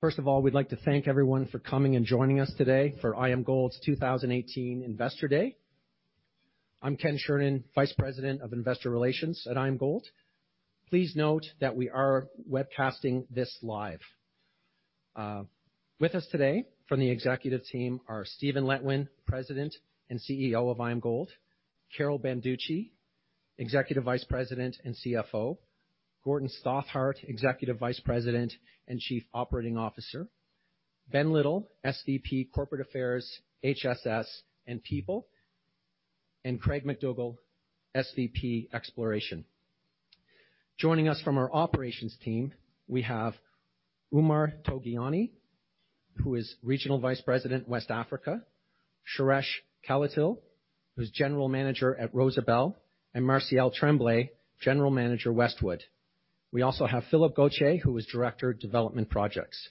First of all, we'd like to thank everyone for coming and joining us today for IAMGOLD's 2018 Investor Day. I'm Ken Chernin, Vice President of Investor Relations at IAMGOLD. Please note that we are webcasting this live. With us today from the executive team are Stephen Letwin, President and CEO of IAMGOLD, Carol Banducci, Executive Vice President and CFO, Gordon Stothart, Executive Vice President and Chief Operating Officer, Ben Little, SVP Corporate Affairs, HSS, and People, and Craig MacDougall, SVP Exploration. Joining us from our operations team, we have Oumar Toguyeni, who is Regional Vice President, West Africa, Suresh Kalathil, who's General Manager at Rosebel, and Martial Tremblay, General Manager, Westwood. We also have Philip Gauthier, who is Director Development Projects.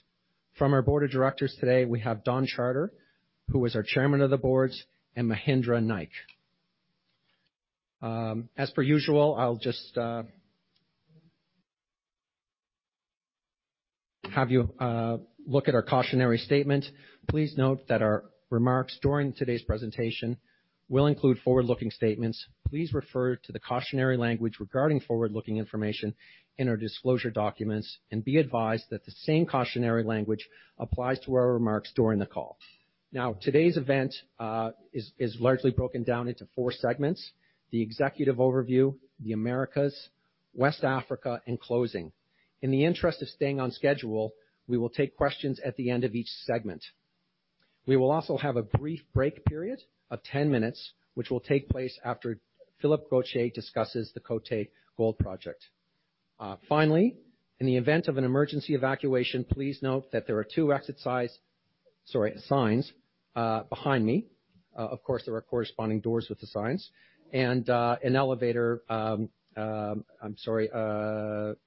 From our board of directors today, we have Don Charter, who is our Chairman of the Boards, and Mahendra Naik. As per usual, I'll just have you look at our cautionary statement. Please note that our remarks during today's presentation will include forward-looking statements. Please refer to the cautionary language regarding forward-looking information in our disclosure documents, and be advised that the same cautionary language applies to our remarks during the call. Today's event is largely broken down into four segments. The executive overview, the Americas, West Africa, and closing. In the interest of staying on schedule, we will take questions at the end of each segment. We will also have a brief break period of 10 minutes, which will take place after Philip Gauthier discusses the Côté Gold Project. Finally, in the event of an emergency evacuation, please note that there are two exit signs behind me. Of course, there are corresponding doors with the signs and an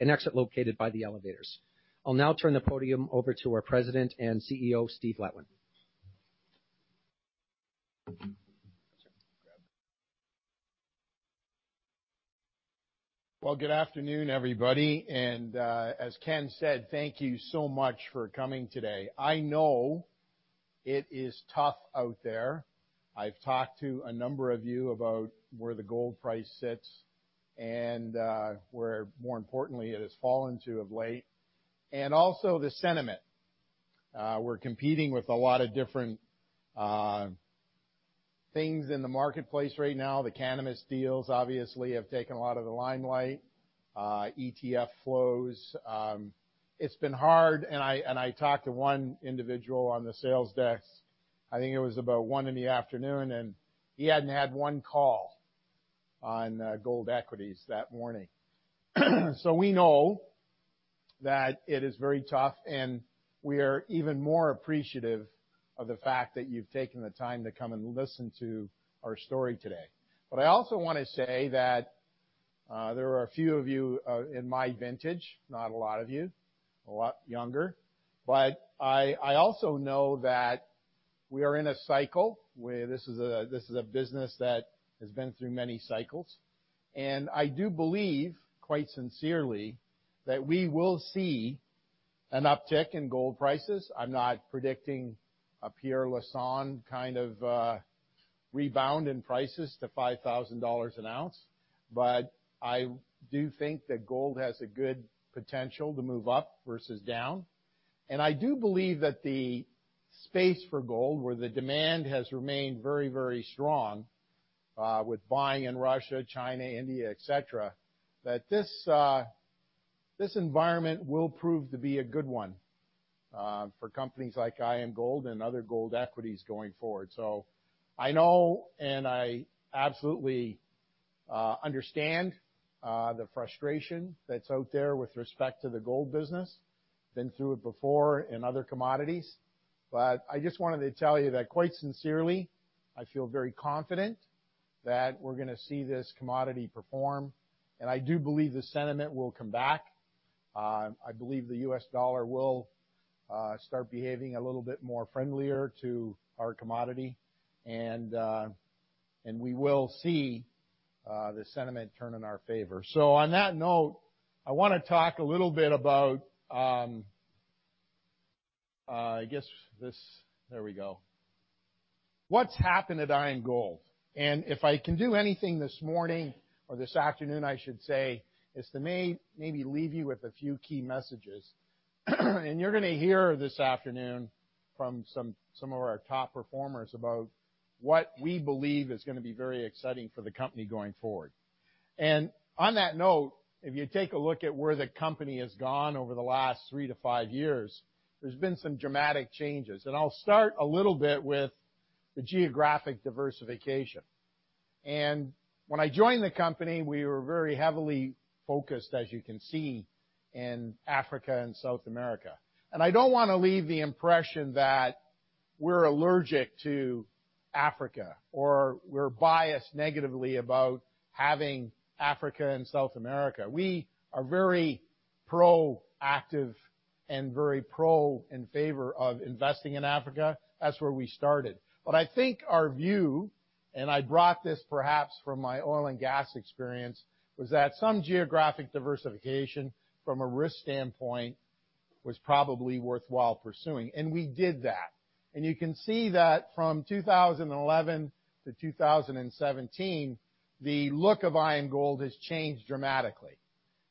exit located by the elevators. I'll now turn the podium over to our President and CEO, Steve Letwin. Well, good afternoon, everybody. As Ken said, thank you so much for coming today. I know it is tough out there. I've talked to a number of you about where the gold price sits and where, more importantly, it has fallen to of late, and also the sentiment. We're competing with a lot of different things in the marketplace right now. The cannabis deals obviously have taken a lot of the limelight. ETF flows. It's been hard. I talked to one individual on the sales desk, I think it was about 1:00 P.M. in the afternoon, and he hadn't had one call on gold equities that morning. We know that it is very tough and we are even more appreciative of the fact that you've taken the time to come and listen to our story today. I also want to say that there are a few of you in my vintage, not a lot of you, a lot younger, but I also know that we are in a cycle where this is a business that has been through many cycles. I do believe, quite sincerely, that we will see an uptick in gold prices. I'm not predicting a Pierre Lassonde kind of rebound in prices to 5,000 dollars an ounce, I do think that gold has a good potential to move up versus down. I do believe that the space for gold, where the demand has remained very strong with buying in Russia, China, India, et cetera, that this environment will prove to be a good one for companies like IAMGOLD and other gold equities going forward. I know and I absolutely understand the frustration that's out there with respect to the gold business, been through it before in other commodities. I just wanted to tell you that quite sincerely, I feel very confident that we're going to see this commodity perform, and I do believe the sentiment will come back. I believe the US dollar will start behaving a little bit more friendlier to our commodity and we will see the sentiment turn in our favor. On that note, I want to talk a little bit about There we go. What's happened at IAMGOLD? If I can do anything this morning, or this afternoon, I should say, is to maybe leave you with a few key messages. You're going to hear this afternoon from some of our top performers about what we believe is going to be very exciting for the company going forward. On that note, if you take a look at where the company has gone over the last three to five years, there's been some dramatic changes. I'll start a little bit with the geographic diversification. When I joined the company, we were very heavily focused, as you can see, in Africa and South America. I don't want to leave the impression that we're allergic to Africa or we're biased negatively about having Africa and South America. We are very proactive And very pro in favor of investing in Africa. That's where we started. I think our view, and I brought this perhaps from my oil and gas experience, was that some geographic diversification from a risk standpoint was probably worthwhile pursuing, and we did that. You can see that from 2011 to 2017, the look of IAMGOLD has changed dramatically,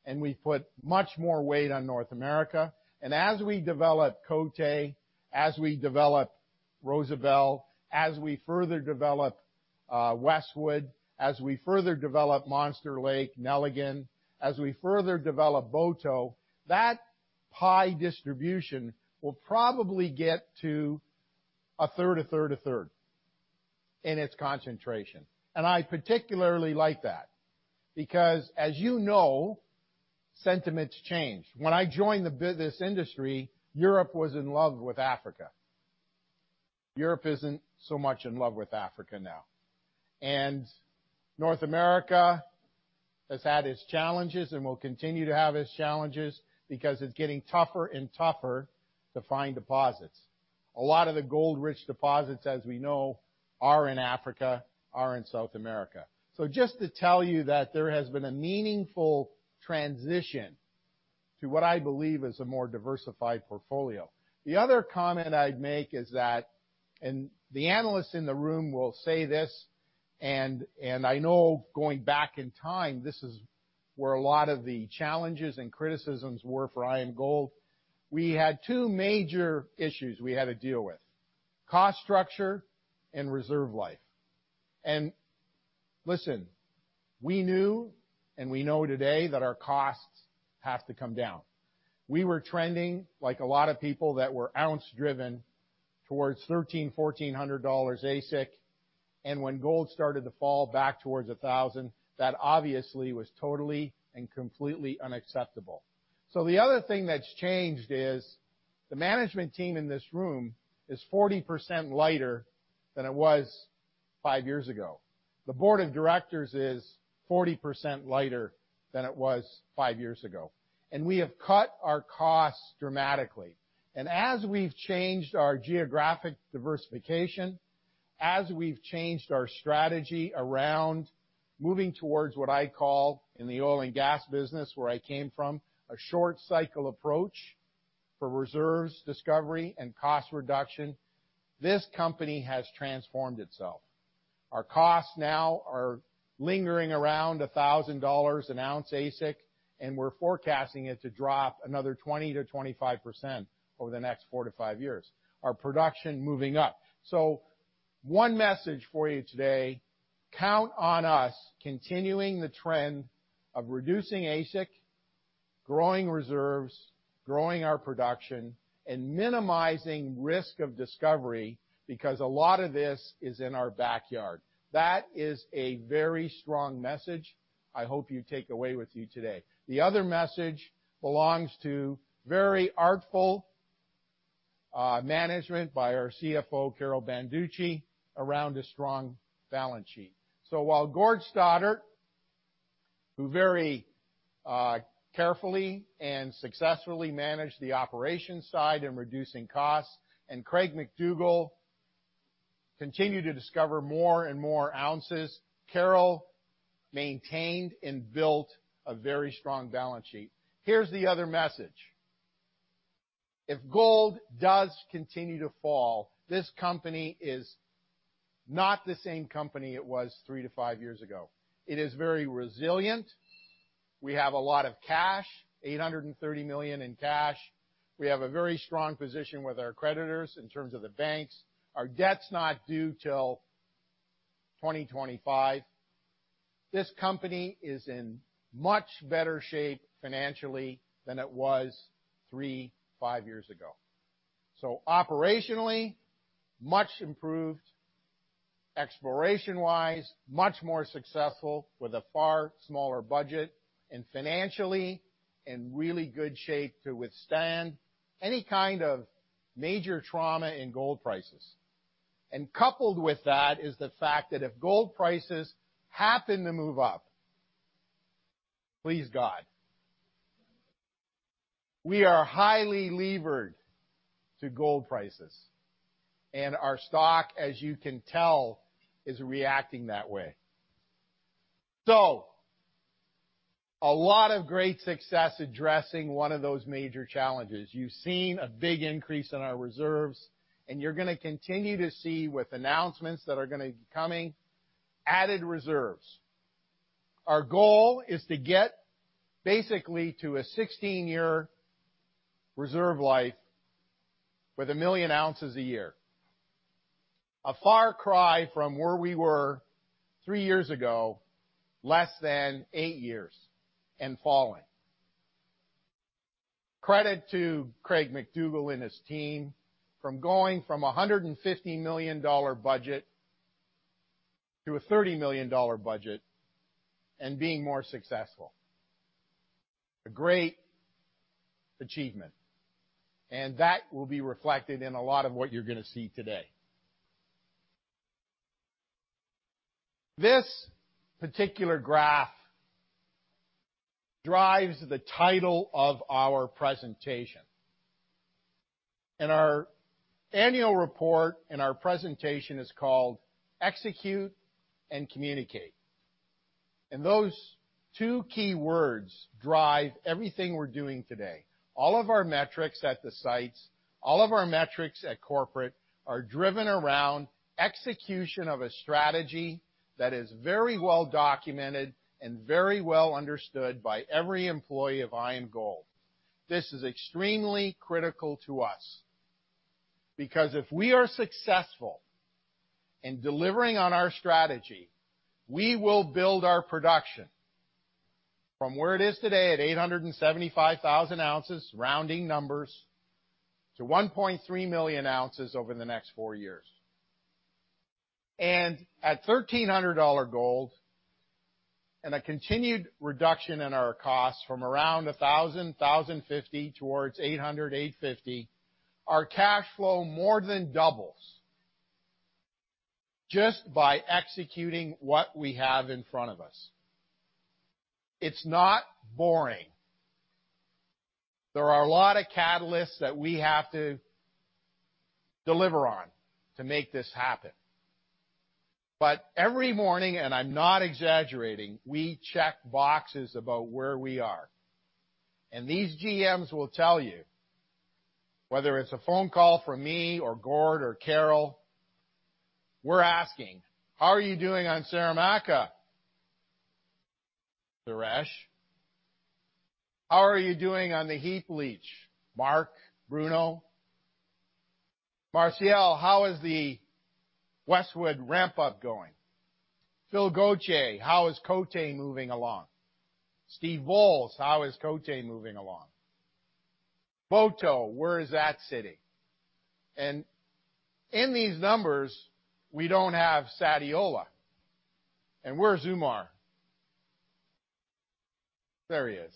and we put much more weight on North America. As we develop Côté, as we develop Rosebel, as we further develop Westwood, as we further develop Monster Lake, Nelligan, as we further develop Boto, that pie distribution will probably get to a third, a third, a third in its concentration. I particularly like that, because as you know, sentiments change. When I joined this industry, Europe was in love with Africa. Europe isn't so much in love with Africa now. North America has had its challenges and will continue to have its challenges because it's getting tougher and tougher to find deposits. A lot of the gold-rich deposits, as we know, are in Africa, are in South America. Just to tell you that there has been a meaningful transition to what I believe is a more diversified portfolio. The other comment I'd make is that, the analysts in the room will say this, and I know going back in time, this is where a lot of the challenges and criticisms were for IAMGOLD. We had two major issues we had to deal with, cost structure and reserve life. Listen, we knew and we know today that our costs have to come down. We were trending like a lot of people that were ounce-driven towards 1,300 dollars, 1,400 dollars AISC, and when gold started to fall back towards 1,000, that obviously was totally and completely unacceptable. The other thing that's changed is the management team in this room is 40% lighter than it was 5 years ago. The board of directors is 40% lighter than it was 5 years ago. We have cut our costs dramatically. As we've changed our geographic diversification, as we've changed our strategy around moving towards what I call in the oil and gas business, where I came from, a short cycle approach for reserves discovery and cost reduction, this company has transformed itself. Our costs now are lingering around 1,000 dollars an ounce AISC, and we're forecasting it to drop another 20%-25% over the next 4-5 years. Our production moving up. One message for you today, count on us continuing the trend of reducing AISC, growing reserves, growing our production, and minimizing risk of discovery because a lot of this is in our backyard. That is a very strong message I hope you take away with you today. The other message belongs to very artful management by our CFO Carol Banducci, around a strong balance sheet. While Gordon Stothart, who very carefully and successfully managed the operations side in reducing costs, and Craig MacDougall continue to discover more and more ounces, Carol maintained and built a very strong balance sheet. Here's the other message. If gold does continue to fall, this company is not the same company it was 3-5 years ago. It is very resilient. We have a lot of cash, 830 million in cash. We have a very strong position with our creditors in terms of the banks. Our debt's not due till 2025. This company is in much better shape financially than it was 3-5 years ago. Operationally, much improved. Exploration-wise, much more successful with a far smaller budget. Financially, in really good shape to withstand any kind of major trauma in gold prices. Coupled with that is the fact that if gold prices happen to move up, please God, we are highly levered to gold prices, and our stock, as you can tell, is reacting that way. A lot of great success addressing one of those major challenges. You've seen a big increase in our reserves, and you're going to continue to see with announcements that are going to be coming, added reserves. Our goal is to get basically to a 16-year reserve life with 1 million ounces a year. A far cry from where we were 3 years ago, less than 8 years and falling. Credit to Craig MacDougall and his team for going from a 150 million dollar budget to a 30 million dollar budget and being more successful. A great achievement, and that will be reflected in a lot of what you're going to see today. This particular graph drives the title of our presentation. Our annual report and our presentation is called Execute and Communicate. Those two keywords drive everything we're doing today. All of our metrics at the sites, all of our metrics at corporate, are driven around execution of a strategy that is very well documented and very well understood by every employee of IAMGOLD. This is extremely critical to us, because if we are successful in delivering on our strategy, we will build our production from where it is today at 875,000 ounces, rounding numbers, to 1.3 million ounces over the next 4 years. At 1,300 dollar gold and a continued reduction in our costs from around 1,000, 1,050 towards 800, 850, our cash flow more than doubles just by executing what we have in front of us. It's not boring. There are a lot of catalysts that we have to deliver on to make this happen. Every morning, and I'm not exaggerating, we check boxes about where we are, and these GMs will tell you, whether it's a phone call from me or Gord or Carol, we're asking, "How are you doing on Saramacca, Suresh? How are you doing on the heap leach, Mark, Bruno? Martial, how is the Westwood ramp-up going? Phil Gauthier, how is Côté moving along? Steve Walls, how is Côté moving along? Boto, where is that sitting?" In these numbers, we don't have Sadiola. Where's Oumar? There he is.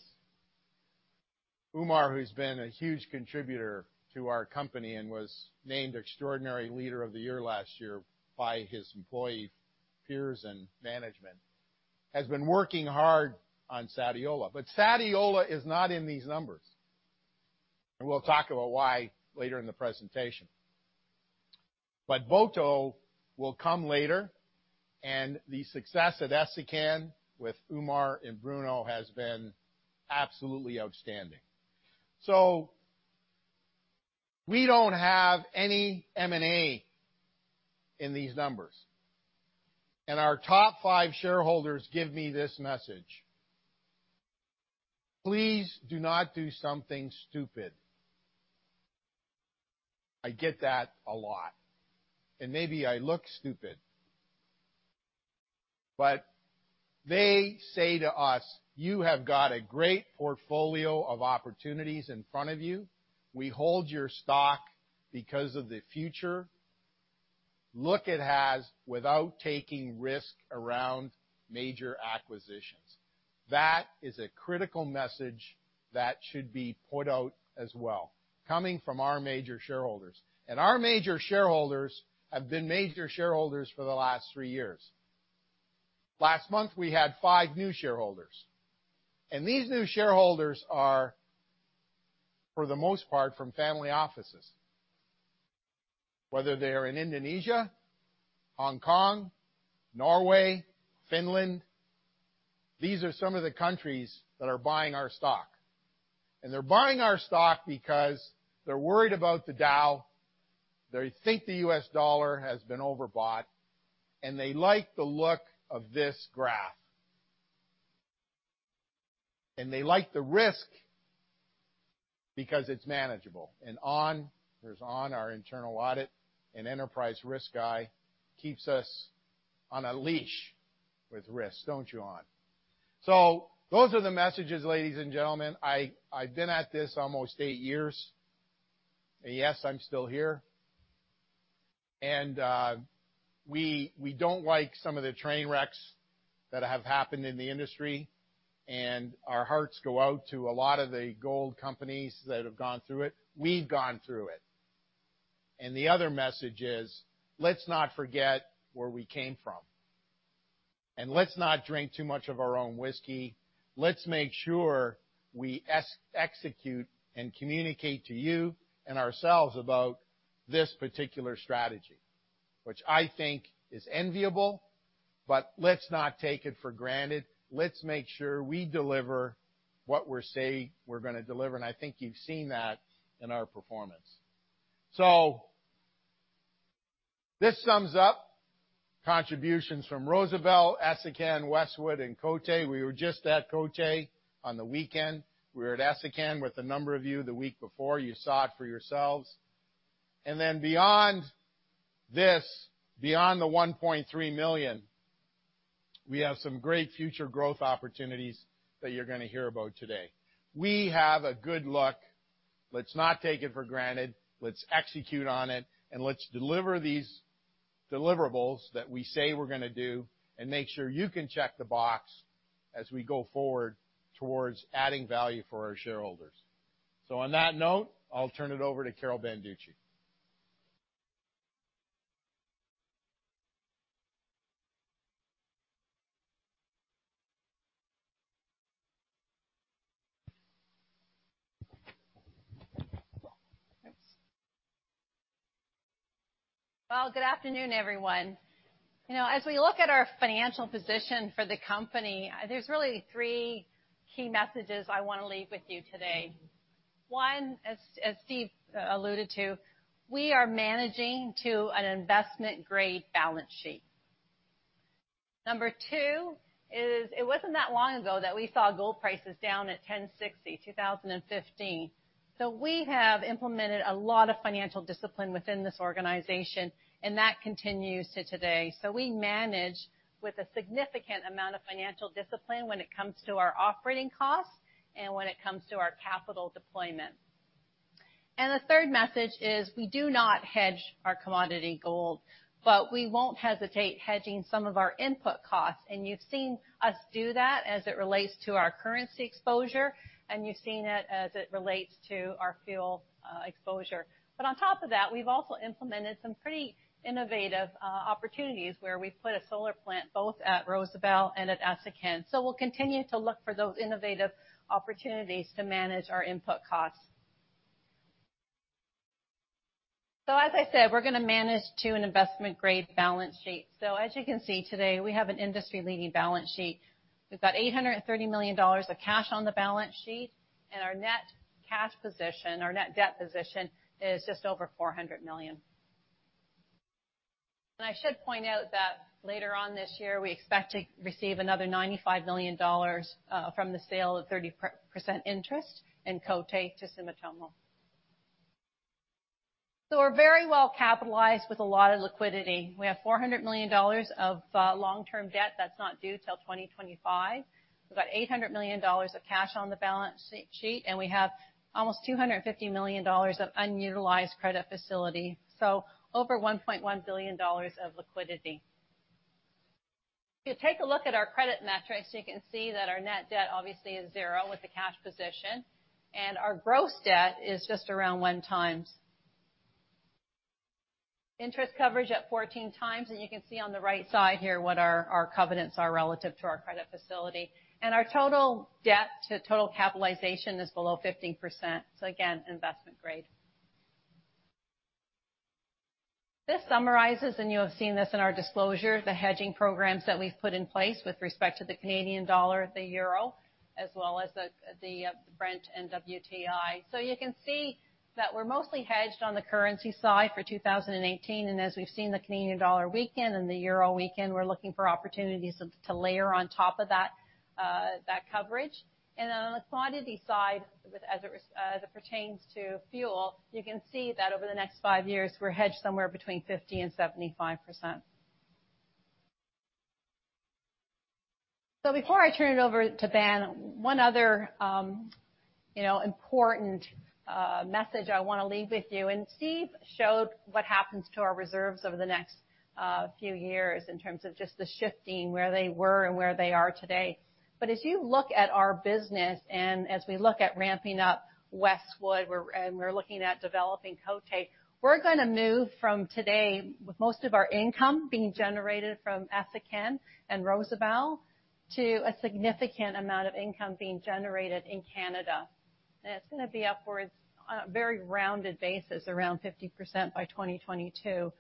Oumar, who's been a huge contributor to our company and was named extraordinary leader of the year last year by his employee peers and management, has been working hard on Sadiola. Sadiola is not in these numbers, and we'll talk about why later in the presentation. Boto will come later, and the success at Essakane with Oumar and Bruno has been absolutely outstanding. We don't have any M&A in these numbers, and our top 5 shareholders give me this message: "Please do not do something stupid." I get that a lot, and maybe I look stupid, but they say to us, "You have got a great portfolio of opportunities in front of you. We hold your stock because of the future look it has without taking risk around major acquisitions." That is a critical message that should be pointed out as well, coming from our major shareholders. Our major shareholders have been major shareholders for the last 3 years. Last month, we had 5 new shareholders, and these new shareholders are, for the most part, from family offices. Whether they are in Indonesia, Hong Kong, Norway, Finland, these are some of the countries that are buying our stock. They're buying our stock because they're worried about the Dow, they think the US dollar has been overbought, and they like the look of this graph. They like the risk because it's manageable. Anh, there's Anh, our Internal Audit and Enterprise Risk guy, keeps us on a leash with risk. Don't you, Anh? Those are the messages, ladies and gentlemen. I've been at this almost eight years, and yes, I'm still here. We don't like some of the train wrecks that have happened in the industry, and our hearts go out to a lot of the gold companies that have gone through it. We've gone through it. The other message is, let's not forget where we came from, and let's not drink too much of our own whiskey. Make sure we execute and communicate to you and ourselves about this particular strategy, which I think is enviable, but let's not take it for granted. Make sure we deliver what we say we're going to deliver, and I think you've seen that in our performance. This sums up contributions from Rosebel, Essakane, Westwood, and Côté. We were just at Côté on the weekend. We were at Essakane with a number of you the week before. You saw it for yourselves. Beyond this, beyond the 1.3 million, we have some great future growth opportunities that you're going to hear about today. We have a good look. Let's not take it for granted. Execute on it, and deliver these deliverables that we say we're going to do and make sure you can check the box as we go forward towards adding value for our shareholders. On that note, I'll turn it over to Carol Banducci. Well, good afternoon, everyone. As we look at our financial position for the company, there's really three key messages I want to leave with you today. One, as Steve alluded to, we are managing to an investment-grade balance sheet. Number two is, it wasn't that long ago that we saw gold prices down at $1,060, 2015. We have implemented a lot of financial discipline within this organization, and that continues to today. We manage with a significant amount of financial discipline when it comes to our operating costs and when it comes to our capital deployment. The third message is, we do not hedge our commodity gold, but we won't hesitate hedging some of our input costs, and you've seen us do that as it relates to our currency exposure, and you've seen it as it relates to our fuel exposure. On top of that, we've also implemented some pretty innovative opportunities where we've put a solar plant both at Rosebel and at Essakane. We'll continue to look for those innovative opportunities to manage our input costs. As I said, we're going to manage to an investment-grade balance sheet. As you can see today, we have an industry-leading balance sheet. We've got 830 million dollars of cash on the balance sheet, and our net cash position, our net debt position is just over 400 million. I should point out that later on this year, we expect to receive another 95 million dollars from the sale of 30% interest in Côté to Sumitomo. We're very well capitalized with a lot of liquidity. We have 400 million dollars of long-term debt that's not due till 2025. We've got 800 million dollars of cash on the balance sheet. We have almost 250 million dollars of unutilized credit facility. Over 1.1 billion dollars of liquidity. If you take a look at our credit metrics, you can see that our net debt obviously is zero with the cash position, and our gross debt is just around 1 times. Interest coverage at 14 times, and you can see on the right side here what our covenants are relative to our credit facility. Our total debt to total capitalization is below 15%. Again, investment grade. This summarizes, and you have seen this in our disclosure, the hedging programs that we've put in place with respect to the Canadian dollar, the euro, as well as the Brent and WTI. You can see that we're mostly hedged on the currency side for 2018, and as we've seen the Canadian dollar weaken and the euro weaken, we're looking for opportunities to layer on top of that coverage. On the commodity side, as it pertains to fuel, you can see that over the next five years, we're hedged somewhere between 50% and 75%. Before I turn it over to Ben, one other important message I want to leave with you, and Steve showed what happens to our reserves over the next few years in terms of just the shifting, where they were and where they are today. As you look at our business and as we look at ramping up Westwood and we're looking at developing Côté, we're going to move from today, with most of our income being generated from Essakane and Rosebel, to a significant amount of income being generated in Canada. It's going to be upwards on a very rounded basis, around 50% by 2022.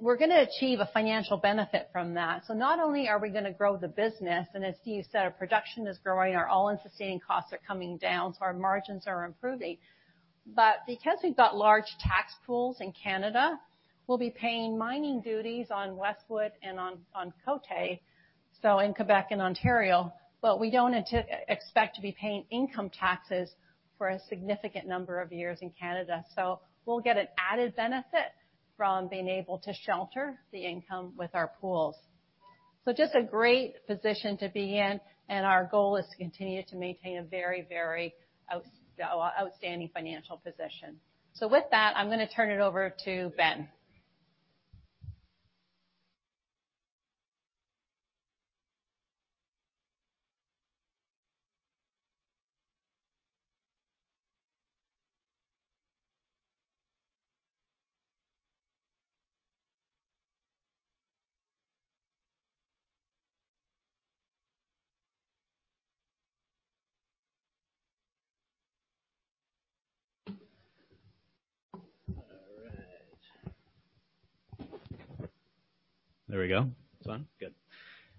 We're going to achieve a financial benefit from that. Not only are we going to grow the business, and as Steve said, our production is growing, our all-in sustaining costs are coming down, so our margins are improving. Because we've got large tax pools in Canada, we'll be paying mining duties on Westwood and on Côté, so in Quebec and Ontario, but we don't expect to be paying income taxes for a significant number of years in Canada. We'll get an added benefit from being able to shelter the income with our pools. Just a great position to be in, and our goal is to continue to maintain a very outstanding financial position. With that, I'm going to turn it over to Ben.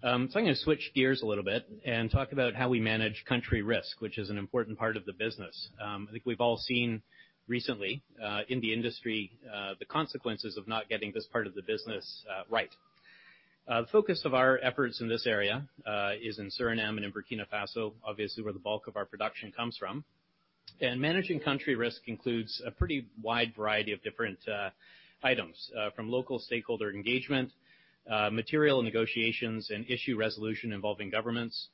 I'm going to switch gears a little bit and talk about how we manage country risk, which is an important part of the business. I think we've all seen recently, in the industry, the consequences of not getting this part of the business right. The focus of our efforts in this area is in Suriname and in Burkina Faso, obviously, where the bulk of our production comes from. Managing country risk includes a pretty wide variety of different items, from local stakeholder engagement, material negotiations, and issue resolution involving governments,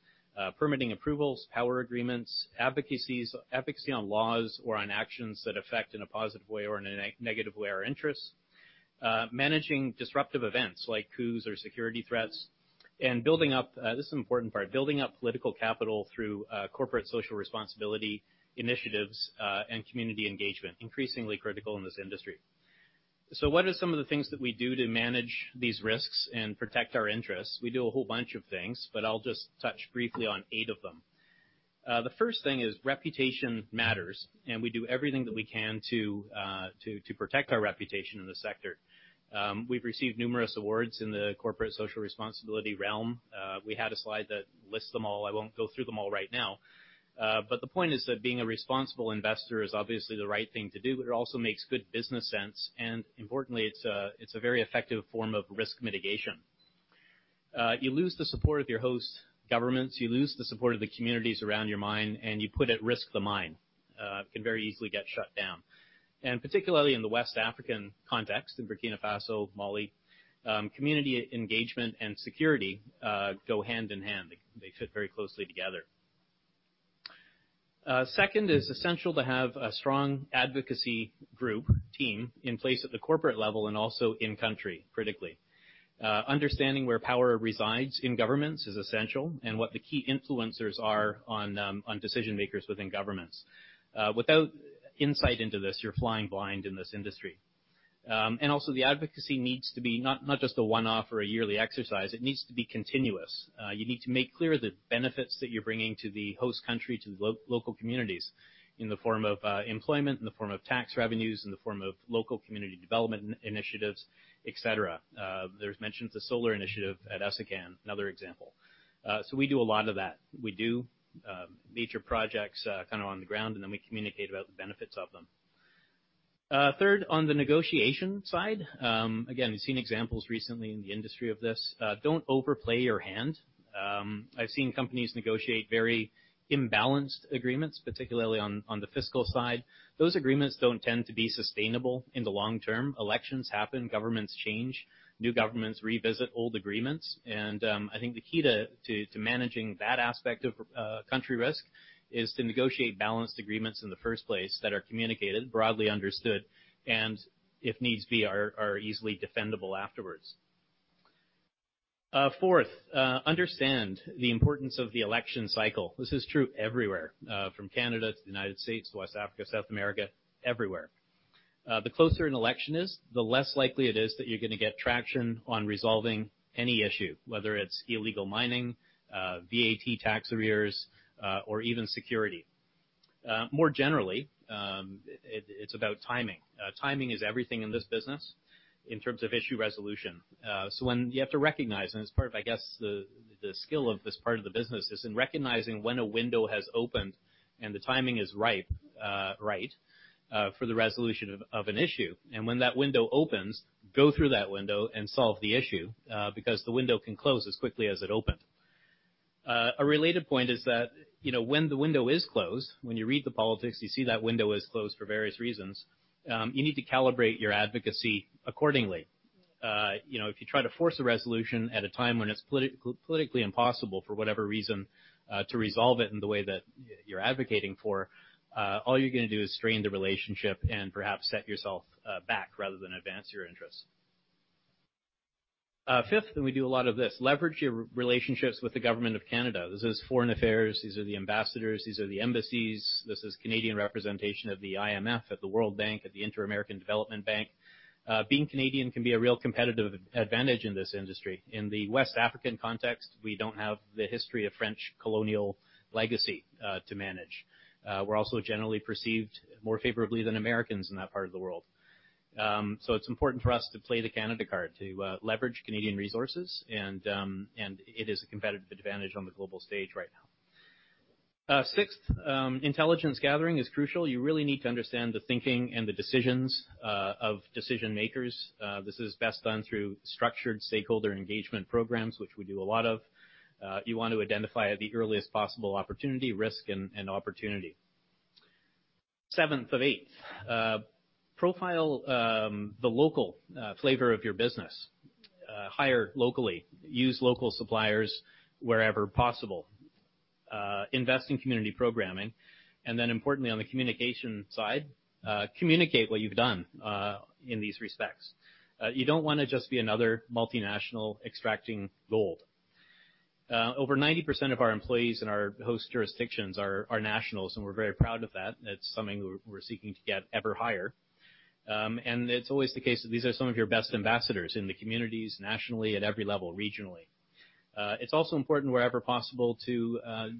permitting approvals, power agreements, advocacy on laws or on actions that affect in a positive way or in a negative way our interests. Managing disruptive events like coups or security threats, and building up, this is an important part, political capital through corporate social responsibility initiatives, and community engagement, increasingly critical in this industry. What are some of the things that we do to manage these risks and protect our interests? We do a whole bunch of things, but I'll just touch briefly on eight of them. The first thing is reputation matters. We do everything that we can to protect our reputation in the sector. We've received numerous awards in the corporate social responsibility realm. We had a slide that lists them all. I won't go through them all right now. The point is that being a responsible investor is obviously the right thing to do, but it also makes good business sense, importantly, it's a very effective form of risk mitigation. You lose the support of your host governments, you lose the support of the communities around your mine. You put at risk the mine. It can very easily get shut down. Particularly in the West African context, in Burkina Faso, Mali, community engagement and security, go hand in hand. They fit very closely together. Second, it's essential to have a strong advocacy group, team, in place at the corporate level and also in country, critically. Understanding where power resides in governments is essential, what the key influencers are on decision-makers within governments. Without insight into this, you're flying blind in this industry. Also the advocacy needs to be not just a one-off or a yearly exercise. It needs to be continuous. You need to make clear the benefits that you're bringing to the host country, to the local communities in the form of employment, in the form of tax revenues, in the form of local community development initiatives, et cetera. There's mention of the solar initiative at Essakane, another example. We do a lot of that. We do major projects, on the ground, then we communicate about the benefits of them. Third, on the negotiation side, again, we've seen examples recently in the industry of this. Don't overplay your hand. I've seen companies negotiate very imbalanced agreements, particularly on the fiscal side. Those agreements don't tend to be sustainable in the long term. Elections happen, governments change. New governments revisit old agreements. I think the key to managing that aspect of country risk is to negotiate balanced agreements in the first place that are communicated, broadly understood, and if needs be, are easily defendable afterwards. Fourth, understand the importance of the election cycle. This is true everywhere, from Canada to the U.S., West Africa, South America, everywhere. The closer an election is, the less likely it is that you're going to get traction on resolving any issue, whether it's illegal mining, VAT tax arrears, or even security. More generally, it's about timing. Timing is everything in this business in terms of issue resolution. When you have to recognize, and it's part of, I guess, the skill of this part of the business is in recognizing when a window has opened and the timing is right for the resolution of an issue. When that window opens, go through that window and solve the issue, because the window can close as quickly as it opened. A related point is that, when the window is closed, when you read the politics, you see that window is closed for various reasons, you need to calibrate your advocacy accordingly. If you try to force a resolution at a time when it's politically impossible for whatever reason, to resolve it in the way that you're advocating for, all you're going to do is strain the relationship and perhaps set yourself back rather than advance your interests. Fifth, we do a lot of this, leverage your relationships with the government of Canada. This is foreign affairs. These are the ambassadors. These are the embassies. This is Canadian representation at the IMF, at the World Bank, at the Inter-American Development Bank. Being Canadian can be a real competitive advantage in this industry. In the West African context, we don't have the history of French colonial legacy to manage. We're also generally perceived more favorably than Americans in that part of the world. It's important for us to play the Canada card, to leverage Canadian resources, and it is a competitive advantage on the global stage right now. Sixth, intelligence gathering is crucial. You really need to understand the thinking and the decisions of decision-makers. This is best done through structured stakeholder engagement programs, which we do a lot of. You want to identify at the earliest possible opportunity, risk and opportunity. Seventh of 8. Profile the local flavor of your business. Hire locally. Use local suppliers wherever possible. Invest in community programming. Importantly, on the communication side, communicate what you've done in these respects. You don't want to just be another multinational extracting gold. Over 90% of our employees in our host jurisdictions are nationals, and we're very proud of that. That's something we're seeking to get ever higher. It's always the case that these are some of your best ambassadors in the communities, nationally, at every level, regionally. It's also important wherever possible to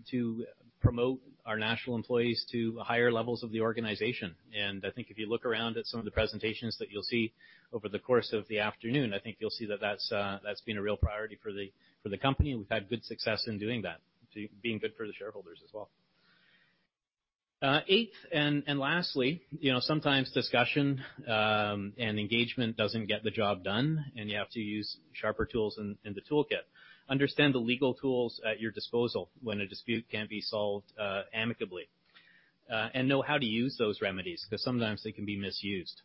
promote our national employees to higher levels of the organization. I think if you look around at some of the presentations that you'll see over the course of the afternoon, I think you'll see that that's been a real priority for the company, and we've had good success in doing that, being good for the shareholders as well. Eighth, lastly, sometimes discussion, and engagement doesn't get the job done, and you have to use sharper tools in the toolkit. Understand the legal tools at your disposal when a dispute can't be solved amicably. Know how to use those remedies because sometimes they can be misused.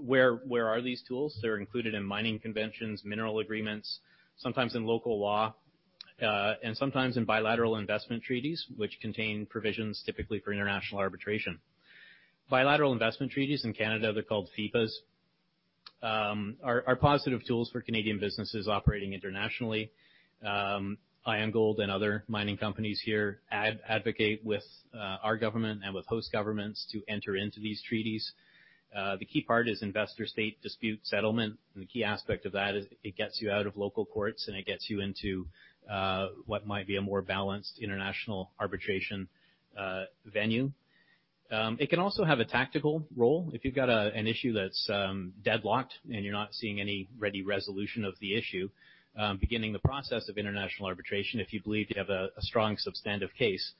Where are these tools? They're included in mining conventions, mineral agreements, sometimes in local law. Sometimes in bilateral investment treaties, which contain provisions typically for international arbitration. Bilateral investment treaties in Canada, they're called FIPAs, are positive tools for Canadian businesses operating internationally. IAMGOLD and other mining companies here advocate with our government and with host governments to enter into these treaties. The key part is investor-state dispute settlement, the key aspect of that is it gets you out of local courts, it gets you into what might be a more balanced international arbitration venue. It can also have a tactical role. If you've got an issue that's deadlocked and you're not seeing any ready resolution of the issue, beginning the process of international arbitration, if you believe you have a strong substantive case,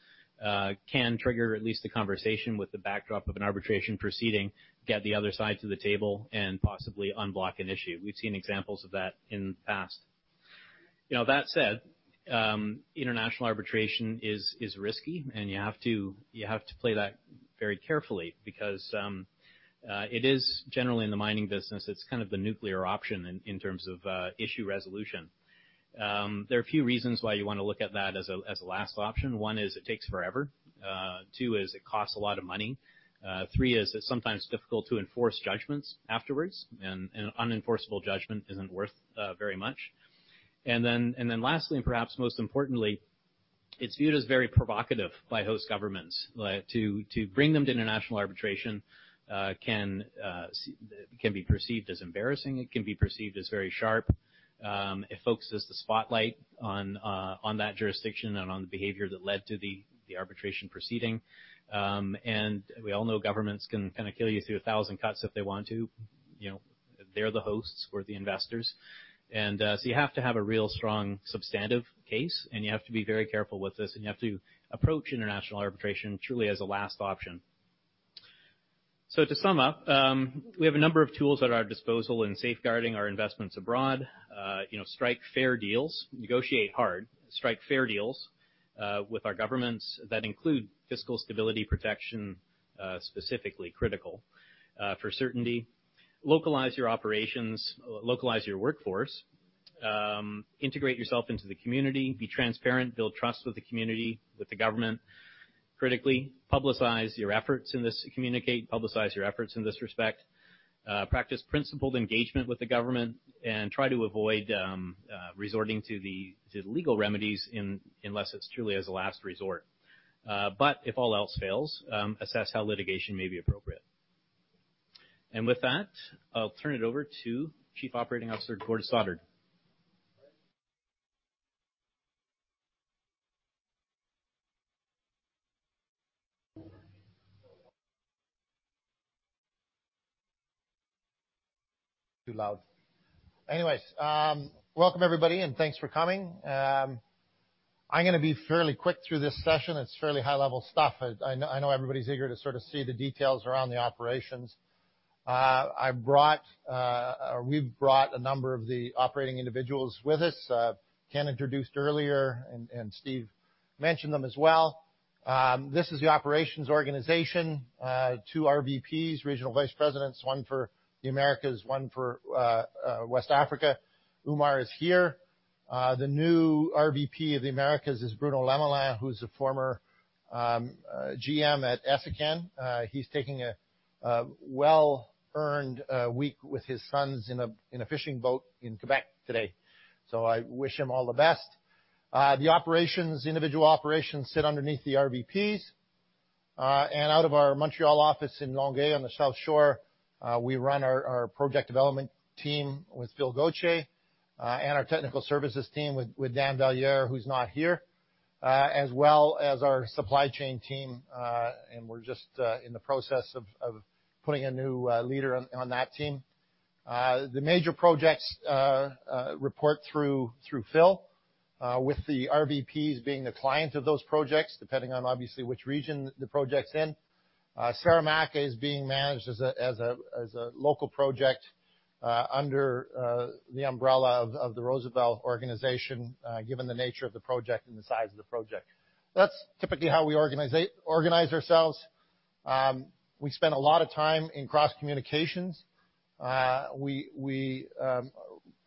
can trigger at least a conversation with the backdrop of an arbitration proceeding, get the other side to the table and possibly unblock an issue. We've seen examples of that in the past. That said, international arbitration is risky, you have to play that very carefully because it is, generally in the mining business, it's kind of the nuclear option in terms of issue resolution. There are a few reasons why you want to look at that as a last option. One is it takes forever. Two is it costs a lot of money. Three is it's sometimes difficult to enforce judgments afterwards, an unenforceable judgment isn't worth very much. Lastly, perhaps most importantly, it's viewed as very provocative by host governments. To bring them to international arbitration can be perceived as embarrassing. It can be perceived as very sharp. It focuses the spotlight on that jurisdiction and on the behavior that led to the arbitration proceeding. We all know governments can kill you through a thousand cuts if they want to. They're the hosts. We're the investors. You have to have a real strong substantive case, you have to be very careful with this, you have to approach international arbitration truly as a last option. To sum up, we have a number of tools at our disposal in safeguarding our investments abroad. Strike fair deals, negotiate hard. Strike fair deals with our governments that include fiscal stability protection, specifically critical for certainty. Localize your operations, localize your workforce. Integrate yourself into the community. Be transparent. Build trust with the community, with the government. Critically, communicate, publicize your efforts in this respect. Practice principled engagement with the government and try to avoid resorting to legal remedies unless it's truly as a last resort. If all else fails, assess how litigation may be appropriate. With that, I'll turn it over to Chief Operating Officer, Gordon Stothart. Too loud. Welcome everybody, and thanks for coming. I'm going to be fairly quick through this session. It's fairly high-level stuff. I know everybody's eager to sort of see the details around the operations. We've brought a number of the operating individuals with us. Ken introduced earlier, and Steve mentioned them as well. This is the operations organization, two RVPs, Regional Vice Presidents, one for the Americas, one for West Africa. Oumar is here. The new RVP of the Americas is Bruno Lemelin, who's a former GM at Essakane. He's taking a well-earned week with his sons in a fishing boat in Quebec today. I wish him all the best. The individual operations sit underneath the RVPs. Out of our Montreal office in Longueuil on the South Shore, we run our project development team with Phil Gauthier, and our technical services team with Dan Vallières, who's not here, as well as our supply chain team, and we're just in the process of putting a new leader on that team. The major projects report through Phil, with the RVPs being the client of those projects, depending on obviously which region the project's in. Saramacca is being managed as a local project under the umbrella of the Rosebel organization, given the nature of the project and the size of the project. That's typically how we organize ourselves. We spend a lot of time in cross-communications. We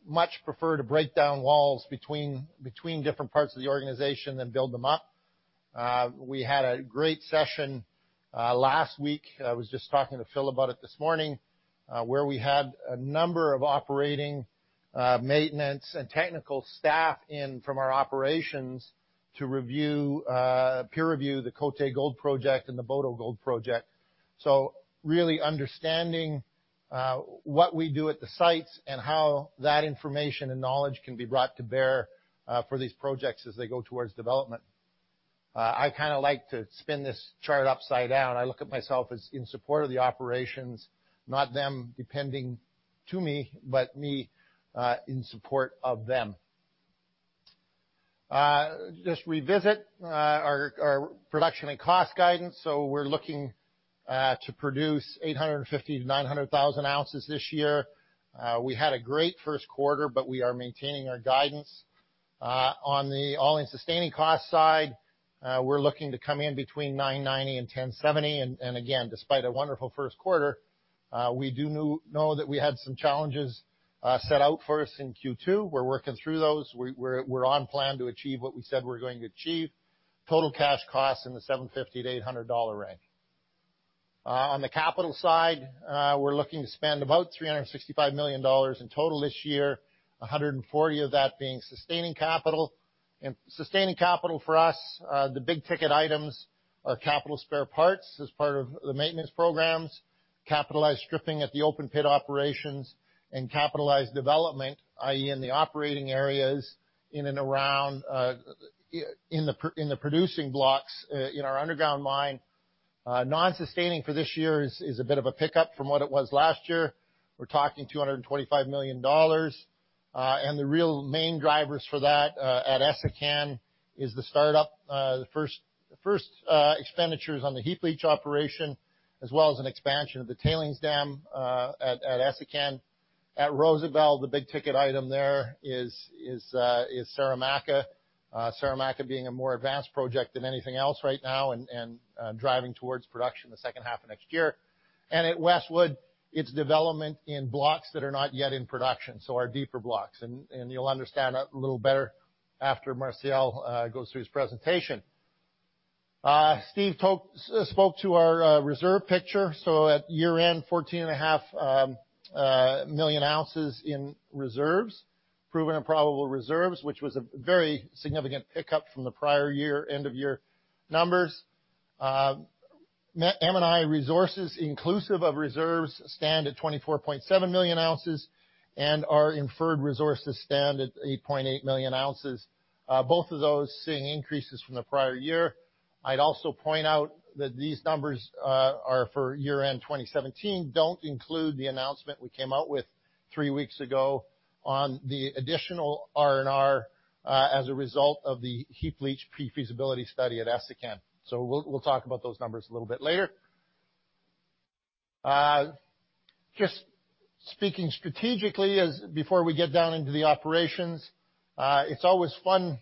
much prefer to break down walls between different parts of the organization than build them up. We had a great session last week, I was just talking to Phil about it this morning, where we had a number of operating, maintenance, and technical staff in from our operations to peer review the Côté Gold Project and the Boto Gold Project. Really understanding what we do at the sites and how that information and knowledge can be brought to bear for these projects as they go towards development. I kind of like to spin this chart upside down. I look at myself as in support of the operations, not them depending to me, but me in support of them. Just revisit our production and cost guidance. We're looking to produce 850,000-900,000 ounces this year. We had a great first quarter, but we are maintaining our guidance. On the all-in sustaining cost side, we're looking to come in between 990 and 1,070. Again, despite a wonderful first quarter, we do know that we had some challenges set out for us in Q2. We're working through those. We're on plan to achieve what we said we're going to achieve. Total cash costs in the 750-800 dollar range. On the capital side, we're looking to spend about 365 million dollars in total this year, 140 million of that being sustaining capital. Sustaining capital for us, the big ticket items are capital spare parts as part of the maintenance programs, capitalized stripping at the open pit operations, and capitalized development, i.e., in the operating areas, in the producing blocks in our underground mine. Non-sustaining for this year is a bit of a pickup from what it was last year. We're talking 225 million dollars. The real main drivers for that at Essakane is the startup, the first expenditures on the heap leach operation, as well as an expansion of the tailings dam at Essakane. At Rosebel, the big ticket item there is Saramacca. Saramacca being a more advanced project than anything else right now and driving towards production the second half of next year. At Westwood, it's development in blocks that are not yet in production, so our deeper blocks. You'll understand that a little better after Martial goes through his presentation. Steve spoke to our reserve picture. At year-end, 14.5 million ounces in reserves, proven and probable reserves, which was a very significant pickup from the prior year end of year numbers. M&I Resources, inclusive of reserves, stand at 24.7 million ounces, and our inferred resources stand at 8.8 million ounces. Both of those seeing increases from the prior year. I'd also point out that these numbers are for year-end 2017, don't include the announcement we came out with three weeks ago on the additional R&R as a result of the heap leach pre-feasibility study at Essakane. We'll talk about those numbers a little bit later. Just speaking strategically before we get down into the operations, it's always fun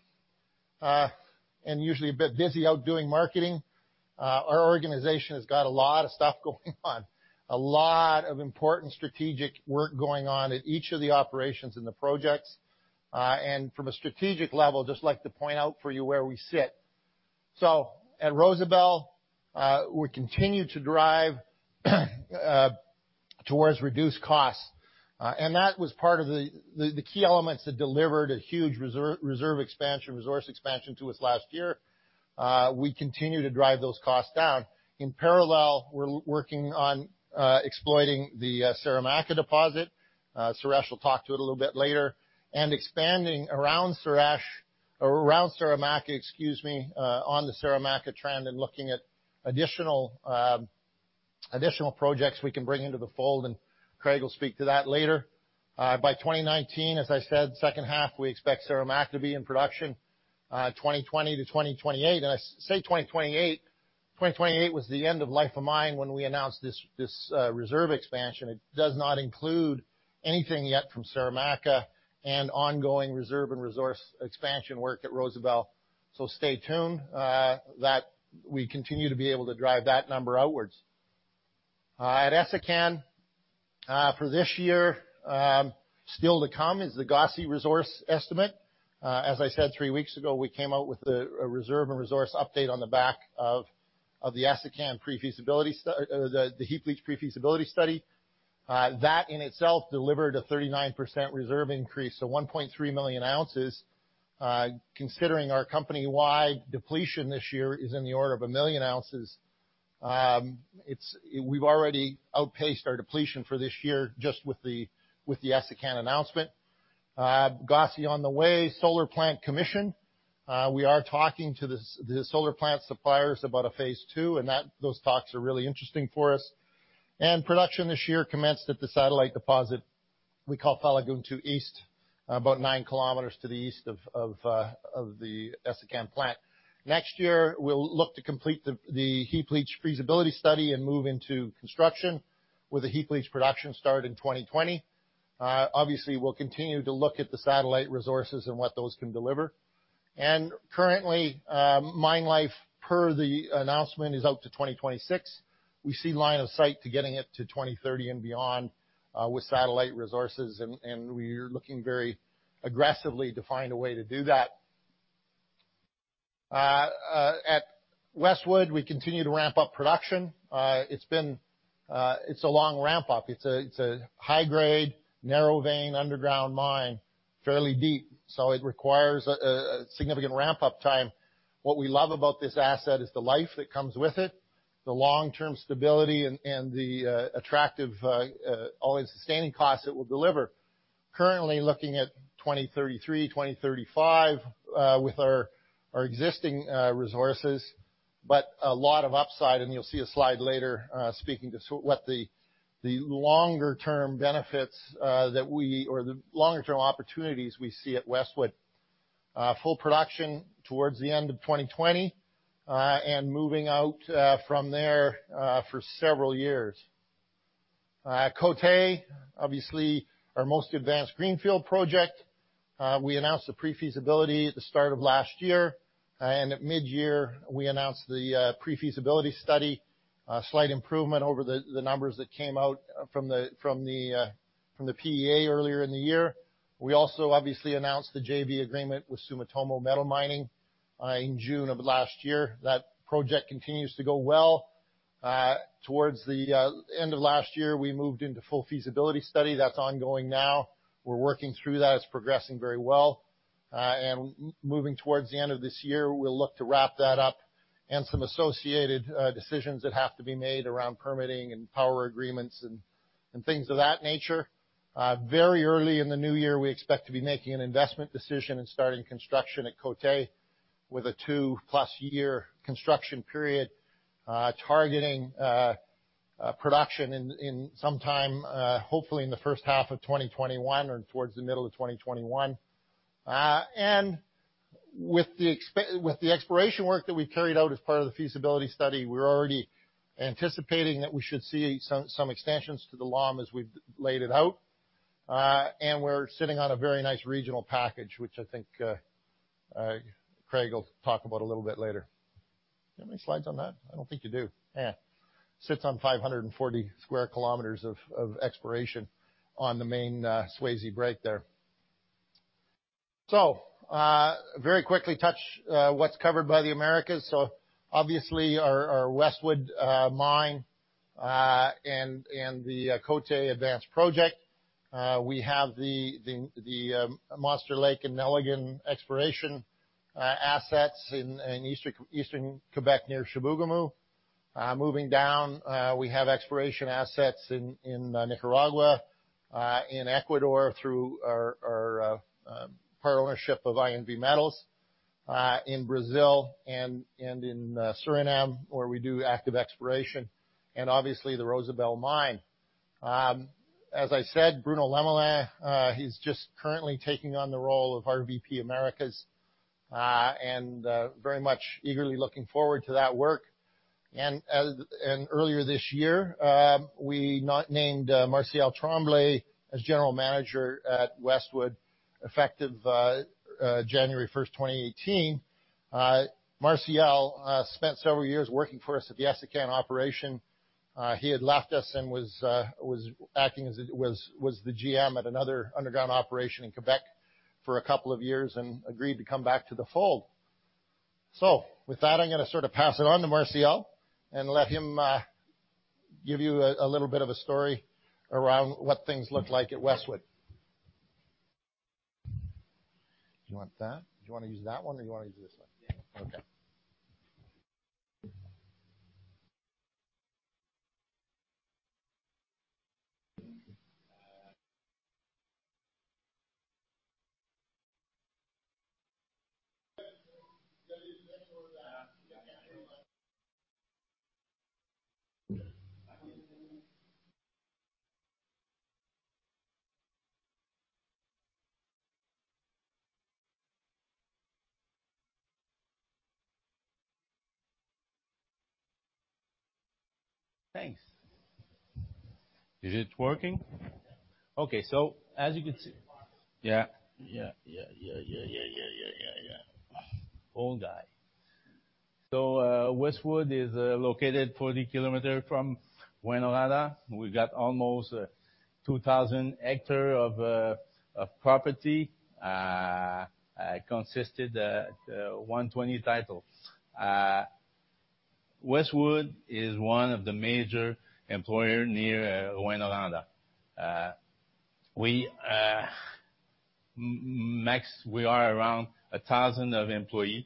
and usually a bit busy out doing marketing. Our organization has got a lot of stuff going on, a lot of important strategic work going on at each of the operations in the projects. From a strategic level, just like to point out for you where we sit. At Rosebel, we continue to drive towards reduced costs. That was part of the key elements that delivered a huge reserve expansion, resource expansion to us last year. We continue to drive those costs down. In parallel, we're working on exploiting the Saramacca deposit, Suresh will talk to it a little bit later, and expanding around Saramacca on the Saramacca trend and looking at additional projects we can bring into the fold, and Craig will speak to that later. By 2019, as I said, second half, we expect Saramacca to be in production 2020 to 2028. I say 2028 was the end of life of mine when we announced this reserve expansion. It does not include anything yet from Saramacca and ongoing reserve and resource expansion work at Rosebel. Stay tuned that we continue to be able to drive that number outwards. At Essakane for this year, still to come is the Gosse resource estimate. As I said, three weeks ago, we came out with a reserve and resource update on the back of the heap leach pre-feasibility study. That in itself delivered a 39% reserve increase to 1.3 million ounces. Considering our company-wide depletion this year is in the order of a million ounces, we've already outpaced our depletion for this year just with the Essakane announcement. Gosse on the way, solar plant commission. We are talking to the solar plant suppliers about a phase two, and those talks are really interesting for us. Production this year commenced at the satellite deposit we call Falagone 2 East, about nine km to the east of the Essakane plant. Next year, we'll look to complete the heap leach feasibility study and move into construction with the heap leach production start in 2020. Obviously, we'll continue to look at the satellite resources and what those can deliver. Currently, mine life per the announcement is out to 2026. We see line of sight to getting it to 2030 and beyond with satellite resources, and we're looking very aggressively to find a way to do that. At Westwood, we continue to ramp up production. It's a long ramp up. It's a high-grade, narrow vein, underground mine, fairly deep, so it requires a significant ramp-up time. What we love about this asset is the life that comes with it, the long-term stability and the attractive all-in sustaining costs it will deliver. Currently looking at 2033, 2035 with our existing resources, but a lot of upside, and you'll see a slide later speaking to what the longer term opportunities we see at Westwood. Full production towards the end of 2020 and moving out from there for several years. At Côté, obviously, our most advanced greenfield project, we announced the pre-feasibility at the start of last year, and at mid-year, we announced the pre-feasibility study, a slight improvement over the numbers that came out from the PEA earlier in the year. We also obviously announced the JV agreement with Sumitomo Metal Mining in June of last year. That project continues to go well. Towards the end of last year, we moved into full feasibility study. That's ongoing now. We're working through that. It's progressing very well. Moving towards the end of this year, we'll look to wrap that up and some associated decisions that have to be made around permitting and power agreements and things of that nature. Very early in the new year, we expect to be making an investment decision and starting construction at Côté with a 2-plus year construction period, targeting production sometime, hopefully in the first half of 2021 or towards the middle of 2021. With the exploration work that we carried out as part of the feasibility study, we're already anticipating that we should see some extensions to the LOM as we've laid it out. We're sitting on a very nice regional package, which I think Craig will talk about a little bit later. Do you have any slides on that? I don't think you do. Yeah. Sits on 540 sq km of exploration on the main Swayze break there. Very quickly touch what's covered by the Americas. Obviously our Westwood Mine, and the Côté advanced project. We have the Monster Lake and Nelligan exploration assets in Eastern Quebec near Chibougamau. Moving down, we have exploration assets in Nicaragua, in Ecuador through our partnership of INV Metals, in Brazil and in Suriname, where we do active exploration, and obviously the Rosebel Mine. As I said, Bruno Lemelin, he's just currently taking on the role of our VP Americas, and very much eagerly looking forward to that work. Earlier this year, we named Martial Tremblay as General Manager at Westwood, effective January 1st, 2018. Martial spent several years working for us at the Essakane operation. He had left us and was the GM at another underground operation in Quebec for a couple of years and agreed to come back to the fold. With that, I'm going to pass it on to Martial and let him give you a little bit of a story around what things look like at Westwood. Do you want that? Do you want to use that one or do you want to use this one? Yeah. Okay. Thanks. Is it working? Yeah. Okay. As you can see. Westwood is located 40 km from Rouyn-Noranda. We've got almost 2,000 hectares of property, consisted of 120 titles. Westwood is one of the major employer near Rouyn-Noranda. We max, we are around 1,000 employees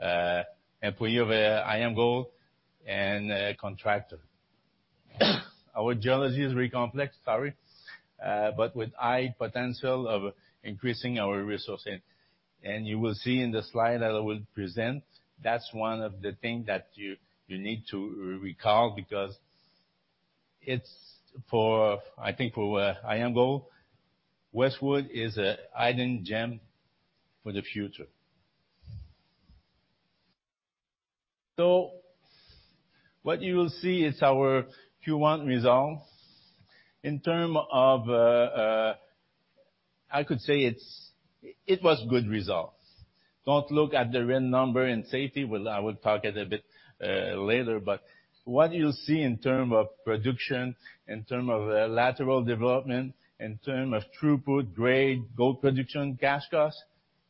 of IAMGOLD and contractor. Our geology is very complex, sorry, but with high potential of increasing our resourcing. You will see in the slide that I will present, that's one of the thing that you need to recall because it's for, I think, for IAMGOLD, Westwood is a hidden gem for the future. What you will see is our Q1 results. In terms of, I could say it was good results. Don't look at the red number in safety. I will talk it a bit later, what you see in terms of production, in terms of lateral development, in terms of throughput, grade, gold production, cash cost,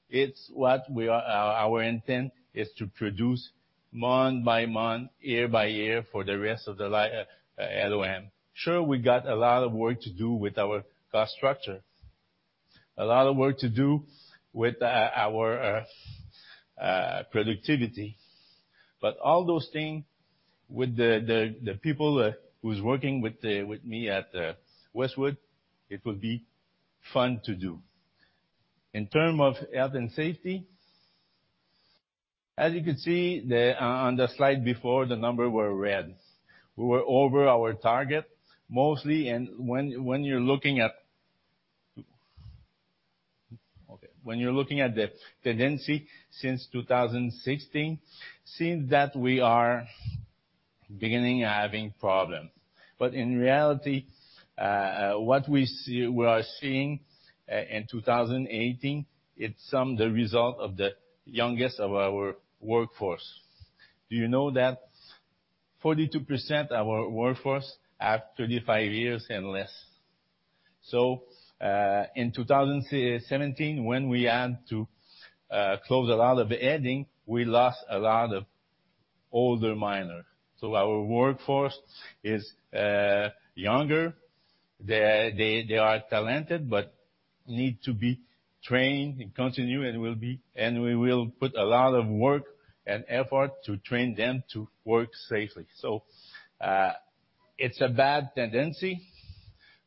it's what our intent is to produce month by month, year by year for the rest of the life of LOM. Sure, we got a lot of work to do with our cost structure, a lot of work to do with our productivity. All those things with the people who's working with me at Westwood, it will be fun to do. In terms of health and safety, as you could see on the slide before, the number were red. We were over our target mostly, when you're looking at the tendency since 2016, seem that we are beginning having problem. In reality, what we are seeing in 2018, it's some the result of the youngest of our workforce. Do you know that 42% of our workforce are 35 years and less. In 2017, when we had to close a lot of hiring, we lost a lot of older miners. Our workforce is younger. They are talented, but need to be trained and continue, and we will put a lot of work and effort to train them to work safely. It's a bad tendency,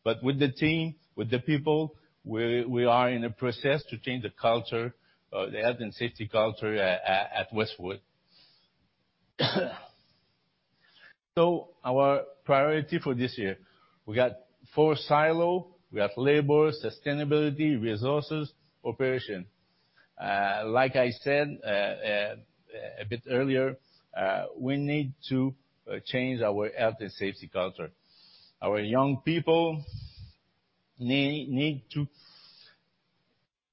but with the team, with the people, we are in a process to change the culture, the health and safety culture at Westwood. Our priority for this year. We got four silos, we have labor, sustainability, resources, operation. Like I said a bit earlier, we need to change our health and safety culture. Our young people need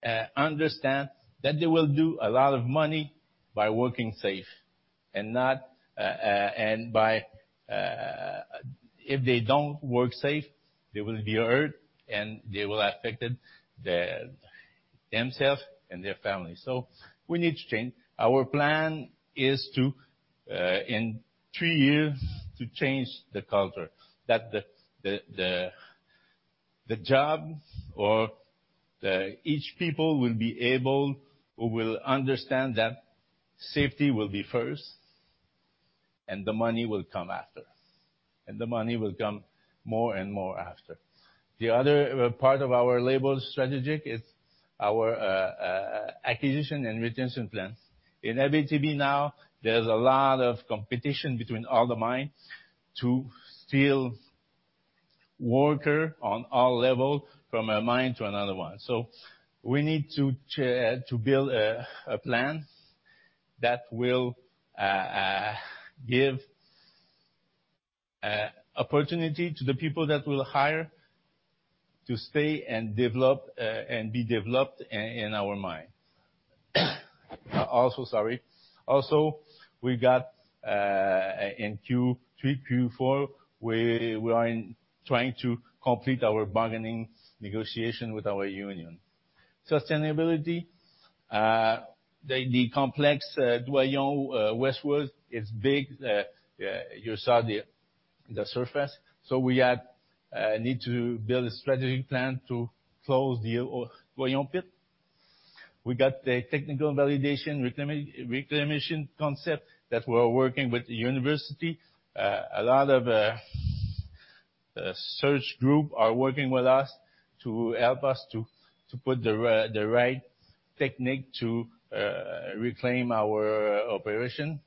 to understand that they will make a lot of money by working safely, and if they don't work safely, they will be hurt, and they will affect themselves and their family. We need to change. Our plan is to, in 3 years, to change the culture. That the job of each person will be able or will understand that safety will be first, and the money will come after. The money will come more and more after. The other part of our labor strategy is our acquisition and retention plans. In Abitibi now, there's a lot of competition between all the mines to steal workers on all levels from a mine to another one. We need to build a plan that will give opportunity to the people we hire to stay and be developed in our mine. Also, we got in Q3, Q4, we are trying to complete our bargaining negotiations with our union. Sustainability. The complex, Doyon Westwood, is big. You saw the surface. We need to build a strategic plan to close the Doyon pit. We got a technical validation reclamation concept that we're working with the university. A lot of research groups are working with us to help us to put the right technique to reclaim our operation.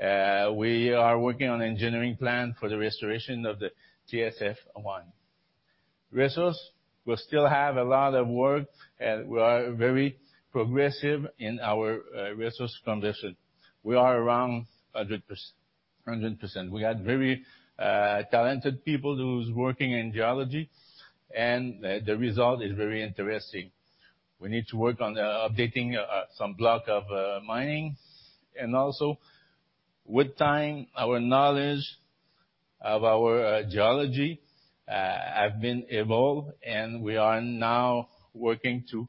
We are working on engineering plan for the restoration of the GSF1. Resources, we still have a lot of work, and we are very progressive in our resource condition. We are around 100%. We had very talented people who are working in geology, and the result is very interesting. We need to work on updating some blocks of mining. Also, with time, our knowledge of our geology has been evolved, and we are now working to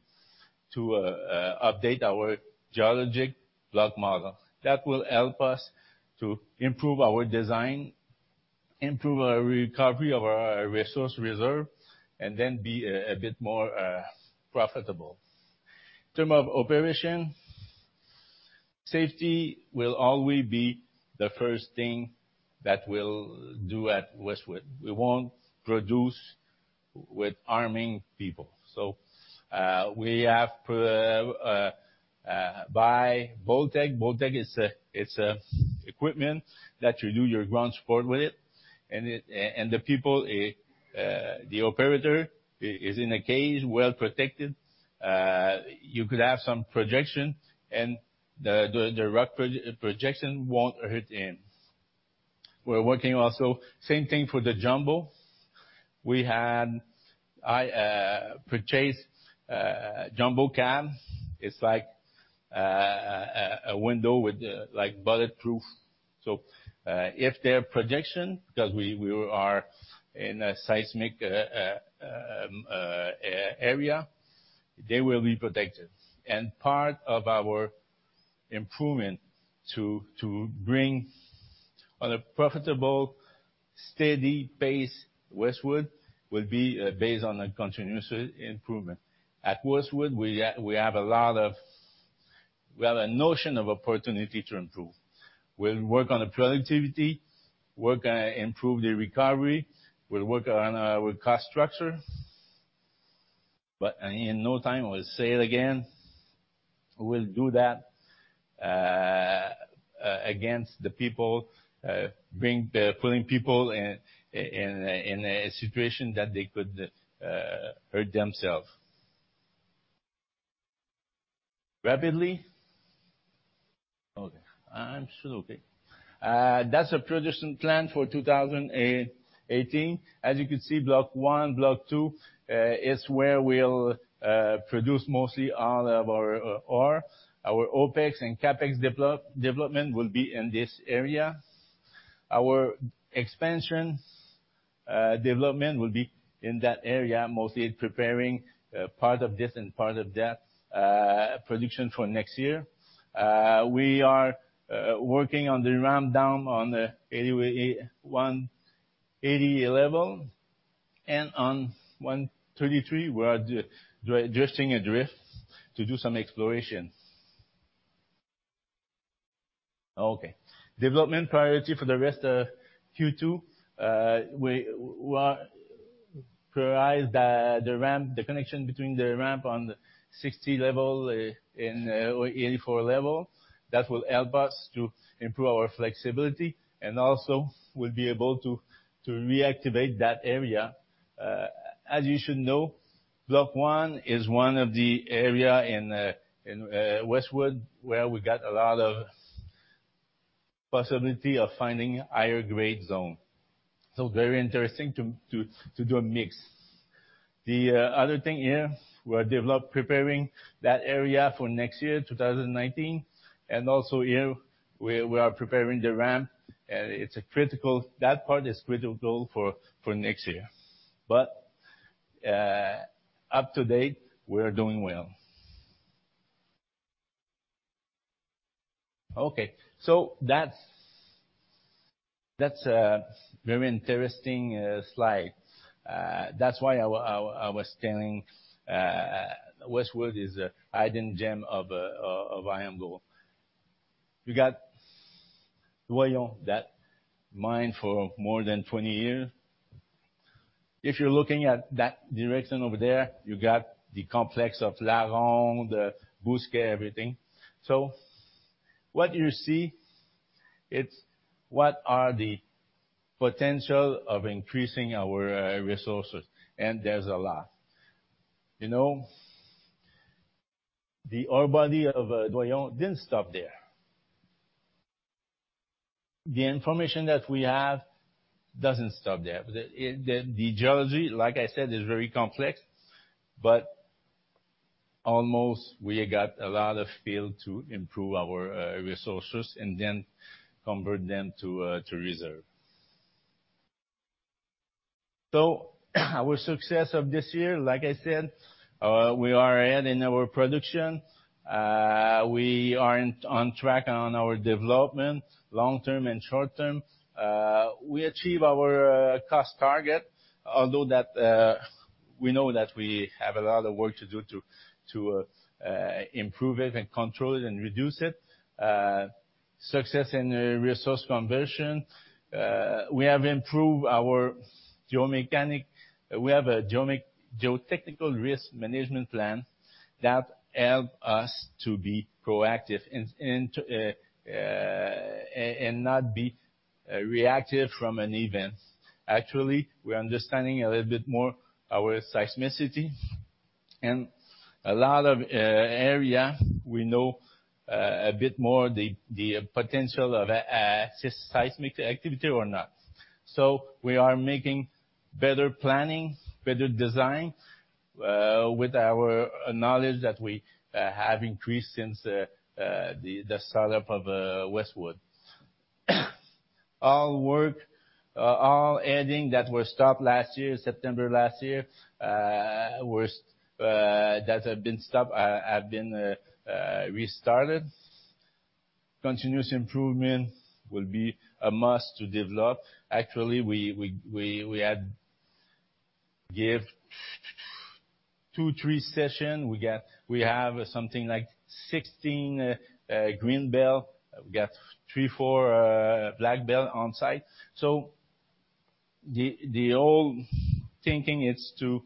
update our geologic block model. That will help us to improve our design, improve our recovery of our resource reserve, and then be a bit more profitable. In terms of operation, safety will always be the first thing that we'll do at Westwood. We won't produce with harming people. We have bought Bolttech. Bolttech, it's an equipment that you do your ground support with it. The people, the operator is in a cage, well protected. You could have some projection, and the rock projection won't hurt him. We're working also, same thing for the Jumbo. We had purchased JumboCam. It's like a window with bulletproof. If there are projections, because we are in a seismic area, they will be protected. Part of our improvement to bring on a profitable, steady pace Westwood will be based on a continuous improvement. At Westwood, we have a notion of opportunity to improve. We will work on the productivity, work on improve the recovery. We will work on our cost structure. In no time, I will say it again. We will do that against the people, putting people in a situation that they could hurt themselves. Rapidly. Okay. I am still okay. That is a production plan for 2018. As you can see, block 1, block 2, is where we will produce mostly all of our ore. Our OpEx and CapEx development will be in this area. Our expansion development will be in that area, mostly preparing part of this and part of that production for next year. We are working on the ramp down on the 80 level, 180 level. On 133, we are drifting a drift to do some exploration. Okay. Development priority for the rest of Q2. We are prioritize the connection between the ramp on the 60 level and 84 level. That will help us to improve our flexibility and also we will be able to reactivate that area. As you should know, block 1 is one of the area in Westwood where we got a lot of possibility of finding higher grade zone. Very interesting to do a mix. The other thing here, we are preparing that area for next year, 2019. Also here, we are preparing the ramp. That part is critical for next year. Up to date, we are doing well. Okay. That is a very interesting slide. That is why I was telling Westwood is a hidden gem of IAMGOLD. We got Doyon, that mine for more than 20 years. If you are looking at that direction over there, you got the complex of La Ronde, Bousquet, everything. What you see, it is what are the potential of increasing our resources. There is a lot. The ore body of Doyon did not stop there. The information that we have does not stop there. The geology, like I said, is very complex, but almost we got a lot of field to improve our resources and then convert them to reserve. Our success of this year, like I said, we are ahead in our production. We are on track on our development, long term and short term. We achieve our cost target, although we know that we have a lot of work to do to improve it and control it and reduce it. Success in resource conversion. We have improved our geotechnic. We have a geotechnical risk management plan that help us to be proactive and not be reactive from an event. Actually, we are understanding a little bit more our seismicity and a lot of area we know a bit more the potential of seismic activity or not. We are making better planning, better design, with our knowledge that we have increased since the start-up of Westwood. All adding that were stopped last year, September last year, that have been stopped have been restarted. Continuous improvement will be a must to develop. Actually, we had give two, three session. We have something like 16 Green Belt. We got 3, 4 Black Belt on site. The old thinking is to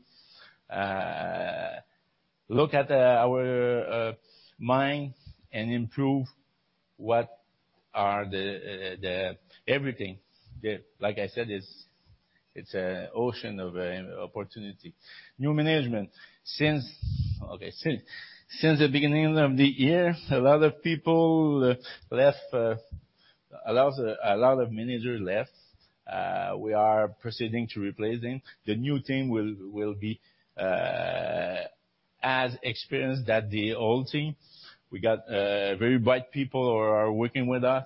look at our mine and improve everything. Like I said, it is a ocean of opportunity. New management. Since the beginning of the year, a lot of people left. A lot of managers left. We are proceeding to replace them. The new team will be as experienced as the old team. We got very bright people who are working with us.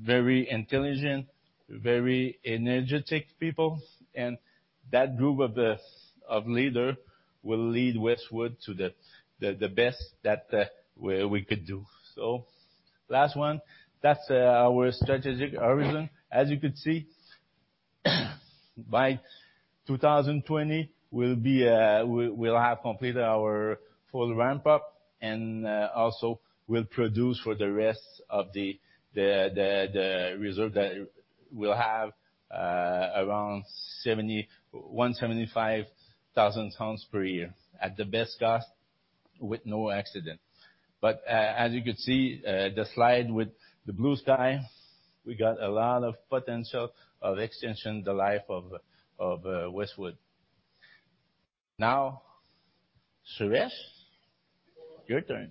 Very intelligent, very energetic people. That group of leaders will lead Westwood to the best that we could do. Last one, that's our strategic horizon. As you could see, by 2020, we'll have completed our full ramp up and also will produce for the rest of the reserve that we'll have around 175,000 tons per year at the best cost. With no accident. As you could see, the slide with the blue sky, we got a lot of potential of extension the life of Westwood. Suresh, your turn.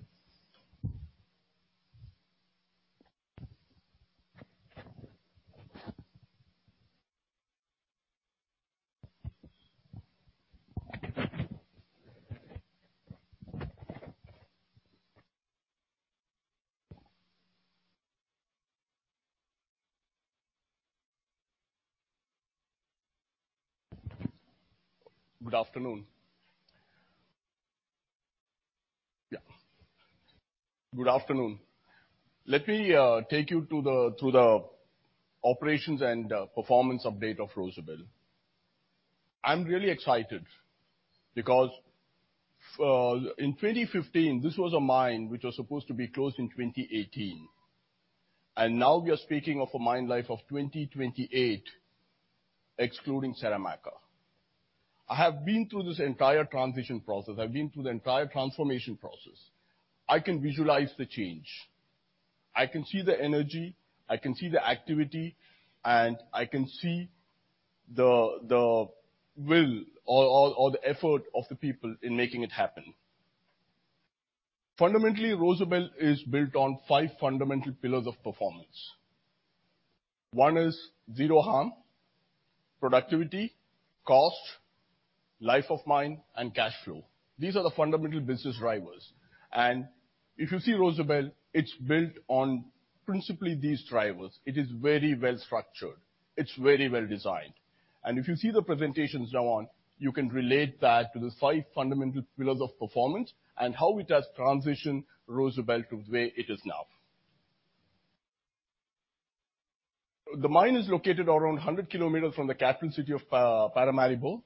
Good afternoon. Good afternoon. Let me take you through the operations and performance update of Rosebel. I'm really excited because in 2015, this was a mine which was supposed to be closed in 2018, and now we are speaking of a mine life of 2028, excluding Saramacca. I have been through this entire transition process. I've been through the entire transformation process. I can visualize the change. I can see the energy, I can see the activity, and I can see the will or the effort of the people in making it happen. Fundamentally, Rosebel is built on five fundamental pillars of performance. One is zero harm, productivity, cost, life of mine, and cash flow. These are the fundamental business drivers. If you see Rosebel, it's built on principally these drivers. It is very well-structured. It's very well-designed. If you see the presentations now on, you can relate that to the five fundamental pillars of performance and how it has transitioned Rosebel to where it is now. The mine is located around 100 km from the capital city of Paramaribo.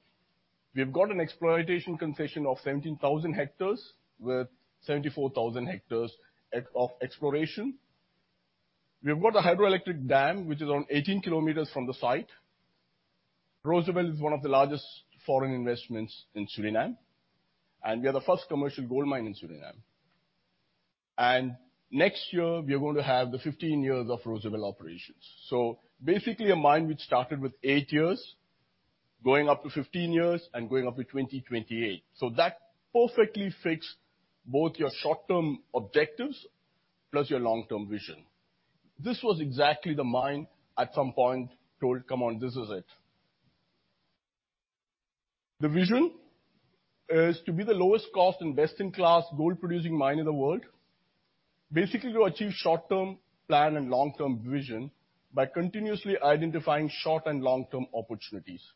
We've got an exploitation concession of 17,000 hectares with 74,000 hectares of exploration. We've got a hydroelectric dam, which is on 18 km from the site. Rosebel is one of the largest foreign investments in Suriname, and we are the first commercial gold mine in Suriname. Next year, we are going to have the 15 years of Rosebel operations. Basically, a mine which started with eight years, going up to 15 years and going up to 2028. That perfectly fits both your short-term objectives plus your long-term vision. This was exactly the mine at some point told, "Come on, this is it." The vision is to be the lowest cost and best-in-class gold-producing mine in the world. Basically, to achieve short-term plan and long-term vision by continuously identifying short and long-term opportunities.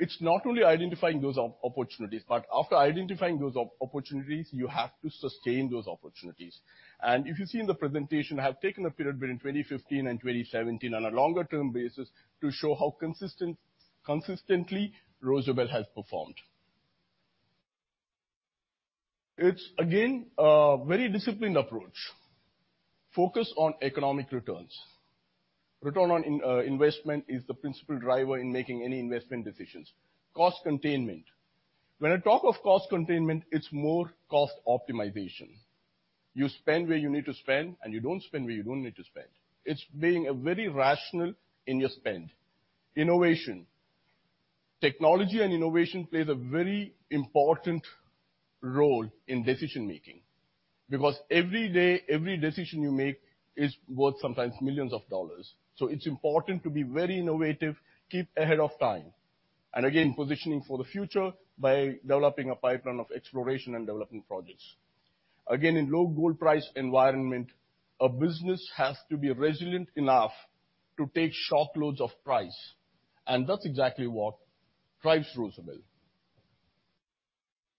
It's not only identifying those opportunities, but after identifying those opportunities, you have to sustain those opportunities. If you see in the presentation, I have taken a period between 2015 and 2017 on a longer-term basis to show how consistently Rosebel has performed. It's, again, a very disciplined approach. Focus on economic returns. Return on investment is the principal driver in making any investment decisions. Cost containment. When I talk of cost containment, it's more cost optimization. You spend where you need to spend, and you don't spend where you don't need to spend. It's being very rational in your spend. Innovation. Technology and innovation plays a very important role in decision-making, because every day, every decision you make is worth sometimes millions of CAD. It's important to be very innovative, keep ahead of time. Again, positioning for the future by developing a pipeline of exploration and development projects. Again, in low gold price environment, a business has to be resilient enough to take shock loads of price. That's exactly what drives Rosebel.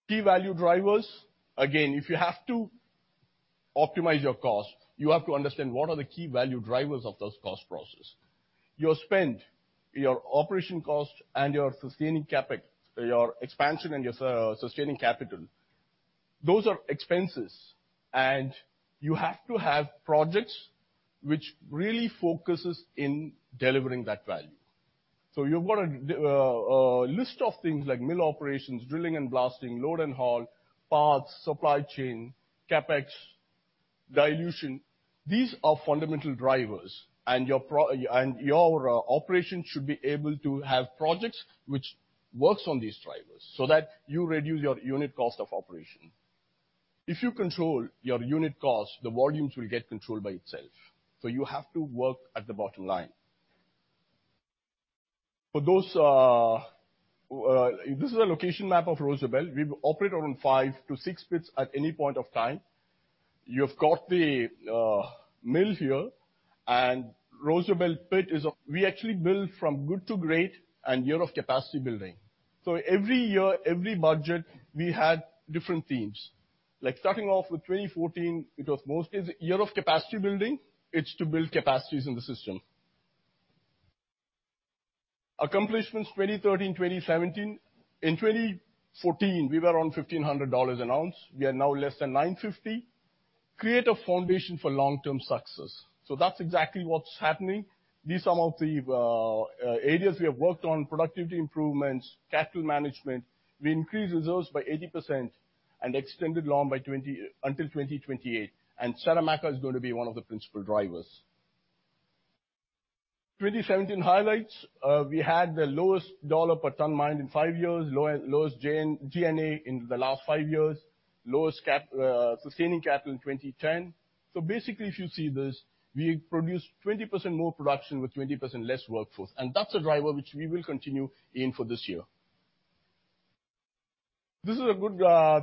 Key value drivers. Again, if you have to optimize your cost, you have to understand what are the key value drivers of those cost process. Your spend, your operation cost, and your expansion and your sustaining capital. Those are expenses, you have to have projects which really focuses in delivering that value. You've got a list of things like mill operations, drilling and blasting, load and haul, parts, supply chain, CapEx, dilution. These are fundamental drivers, your operation should be able to have projects which works on these drivers, so that you reduce your unit cost of operation. If you control your unit cost, the volumes will get controlled by itself. You have to work at the bottom line. This is a location map of Rosebel. We operate around five to six pits at any point of time. You've got the mill here, Rosebel pit is We actually build from good to great and year of capacity building. Every year, every budget, we had different themes. Starting off with 2014, it was mostly year of capacity building. It's to build capacities in the system. Accomplishments 2013, 2017. In 2014, we were around 1,500 dollars an ounce. We are now less than 950. Create a foundation for long-term success. That's exactly what's happening. These are some of the areas we have worked on, productivity improvements, capital management. We increased reserves by 80% and extended life until 2028, Saramacca is going to be one of the principal drivers. 2017 highlights. We had the lowest CAD per ton mined in five years, lowest G&A in the last five years, lowest sustaining capital in 2010. Basically, if you see this, we produced 20% more production with 20% less workforce. That's a driver which we will continue in for this year. This is a good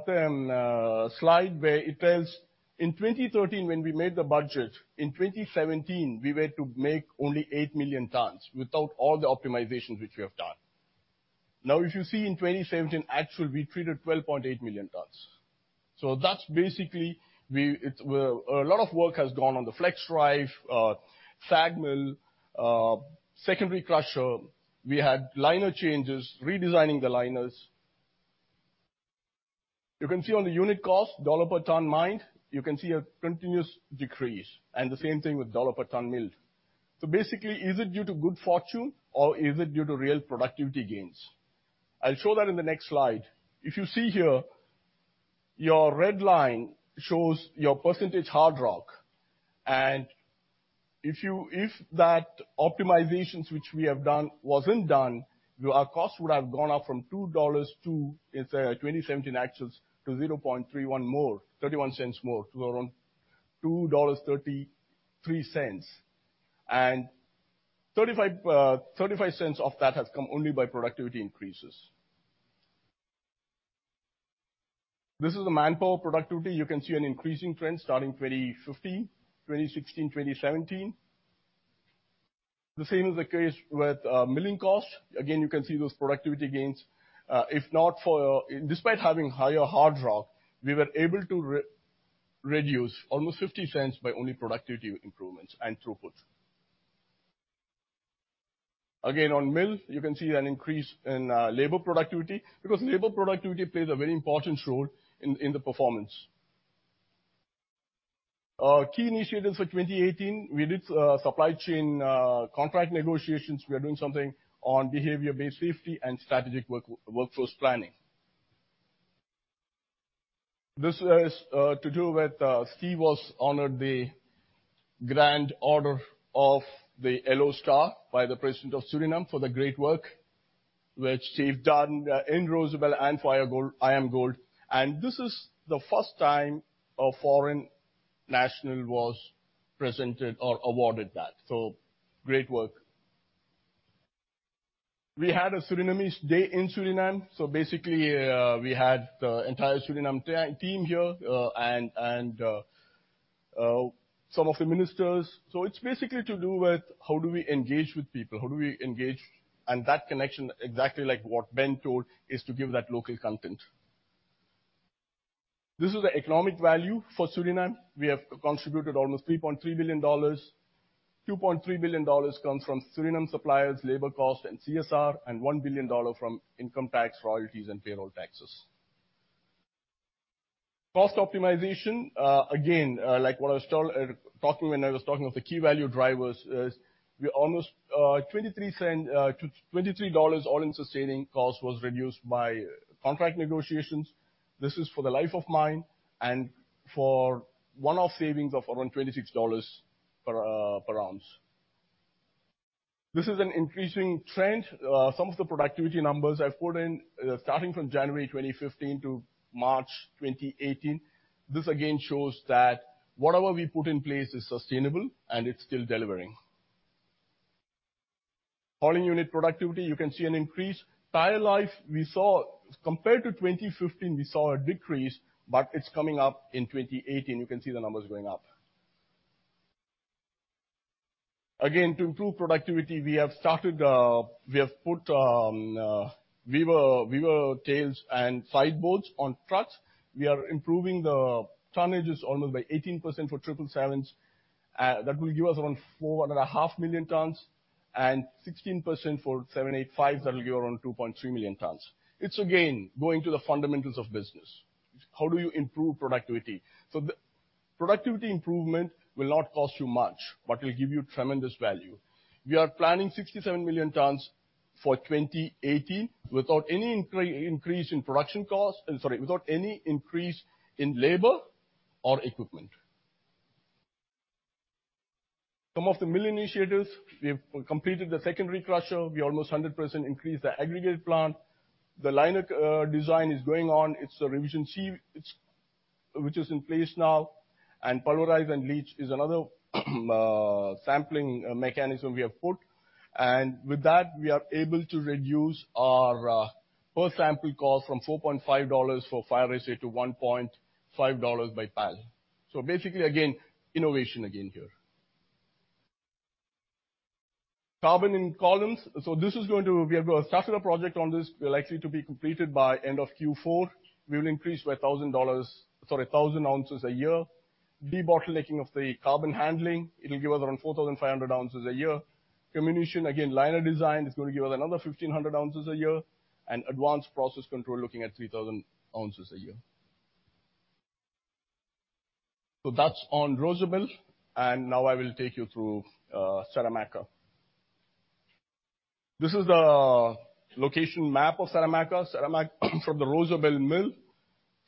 term slide where it tells in 2013, when we made the budget, in 2017, we were to make only 8 million tons without all the optimizations which we have done. Now, if you see in 2017 actual, we treated 12.8 million tons. That's basically, a lot of work has gone on the flex drive, sag mill, secondary crusher. We had liner changes, redesigning the liners. You can see on the unit cost, CAD per ton mined, you can see a continuous decrease, the same thing with CAD per ton mill. Basically, is it due to good fortune or is it due to real productivity gains? I'll show that in the next slide. If you see here, your red line shows your % hard rock, if that optimizations which we have done wasn't done, our cost would have gone up from 2 dollars to, in say our 2017 access to 0.31 more, 0.31 more to around 2.33 dollars. 0.35 of that has come only by productivity increases. This is the manpower productivity. You can see an increasing trend starting 2015, 2016, 2017. The same is the case with milling costs. Again, you can see those productivity gains. Despite having higher hard rock, we were able to reduce almost 0.50 by only productivity improvements and throughput. Again, on mill, you can see an increase in labor productivity because labor productivity plays a very important role in the performance. Our key initiatives for 2018. We did supply chain contract negotiations. We are doing something on behavior-based safety and strategic workforce planning. This has to do with Steve was honored the Honorary Order of the Yellow Star by the President of Suriname for the great work which Steve done in Rosebel and IAMGOLD. This is the first time a foreign national was presented or awarded that. Great work. We had a Surinamese Day in Suriname. We had the entire Suriname team here and some of the ministers. It's basically to do with how do we engage with people, how do we engage, and that connection, exactly like what Ben told, is to give that local content. This is the economic value for Suriname. We have contributed almost 3.3 billion dollars. 2.3 billion dollars comes from Suriname suppliers, labor cost, and CSR, and 1 billion dollar from income tax, royalties, and payroll taxes. Cost optimization, again, like when I was talking of the key value drivers, is we almost 23 all-in sustaining cost was reduced by contract negotiations. This is for the life of mine and for one-off savings of around 26 dollars per ounce. This is an increasing trend. Some of the productivity numbers I've put in starting from January 2015 to March 2018. This again shows that whatever we put in place is sustainable and it's still delivering. All in unit productivity, you can see an increase. Tire life, compared to 2015, we saw a decrease, but it's coming up in 2018. You can see the numbers going up. Again, to improve productivity, we have put beaver tails and side boards on trucks. We are improving the tonnages almost by 18% for 777. That will give us around four and a half million tons and 16% for 785. That will give around 2.3 million tons. It's again, going to the fundamentals of business. How do you improve productivity? The productivity improvement will not cost you much, but will give you tremendous value. We are planning 67 million tons for 2018 without any increase in labor or equipment. Some of the mill initiatives, we've completed the secondary crusher. We almost 100% increased the aggregate plant. The liner design is going on. It's a revision C, which is in place now. Pulverize and leach is another sampling mechanism we have put. With that, we are able to reduce our per sample cost from 4.50 dollars for fire assay to 1.50 dollars by PAL. Innovation again here. Carbon in columns. We have started a project on this, will likely to be completed by end of Q4. We will increase by 1,000 ounces a year. Debottlenecking of the carbon handling, it'll give us around 4,500 ounces a year. Commination, again, liner design is going to give us another 1,500 ounces a year, and advanced process control looking at 3,000 ounces a year. That's on Rosebel, and now I will take you through Saramacca. This is the location map of Saramacca. Saramacca from the Rosebel mill,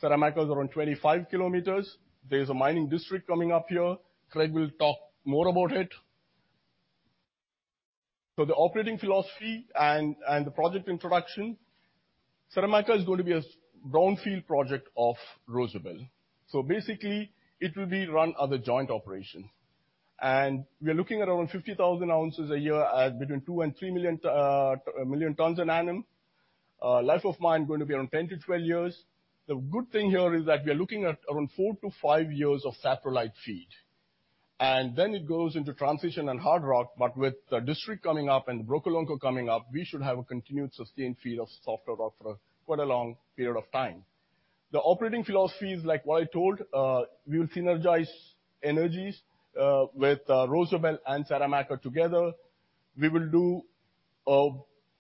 Saramacca is around 25 kilometers. There's a mining district coming up here. Craig will talk more about it. The operating philosophy and the project introduction. Saramacca is going to be a brownfield project of Rosebel. Basically, it will be run as a joint operation. We are looking at around 50,000 ounces a year at between 2 and 3 million tons annum. Life of mine is going to be around 10-12 years. The good thing here is that we are looking at around 4-5 years of saprolite feed. It goes into transition and hard rock, with the district coming up and Brokolonko coming up, we should have a continued sustained feed of softer rock for quite a long period of time. The operating philosophy is like what I told, we will synergize energies with Rosebel and Saramacca together. We will do a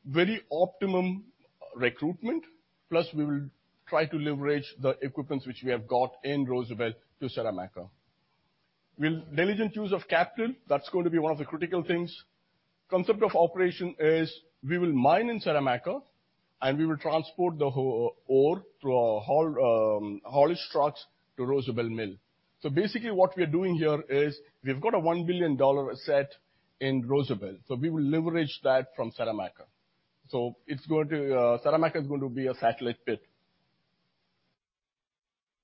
very optimum recruitment, plus we will try to leverage the equipment which we have got in Rosebel to Saramacca. With diligent use of capital, that's going to be one of the critical things. Concept of operation is we will mine in Saramacca, and we will transport the whole ore through our haulage trucks to Rosebel Mill. What we're doing here is we've got a 1 billion dollar asset in Rosebel. We will leverage that from Saramacca. Saramacca is going to be a satellite pit.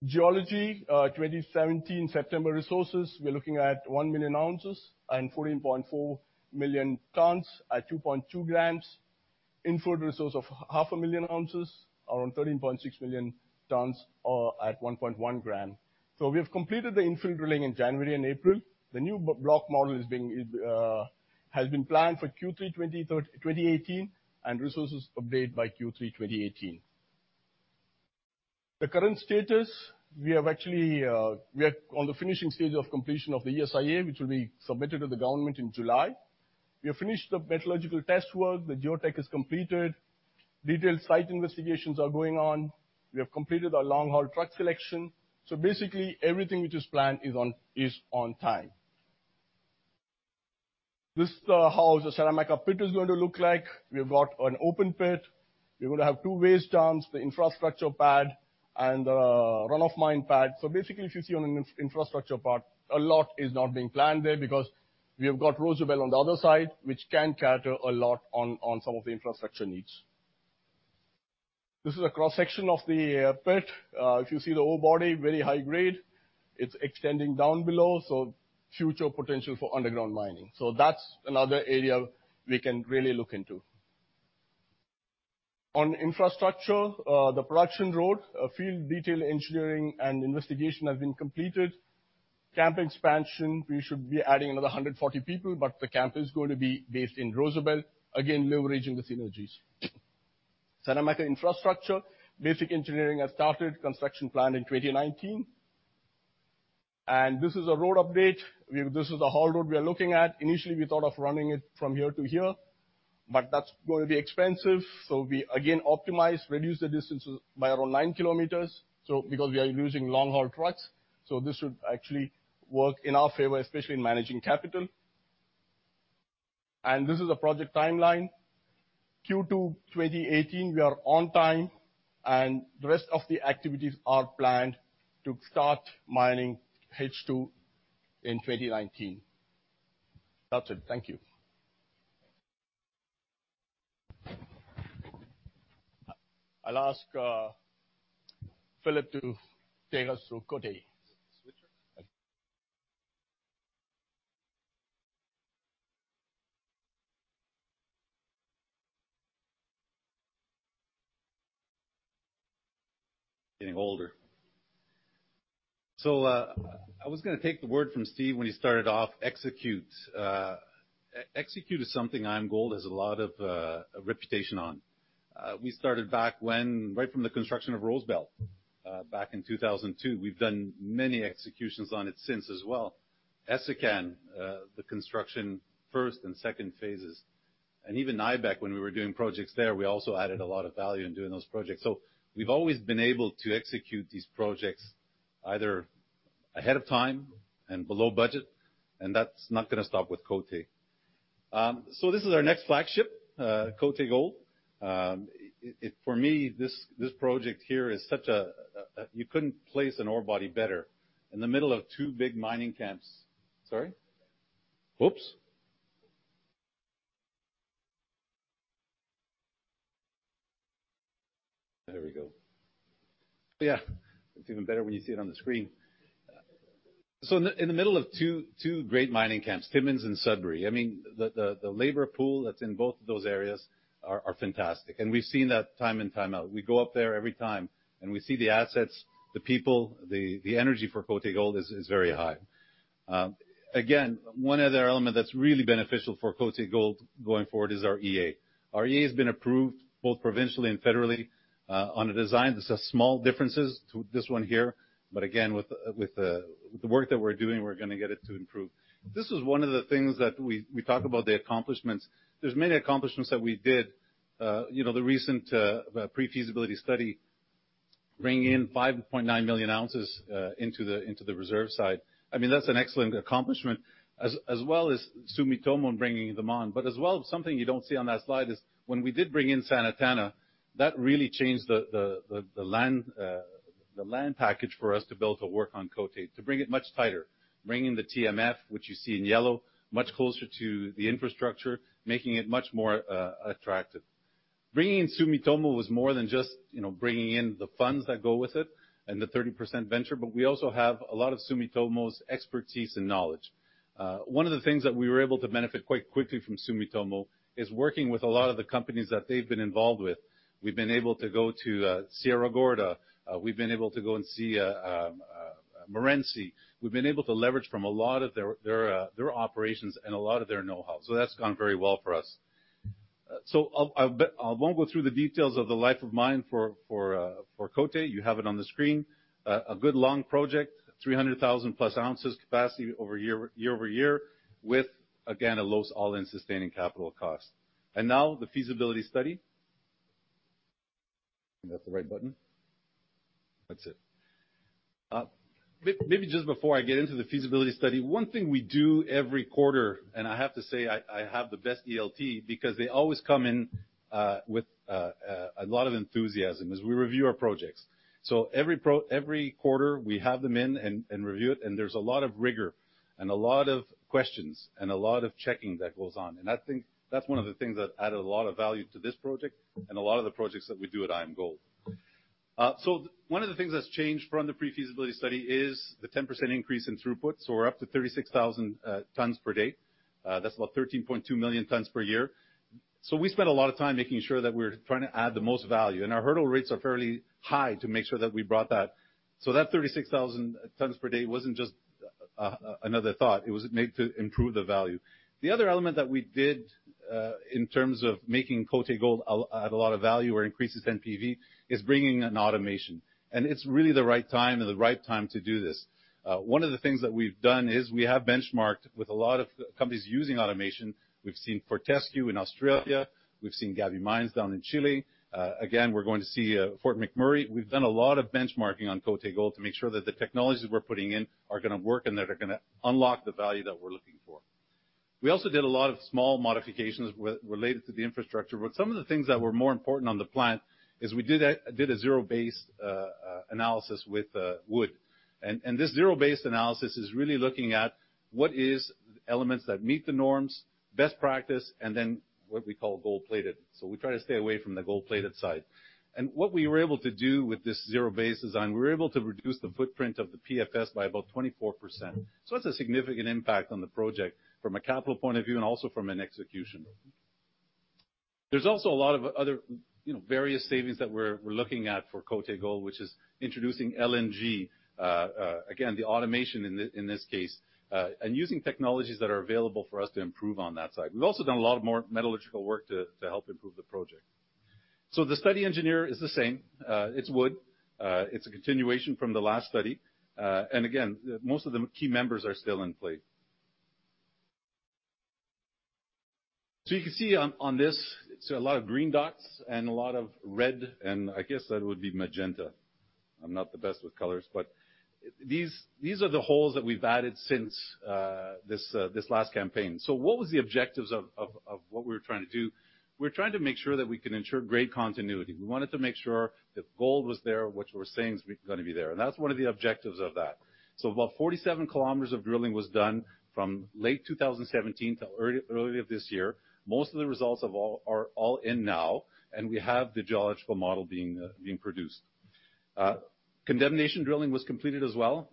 Geology, 2017 September resources, we're looking at 1 million ounces and 14.4 million tons at 2.2 grams. Infill resource of 0.5 million ounces, around 13.6 million tons at 1.1 gram. We have completed the infill drilling in January and April. The new block model has been planned for Q3 2018 and resources update by Q3 2018. The current status, we are on the finishing stage of completion of the ESIA, which will be submitted to the government in July. We have finished the metallurgical test work. The geotech is completed. Detailed site investigations are going on. We have completed our long-haul truck collection. Everything which is planned is on time. This is how the Saramacca pit is going to look like. We have got an open pit. We're going to have two waste dumps, the infrastructure pad, and the run-of-mine pad. If you see on the infrastructure part, a lot is not being planned there because we have got Rosebel on the other side, which can cater a lot on some of the infrastructure needs. This is a cross-section of the pit. If you see the ore body, very high grade. It's extending down below, so future potential for underground mining. That's another area we can really look into. On infrastructure, the production road, field detail engineering and investigation have been completed. Camp expansion, we should be adding another 140 people, the camp is going to be based in Rosebel, again, leveraging the synergies. Saramacca infrastructure, basic engineering has started, construction planned in 2019. This is a road update. This is a haul road we are looking at. Initially, we thought of running it from here to here, that's going to be expensive. We, again, optimize, reduce the distances by around 9 kilometers, because we are using long-haul trucks. This should actually work in our favor, especially in managing capital. This is a project timeline. Q2 2018, we are on time, the rest of the activities are planned to start mining H2 in 2019. That's it. Thank you. I'll ask Phil to take us through Côté. Switch? Okay. Getting older. I was going to take the word from Steve when he started off, execute. Execute is something IAMGOLD has a lot of reputation on. We started back right from the construction of Rosebel back in 2002. We've done many executions on it since as well. Essakane, the construction first and second phases, and even Niobec when we were doing projects there, we also added a lot of value in doing those projects. We've always been able to execute these projects either ahead of time and below budget, and that's not going to stop with Côté. This is our next flagship, Côté Gold. For me, this project here is such a You couldn't place an ore body better. In the middle of two big mining camps. Sorry? Oops. There we go. Yeah. It's even better when you see it on the screen. In the middle of two great mining camps, Timmins and Sudbury. I mean, the labor pool that's in both of those areas are fantastic. We've seen that time and time out. We go up there every time, and we see the assets, the people, the energy for Côté Gold is very high. Again, one other element that's really beneficial for Côté Gold going forward is our EA. Our EA has been approved both provincially and federally on a design that's a small differences to this one here. Again, with the work that we're doing, we're going to get it to improve. This is one of the things that we talk about the accomplishments. There's many accomplishments that we did. The recent pre-feasibility study bringing in 5.9 million ounces into the reserve side. That's an excellent accomplishment, as well as Sumitomo bringing them on. As well, something you don't see on that slide is when we did bring in Santana, that really changed the land package for us to build a work on Côté to bring it much tighter, bringing the TMF, which you see in yellow, much closer to the infrastructure, making it much more attractive. Bringing in Sumitomo was more than just bringing in the funds that go with it and the 30% venture, but we also have a lot of Sumitomo's expertise and knowledge. One of the things that we were able to benefit quite quickly from Sumitomo is working with a lot of the companies that they've been involved with. We've been able to go to Sierra Gorda. We've been able to go and see Morenci. We've been able to leverage from a lot of their operations and a lot of their know-how. That's gone very well for us. I won't go through the details of the life of mine for Côté. You have it on the screen. A good long project, 300,000-plus ounces capacity year-over-year with, again, a low all-in sustaining capital cost. Now the feasibility study. That the right button? That's it. Maybe just before I get into the feasibility study, one thing we do every quarter, and I have to say, I have the best ELT because they always come in with a lot of enthusiasm, is we review our projects. Every quarter, we have them in and review it, and there's a lot of rigor and a lot of questions and a lot of checking that goes on. I think that's one of the things that added a lot of value to this project and a lot of the projects that we do at IAMGOLD. One of the things that's changed from the pre-feasibility study is the 10% increase in throughput. We're up to 36,000 tons per day. That's about 13.2 million tons per year. We spent a lot of time making sure that we're trying to add the most value, and our hurdle rates are fairly high to make sure that we brought that. That 36,000 tons per day wasn't just another thought. It was made to improve the value. The other element that we did, in terms of making Côté Gold add a lot of value or increase its NPV, is bringing in automation. It's really the right time to do this. One of the things that we've done is we have benchmarked with a lot of companies using automation. We've seen Fortescue in Australia. We've seen Gaby mine down in Chile. Again, we're going to see Fort McMurray. We've done a lot of benchmarking on Côté Gold to make sure that the technologies we're putting in are going to work and that are going to unlock the value that we're looking for. We also did a lot of small modifications related to the infrastructure, but some of the things that were more important on the plant is we did a zero-based analysis with Wood. This zero-based analysis is really looking at what is elements that meet the norms, best practice, and then what we call gold-plated. We try to stay away from the gold-plated side. What we were able to do with this zero-based design, we were able to reduce the footprint of the PFS by about 24%. It's a significant impact on the project from a capital point of view and also from an execution. There's also a lot of other various savings that we're looking at for Côté Gold, which is introducing LNG, again, the automation in this case, and using technologies that are available for us to improve on that side. We've also done a lot of metallurgical work to help improve the project. The study engineer is the same. It's Wood. It's a continuation from the last study. Again, most of the key members are still in play. You can see on this, it's a lot of green dots and a lot of red, and I guess that would be magenta. I'm not the best with colors, but these are the holes that we've added since this last campaign. What were the objectives of what we were trying to do? We were trying to make sure that we can ensure grade continuity. We wanted to make sure that gold was there, which we're saying is going to be there. That's one of the objectives of that. About 47 km of drilling was done from late 2017 to early of this year. Most of the results are all in now, and we have the geological model being produced. Condemnation drilling was completed as well,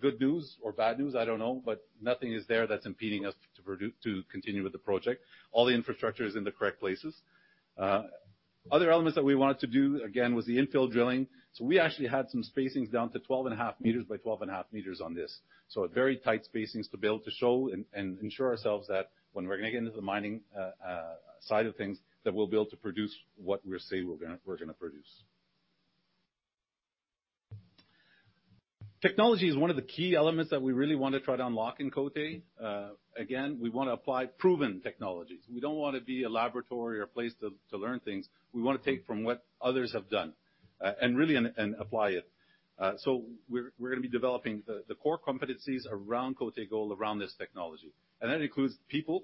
good news or bad news, I don't know, but nothing is there that's impeding us to continue with the project. All the infrastructure is in the correct places. Other elements that we wanted to do, again, was the infill drilling. We actually had some spacings down to 12.5 meters by 12.5 meters on this. Very tight spacings to build, to show, and ensure ourselves that when we're going to get into the mining side of things, that we'll be able to produce what we say we're going to produce. Technology is one of the key elements that we really want to try to unlock in Côté. Again, we want to apply proven technologies. We don't want to be a laboratory or a place to learn things. We want to take from what others have done and really apply it. We're going to be developing the core competencies around Côté Gold, around this technology. That includes people,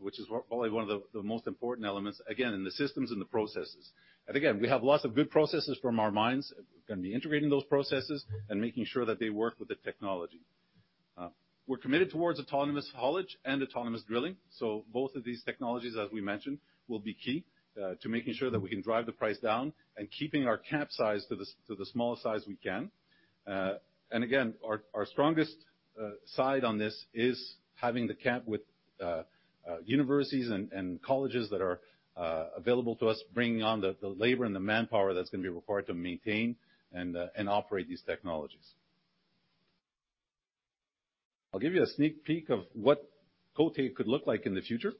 which is probably one of the most important elements, again, and the systems and the processes. Again, we have lots of good processes from our mines. We're going to be integrating those processes and making sure that they work with the technology. We're committed towards autonomous haulage and autonomous drilling, both of these technologies, as we mentioned, will be key to making sure that we can drive the price down and keeping our camp size to the smallest size we can. Again, our strongest side on this is having the camp with universities and colleges that are available to us, bringing on the labor and the manpower that's going to be required to maintain and operate these technologies. I'll give you a sneak peek of what Côté could look like in the future.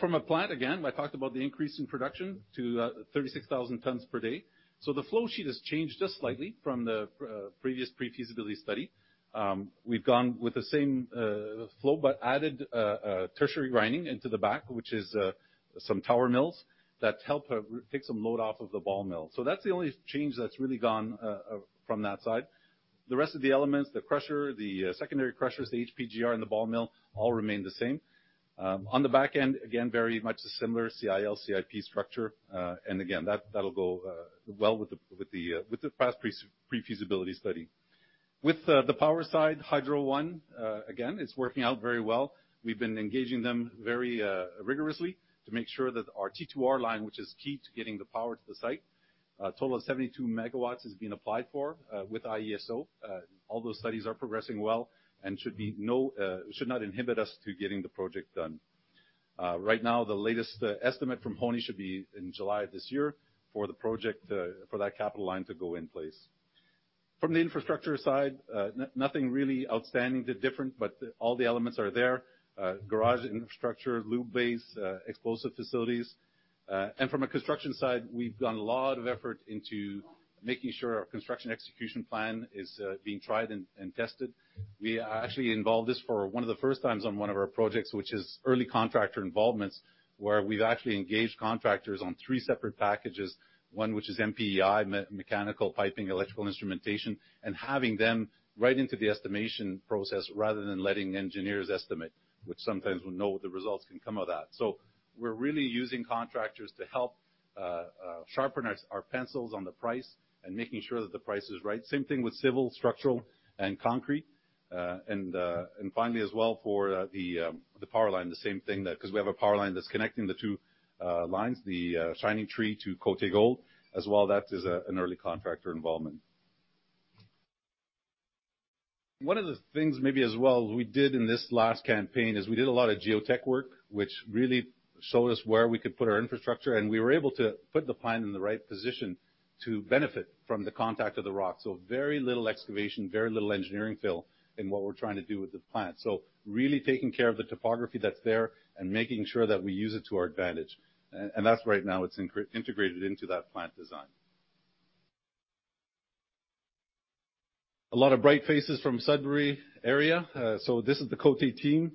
From a plant, again, I talked about the increase in production to 36,000 tons per day. The flow sheet has changed just slightly from the previous pre-feasibility study. We've gone with the same flow, added tertiary grinding into the back, which is some tower mills that help take some load off of the ball mill. That's the only change that's really gone from that side. The rest of the elements, the crusher, the secondary crushers, the HPGR, and the ball mill, all remain the same. On the back end, again, very much a similar CIL/CIP structure. Again, that'll go well with the past pre-feasibility study. With the power side, Hydro One, again, it's working out very well. We've been engaging them very rigorously to make sure that our T2R line, which is key to getting the power to the site, a total of 72 MW is being applied for with IESO. All those studies are progressing well and should not inhibit us to getting the project done. Right now, the latest estimate from Pony should be in July of this year for that capital line to go in place. From the infrastructure side, nothing really outstandingly different, but all the elements are there. Garage infrastructure, lube base, explosive facilities. From a construction side, we've done a lot of effort into making sure our construction execution plan is being tried and tested. We are actually involved this for one of the first times on one of our projects, which is early contractor involvements, where we've actually engaged contractors on three separate packages, one which is MPEI, mechanical, piping, electrical, and instrumentation, and having them right into the estimation process rather than letting engineers estimate, which sometimes we know the results can come of that. We're really using contractors to help sharpen our pencils on the price and making sure that the price is right. Same thing with civil, structural, and concrete. Finally as well for the power line, the same thing, because we have a power line that's connecting the two lines, the Shining Tree to Côté Gold. As well, that is an early contractor involvement. One of the things maybe as well we did in this last campaign is we did a lot of geotech work, which really showed us where we could put our infrastructure, and we were able to put the plant in the right position to benefit from the contact of the rock. So very little excavation, very little engineering fill in what we're trying to do with the plant. So really taking care of the topography that's there and making sure that we use it to our advantage. That's right now, it's integrated into that plant design. A lot of bright faces from Sudbury area. This is the Côté team,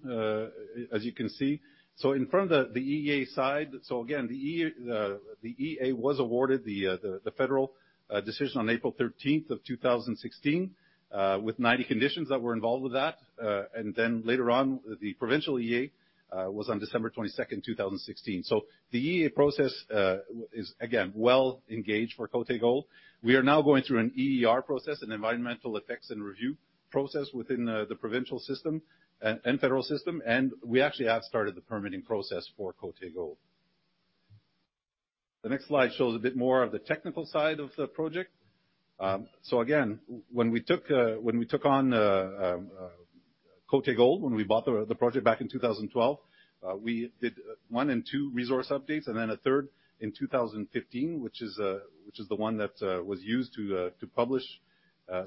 as you can see. In front of the EA side, again, the EA was awarded the federal decision on April 13th of 2016, with 90 conditions that were involved with that. Then later on, the provincial EA was on December 22nd, 2016. The EA process is, again, well engaged for Côté Gold. We are now going through an EER process, an environmental effects and review process within the provincial system and federal system. We actually have started the permitting process for Côté Gold. The next slide shows a bit more of the technical side of the project. Again, when we took on Côté Gold, when we bought the project back in 2012, we did one and two resource updates, and then a third in 2015, which is the one that was used to publish.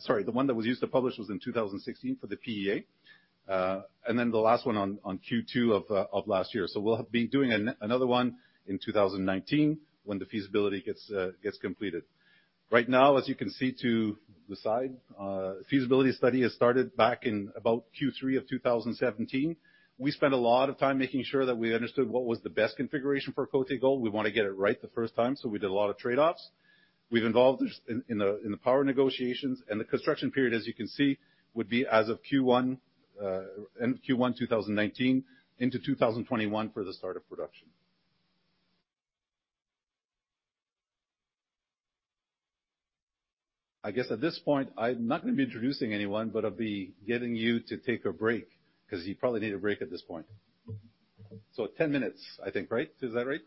Sorry, the one that was used to publish was in 2016 for the PEA. Then the last one on Q2 of last year. We'll be doing another one in 2019 when the feasibility gets completed. Right now, as you can see to the side, feasibility study has started back in about Q3 of 2017. We spent a lot of time making sure that we understood what was the best configuration for Côté Gold. We want to get it right the first time, so we did a lot of trade-offs. We've involved in the power negotiations, the construction period, as you can see, would be as of Q1 2019 into 2021 for the start of production. I guess at this point, I'm not going to be introducing anyone, but I'll be getting you to take a break because you probably need a break at this point. 10 minutes, I think, right? Is that right?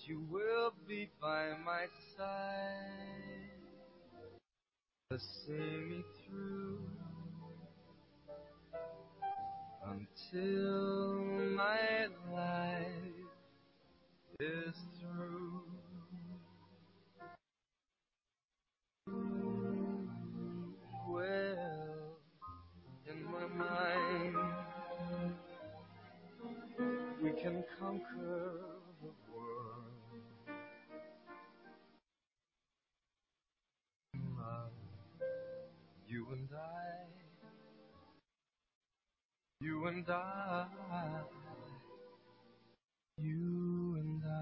fall in love, it's true. I've really found someone like you. Will it stay? The love you feel for me, will it stay? That you will be by my side to see me through. Until my life is through. Well, in my mind, we can conquer the world. In love, you and I. You and I.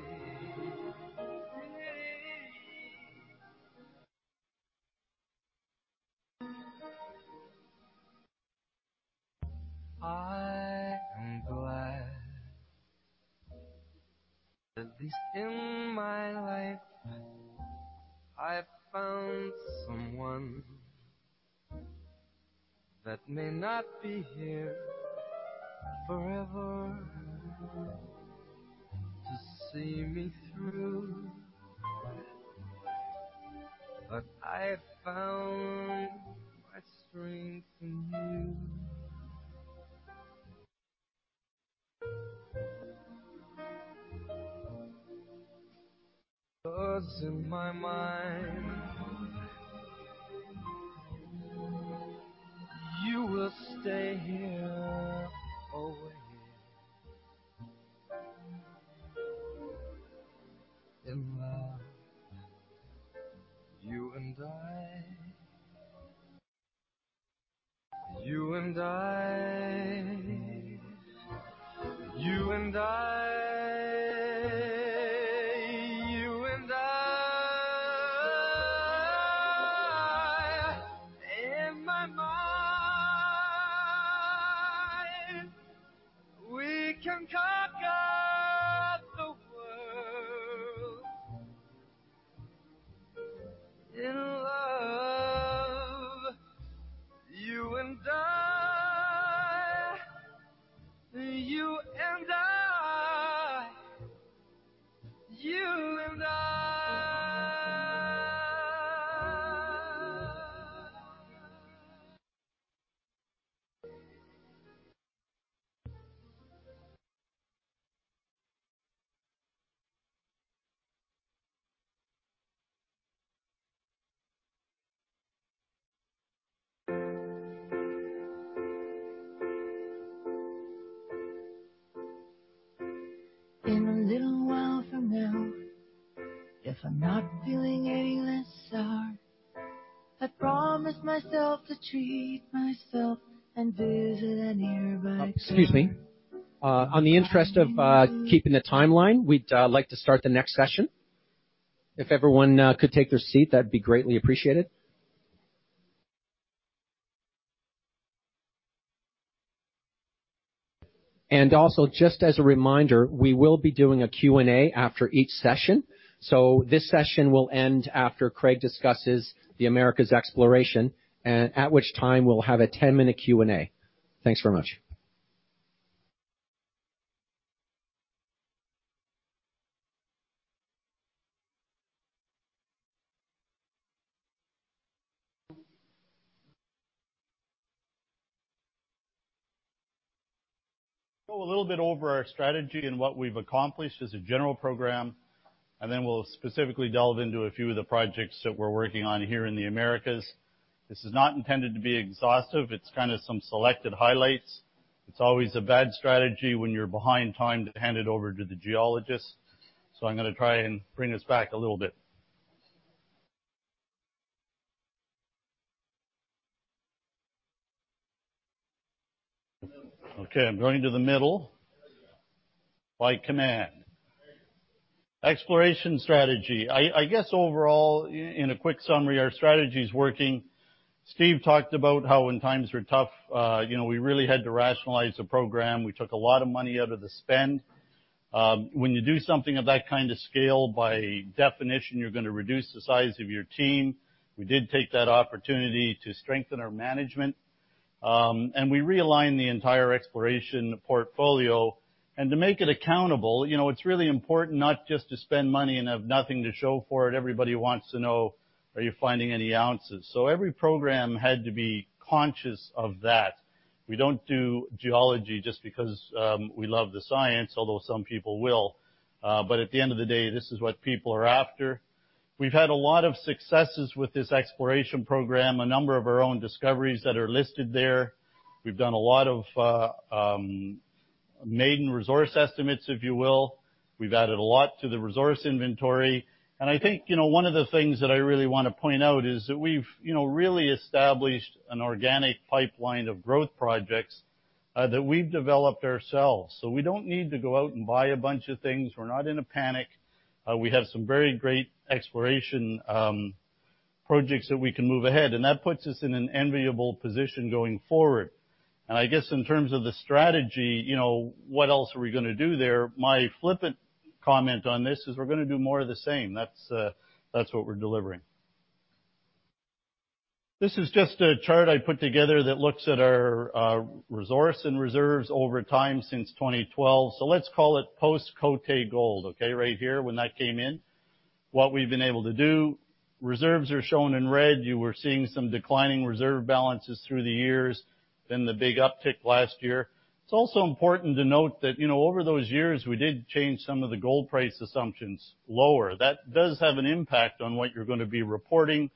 You and I. I am glad. At least in my life, I found someone. That may not be here forever to see me through. But I found my strength in you. Because in my mind. You will stay here always. In love, you and I. You and I. You and I. You and I. In my mind, we can conquer the world. In love, you and I. You and I. You and I. In a little while from now. If I'm not feeling any less sour. I promise myself to treat myself and visit a nearby town. Excuse me. On the interest of keeping the timeline, we'd like to start the next session. If everyone could take their seat, that'd be greatly appreciated. Also, just as a reminder, we will be doing a Q&A after each session. This session will end after Craig discusses the Americas exploration, at which time we'll have a 10-minute Q&A. Thanks very much. Go a little bit over our strategy and what we've accomplished as a general program, then we'll specifically delve into a few of the projects that we're working on here in the Americas. This is not intended to be exhaustive. It's kind of some selected highlights. It's always a bad strategy when you're behind time to hand it over to the geologist, I'm going to try and bring us back a little bit. Okay, I'm going to the middle. By command. Exploration strategy. I guess, overall, in a quick summary, our strategy is working. Steve talked about how when times were tough, we really had to rationalize the program. We took a lot of money out of the spend. When you do something of that kind of scale, by definition, you're going to reduce the size of your team. We did take that opportunity to strengthen our management, we realigned the entire exploration portfolio. To make it accountable, it's really important not just to spend money and have nothing to show for it. Everybody wants to know, are you finding any ounces? Every program had to be conscious of that. We don't do geology just because we love the science, although some people will. At the end of the day, this is what people are after. We've had a lot of successes with this exploration program, a number of our own discoveries that are listed there. We've done a lot of maiden resource estimates, if you will. We've added a lot to the resource inventory. I think one of the things that I really want to point out is that we've really established an organic pipeline of growth projects that we've developed ourselves. We don't need to go out and buy a bunch of things. We're not in a panic. We have some very great exploration projects that we can move ahead, and that puts us in an enviable position going forward. I guess in terms of the strategy, what else are we going to do there? My flippant comment on this is we're going to do more of the same. That's what we're delivering. This is just a chart I put together that looks at our resource and reserves over time since 2012. Let's call it post-Côté Gold, okay? Right here, when that came in, what we've been able to do. Reserves are shown in red. You were seeing some declining reserve balances through the years, then the big uptick last year. It's also important to note that over those years, we did change some of the gold price assumptions lower. That does have an impact on what you're going to be reporting.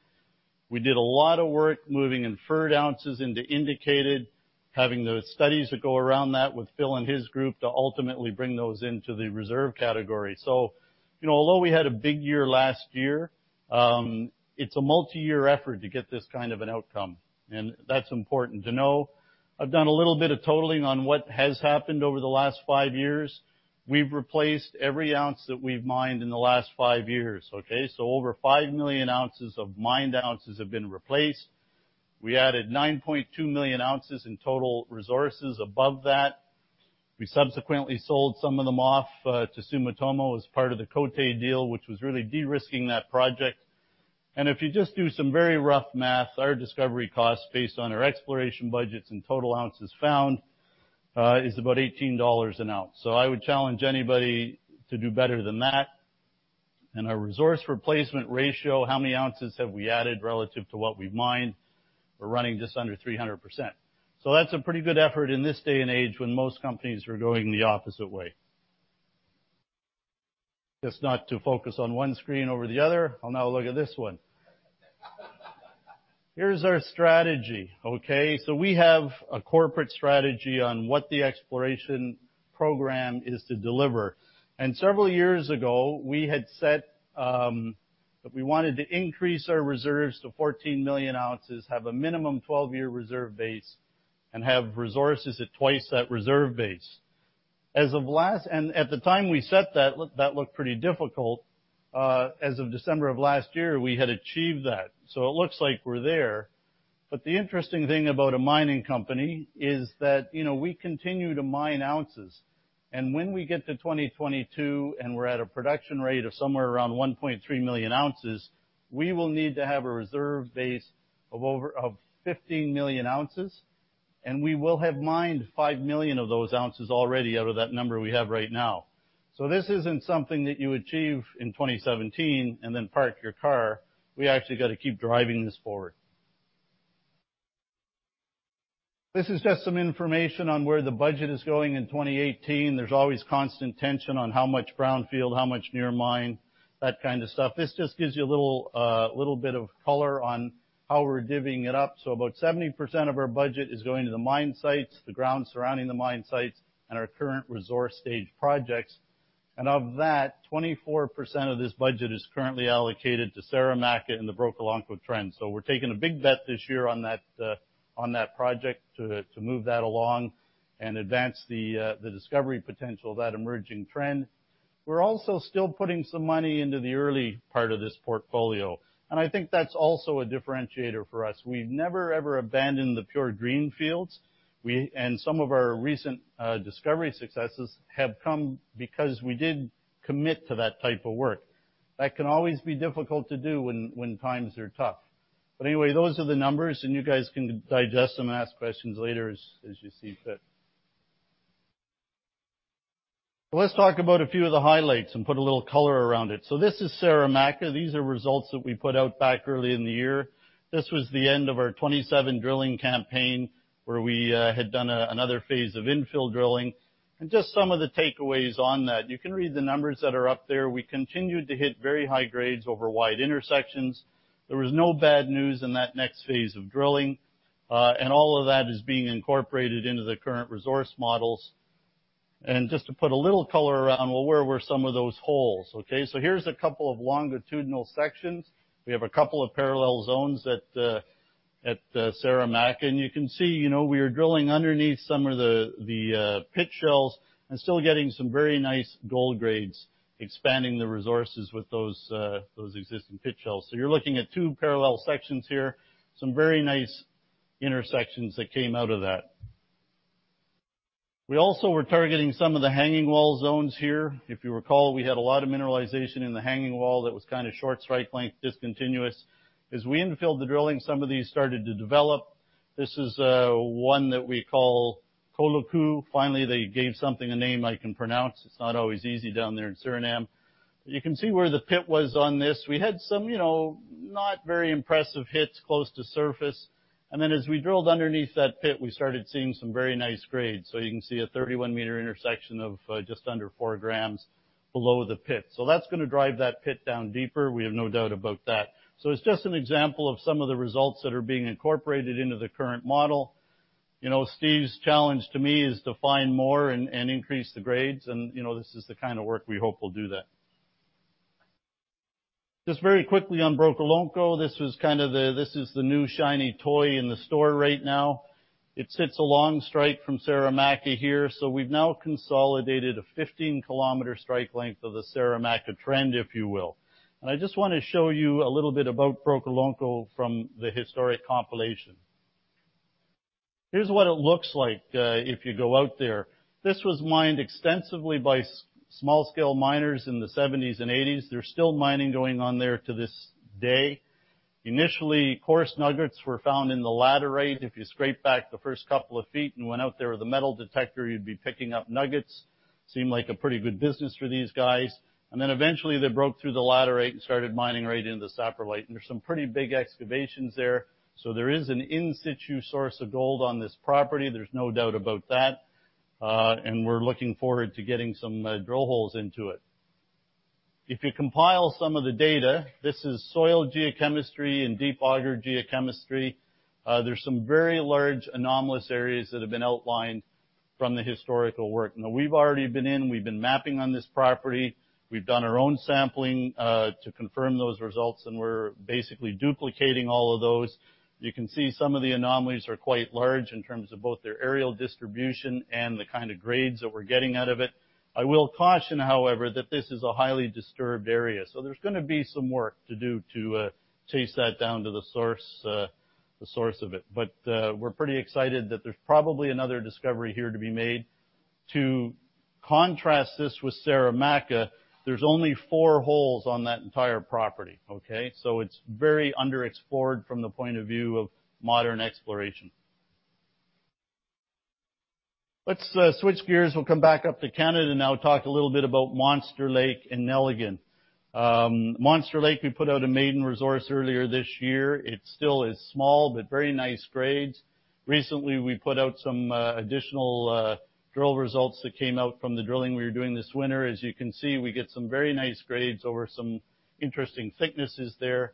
We did a lot of work moving inferred ounces into indicated, having the studies that go around that with Phil and his group to ultimately bring those into the reserve category. Although we had a big year last year, it's a multi-year effort to get this kind of an outcome, and that's important to know. I've done a little bit of totaling on what has happened over the last five years. We've replaced every ounce that we've mined in the last five years. Over 5 million ounces of mined ounces have been replaced. We added 9.2 million ounces in total resources above that. We subsequently sold some of them off to Sumitomo as part of the Côté deal, which was really de-risking that project. If you just do some very rough math, our discovery cost based on our exploration budgets and total ounces found is about 18 dollars an ounce. I would challenge anybody to do better than that. Our resource replacement ratio, how many ounces have we added relative to what we've mined, we're running just under 300%. That's a pretty good effort in this day and age when most companies are going the opposite way. Just not to focus on one screen over the other, I'll now look at this one. Here's our strategy. We have a corporate strategy on what the exploration program is to deliver. Several years ago, we had said that we wanted to increase our reserves to 14 million ounces, have a minimum 12-year reserve base, and have resources at twice that reserve base. At the time we set that looked pretty difficult. As of December of last year, we had achieved that. It looks like we're there. The interesting thing about a mining company is that we continue to mine ounces. When we get to 2022 and we're at a production rate of somewhere around 1.3 million ounces, we will need to have a reserve base of 15 million ounces, and we will have mined 5 million of those ounces already out of that number we have right now. This isn't something that you achieve in 2017 and then park your car. We actually got to keep driving this forward. This is just some information on where the budget is going in 2018. There's always constant tension on how much brownfield, how much near mine, that kind of stuff. This just gives you a little bit of color on how we're divvying it up. About 70% of our budget is going to the mine sites, the ground surrounding the mine sites, and our current resource stage projects. Of that, 24% of this budget is currently allocated to Saramacca and the Brokolonko Trend. We're taking a big bet this year on that project to move that along and advance the discovery potential of that emerging trend. We're also still putting some money into the early part of this portfolio, and I think that's also a differentiator for us. We've never, ever abandoned the pure green fields. Some of our recent discovery successes have come because we did commit to that type of work. That can always be difficult to do when times are tough. Anyway, those are the numbers, and you guys can digest them and ask questions later as you see fit. Let's talk about a few of the highlights and put a little color around it. This is Saramacca. These are results that we put out back early in the year. This was the end of our 27 drilling campaign, where we had done another phase of infill drilling. Just some of the takeaways on that. You can read the numbers that are up there. We continued to hit very high grades over wide intersections. There was no bad news in that next phase of drilling. All of that is being incorporated into the current resource models. Just to put a little color around, well, where were some of those holes? Here's a couple of longitudinal sections. We have a couple of parallel zones at Saramacca, and you can see we are drilling underneath some of the pit shells and still getting some very nice gold grades, expanding the resources with those existing pit shells. You're looking at two parallel sections here, some very nice intersections that came out of that. We also were targeting some of the hanging wall zones here. If you recall, we had a lot of mineralization in the hanging wall that was short strike length, discontinuous. As we infilled the drilling, some of these started to develop. This is one that we call Kolukoo. Finally, they gave something a name I can pronounce. It's not always easy down there in Suriname. You can see where the pit was on this. We had some not very impressive hits close to surface, and then as we drilled underneath that pit, we started seeing some very nice grades. You can see a 31-meter intersection of just under four grams below the pit. That's going to drive that pit down deeper. We have no doubt about that. It's just an example of some of the results that are being incorporated into the current model. Steve's challenge to me is to find more and increase the grades, and this is the kind of work we hope will do that. Just very quickly on Brokolonko, this is the new shiny toy in the store right now. It sits a long strike from Saramacca here. We've now consolidated a 15-kilometer strike length of the Saramacca trend, if you will. I just want to show you a little bit about Brokolonko from the historic compilation. Here's what it looks like if you go out there. This was mined extensively by small-scale miners in the '70s and '80s. There's still mining going on there to this day. Initially, coarse nuggets were found in the laterite. If you scrape back the first couple of feet and went out there with a metal detector, you'd be picking up nuggets. Seemed like a pretty good business for these guys. Eventually they broke through the laterite and started mining right into the saprolite, and there's some pretty big excavations there. There is an in-situ source of gold on this property. There's no doubt about that, and we're looking forward to getting some drill holes into it. If you compile some of the data, this is soil geochemistry and deep auger geochemistry. There's some very large anomalous areas that have been outlined from the historical work. Now we've already been in, we've been mapping on this property. We've done our own sampling to confirm those results, and we're basically duplicating all of those. You can see some of the anomalies are quite large in terms of both their aerial distribution and the kind of grades that we're getting out of it. I will caution, however, that this is a highly disturbed area. There's going to be some work to do to chase that down to the source of it. We're pretty excited that there's probably another discovery here to be made. To contrast this with Saramacca, there's only four holes on that entire property, okay? It's very underexplored from the point of view of modern exploration. Let's switch gears. We'll come back up to Canada now, talk a little bit about Monster Lake and Nelligan. Monster Lake, we put out a maiden resource earlier this year. It still is small, but very nice grades. Recently, we put out some additional drill results that came out from the drilling we were doing this winter. As you can see, we get some very nice grades over some interesting thicknesses there.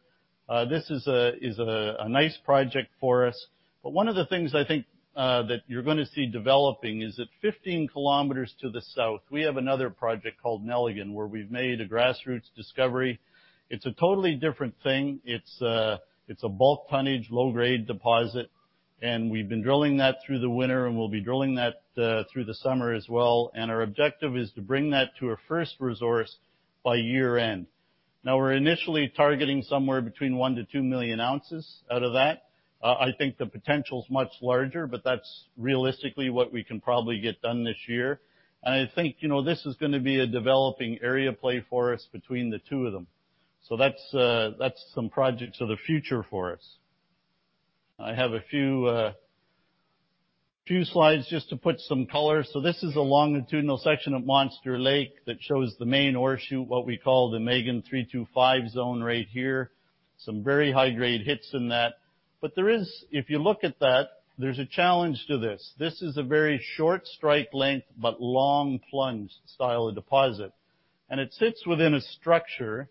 This is a nice project for us. One of the things I think that you're going to see developing is that 15 kilometers to the south, we have another project called Nelligan, where we've made a grassroots discovery. It's a totally different thing. It's a bulk tonnage, low-grade deposit, and we've been drilling that through the winter, and we'll be drilling that through the summer as well. Our objective is to bring that to our first resource by year-end. We're initially targeting somewhere between 1 million-2 million ounces out of that. I think the potential is much larger, but that's realistically what we can probably get done this year. I think this is going to be a developing area play for us between the two of them. That's some projects of the future for us. I have a few slides just to put some color. This is a longitudinal section of Monster Lake that shows the main ore shoot, what we call the Megane 325 zone right here. Some very high-grade hits in that. If you look at that, there's a challenge to this. This is a very short strike length but long plunge style of deposit. It sits within a structure that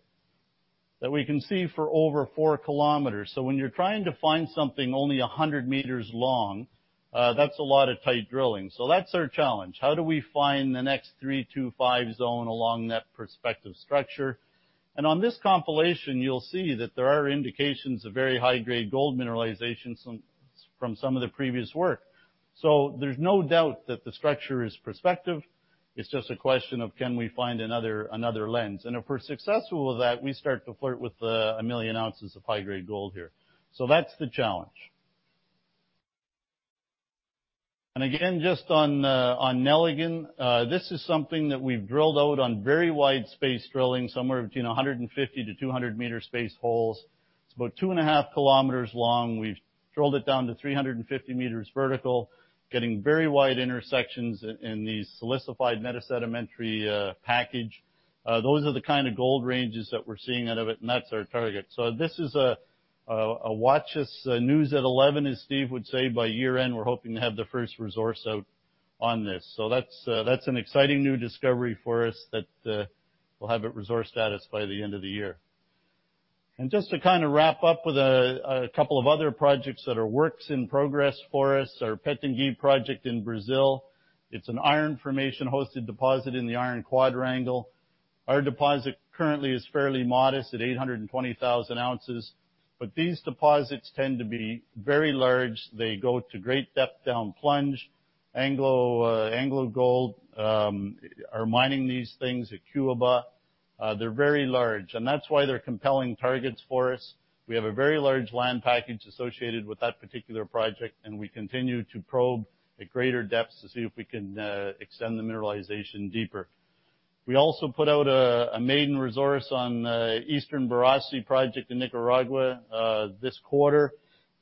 we can see for over 4 kilometers. When you're trying to find something only 100 meters long, that's a lot of tight drilling. That's our challenge. How do we find the next 325 zone along that prospective structure? On this compilation, you'll see that there are indications of very high-grade gold mineralization from some of the previous work. There's no doubt that the structure is prospective. It's just a question of can we find another lens? If we're successful with that, we start to flirt with 1 million ounces of high-grade gold here. That's the challenge. Again, just on Nelligan, this is something that we've drilled out on very wide space drilling, somewhere between 150-200-meter spaced holes. It's about 2.5 kilometers long. We've drilled it down to 350 meters vertical, getting very wide intersections in these silicified metasedimentary package. Those are the kind of gold ranges that we're seeing out of it, and that's our target. This is a watch us news at 11, as Steve would say. By year-end, we're hoping to have the first resource out on this. That's an exciting new discovery for us that we'll have at resource status by the end of the year. Just to wrap up with a couple of other projects that are works in progress for us, our Pitangui project in Brazil. It's an iron formation-hosted deposit in the Iron Quadrangle. Our deposit currently is fairly modest at 820,000 ounces, but these deposits tend to be very large. They go to great depth down plunge. AngloGold are mining these things at Cuiabá. They're very large, and that's why they're compelling targets for us. We have a very large land package associated with that particular project, and we continue to probe at greater depths to see if we can extend the mineralization deeper. We also put out a maiden resource on the Eastern Borosi project in Nicaragua this quarter.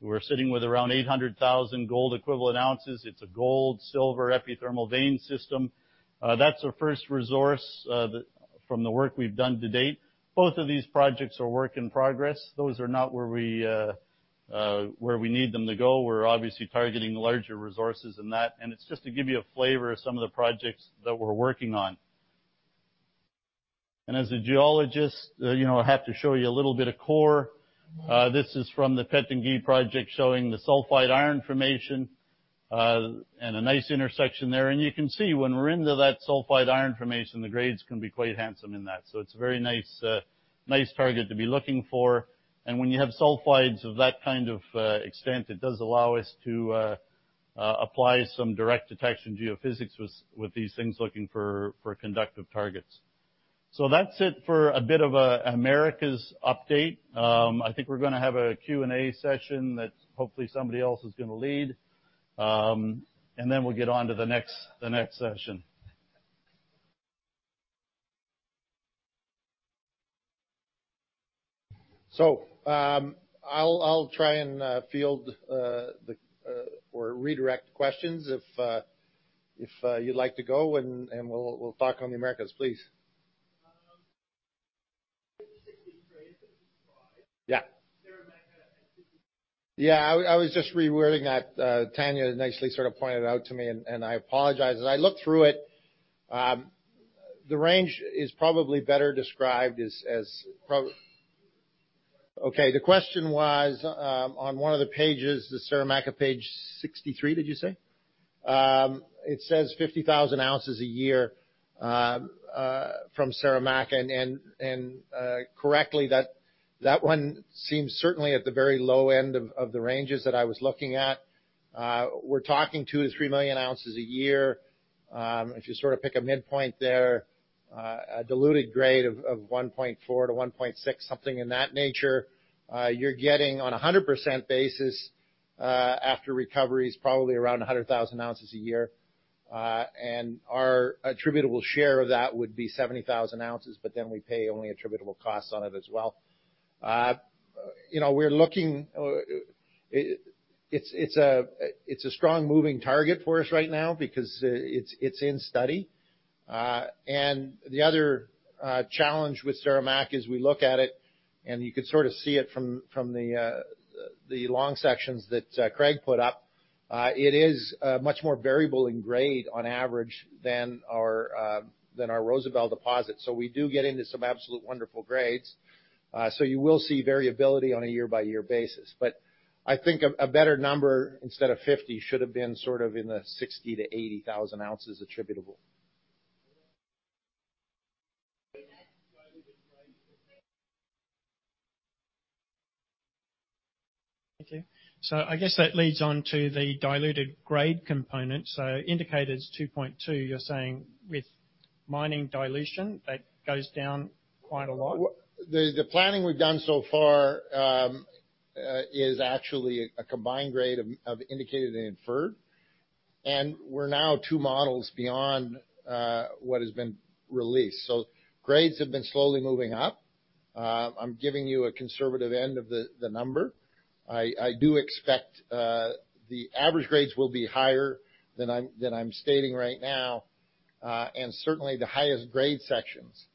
We're sitting with around 800,000 gold equivalent ounces. It's a gold, silver, epithermal vein system. That's our first resource from the work we've done to date. Both of these projects are work in progress. Those are not where we need them to go. We're obviously targeting larger resources than that, and it's just to give you a flavor of some of the projects that we're working on. As a geologist, I have to show you a little bit of core. This is from the Pitangui project showing the sulfide iron formation, and a nice intersection there. You can see when we're into that sulfide iron formation, the grades can be quite handsome in that. It's a very nice target to be looking for. When you have sulfides of that kind of extent, it does allow us to apply some direct detection geophysics with these things, looking for conductive targets. That's it for a bit of Americas update. I think we're going to have a Q&A session that hopefully somebody else is going to lead. We'll get on to the next session. I'll try and field or redirect questions if you'd like to go, and we'll talk on the Americas. Please. Yeah. Yeah, I was just rewording that. Tanya nicely sort of pointed it out to me, and I apologize. As I looked through it, the range is probably better described as Okay, the question was, on one of the pages, the Saramacca, page 63, did you say? It says 50,000 ounces a year from Saramacca, and correctly, that one seems certainly at the very low end of the ranges that I was looking at. We're talking 2 million-3 million ounces a year. If you sort of pick a midpoint there, a diluted grade of 1.4-1.6, something in that nature. You're getting, on 100% basis, after recovery is probably around 100,000 ounces a year. Our attributable share of that would be 70,000 ounces, we pay only attributable costs on it as well. It's a strong moving target for us right now because it's in study. The other challenge with Saramacca is we look at it, and you can sort of see it from the long sections that Craig put up. It is much more variable in grade on average than our Rosebel deposit. We do get into some absolute wonderful grades. You will see variability on a year-by-year basis. I think a better number instead of 50 should have been sort of in the 60,000-80,000 ounces attributable. Thank you. I guess that leads on to the diluted grade component. Indicated is 2.2, you're saying with mining dilution, that goes down quite a lot? The planning we've done so far is actually a combined grade of indicated and inferred, and we're now two models beyond what has been released. Grades have been slowly moving up. I'm giving you a conservative end of the number. I do expect the average grades will be higher than I'm stating right now, and certainly the highest grade sections.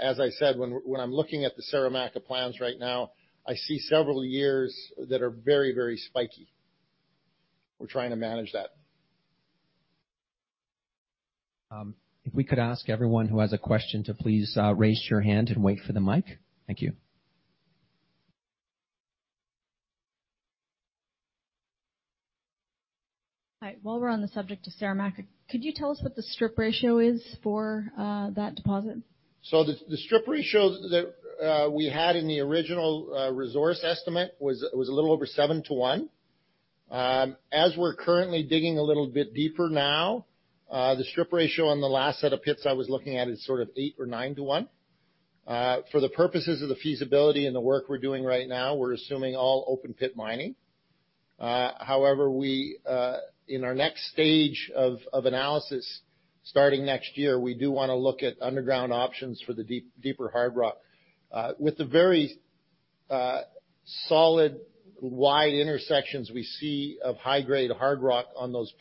As I said, when I'm looking at the Saramacca plans right now, I see several years that are very spiky. We're trying to manage that. If we could ask everyone who has a question to please raise your hand and wait for the mic. Thank you. Hi. While we're on the subject of Saramacca, could you tell us what the strip ratio is for that deposit? The strip ratios that we had in the original resource estimate was a little over 7 to 1. As we're currently digging a little bit deeper now, the strip ratio on the last set of pits I was looking at is sort of eight or nine to one. For the purposes of the feasibility and the work we're doing right now, we're assuming all open pit mining. However, in our next stage of analysis starting next year, we do want to look at underground options for the deeper hard rock. With the very solid, wide intersections we see of high-grade hard rock on those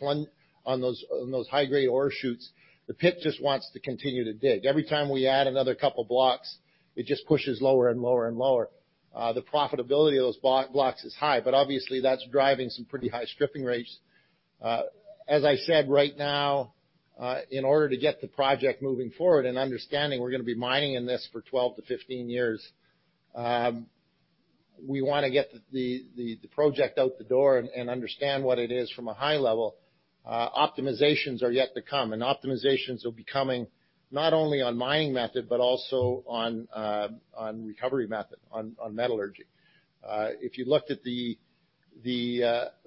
high-grade ore shoots, the pit just wants to continue to dig. Every time we add another couple blocks, it just pushes lower and lower. The profitability of those blocks is high, but obviously that's driving some pretty high stripping rates. As I said, right now, in order to get the project moving forward and understanding we're going to be mining in this for 12-15 years, we want to get the project out the door and understand what it is from a high level. Optimizations are yet to come, optimizations will be coming not only on mining method, but also on recovery method, on metallurgy. If you looked at the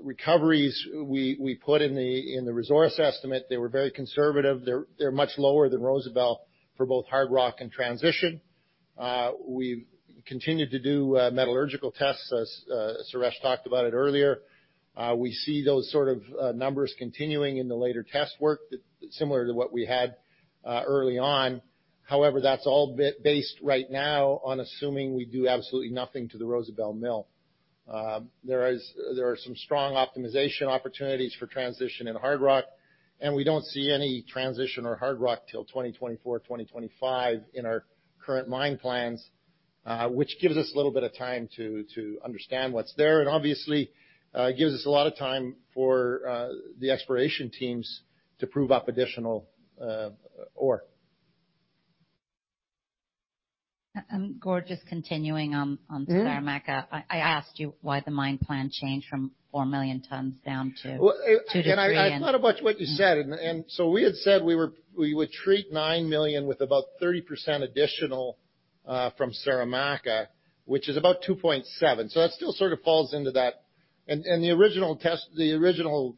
recoveries we put in the resource estimate, they were very conservative. They're much lower than Rosebel for both hard rock and transition. We've continued to do metallurgical tests, as Suresh talked about it earlier. We see those sort of numbers continuing in the later test work, similar to what we had early on. However, that's all based right now on assuming we do absolutely nothing to the Rosebel mill. There are some strong optimization opportunities for transition in hard rock, we don't see any transition or hard rock till 2024, 2025 in our current mine plans, which gives us a little bit of time to understand what's there, obviously gives us a lot of time for the exploration teams to prove up additional ore. Gord, just continuing on Saramacca. I asked you why the mine plan changed from 4 million tons down to 2 million-3 million tons. I thought about what you said. We had said we would treat 9 million with about 30% additional from Saramacca, which is about 2.7. That still sort of falls into that The original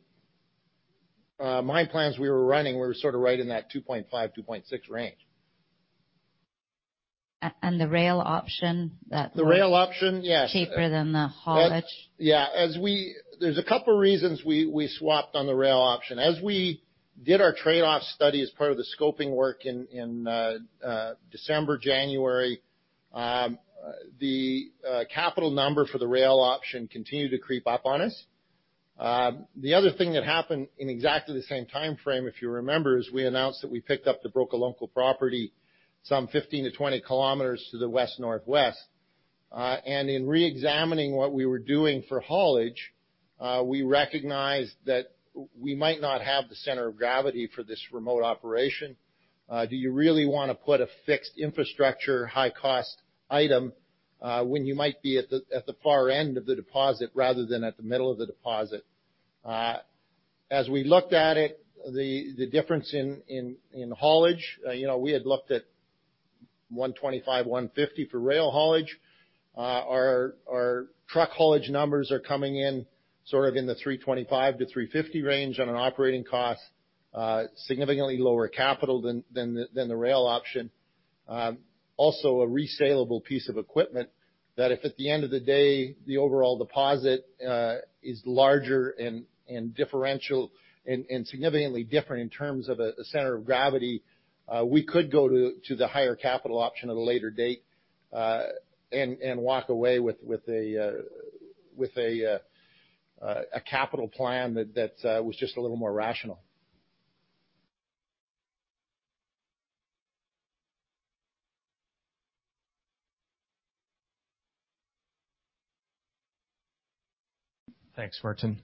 mine plans we were running were sort of right in that 2.5, 2.6 range. The rail option. The rail option? Yes Cheaper than the haulage? Yeah. There's a couple reasons we swapped on the rail option. As we did our trade-off study as part of the scoping work in December, January, the capital number for the rail option continued to creep up on us. The other thing that happened in exactly the same timeframe, if you remember, is we announced that we picked up the Brokolonko property some 15-20 km to the west-northwest. In reexamining what we were doing for haulage, we recognized that we might not have the center of gravity for this remote operation. Do you really want to put a fixed infrastructure, high-cost item, when you might be at the far end of the deposit, rather than at the middle of the deposit? As we looked at it, the difference in haulage, we had looked at 125, 150 for rail haulage. Our truck haulage numbers are coming in sort of in the 325-350 range on an operating cost, significantly lower capital than the rail option. Also a resalable piece of equipment that if at the end of the day, the overall deposit is larger and significantly different in terms of a center of gravity, we could go to the higher capital option at a later date, and walk away with a capital plan that was just a little more rational. Thanks, Martin.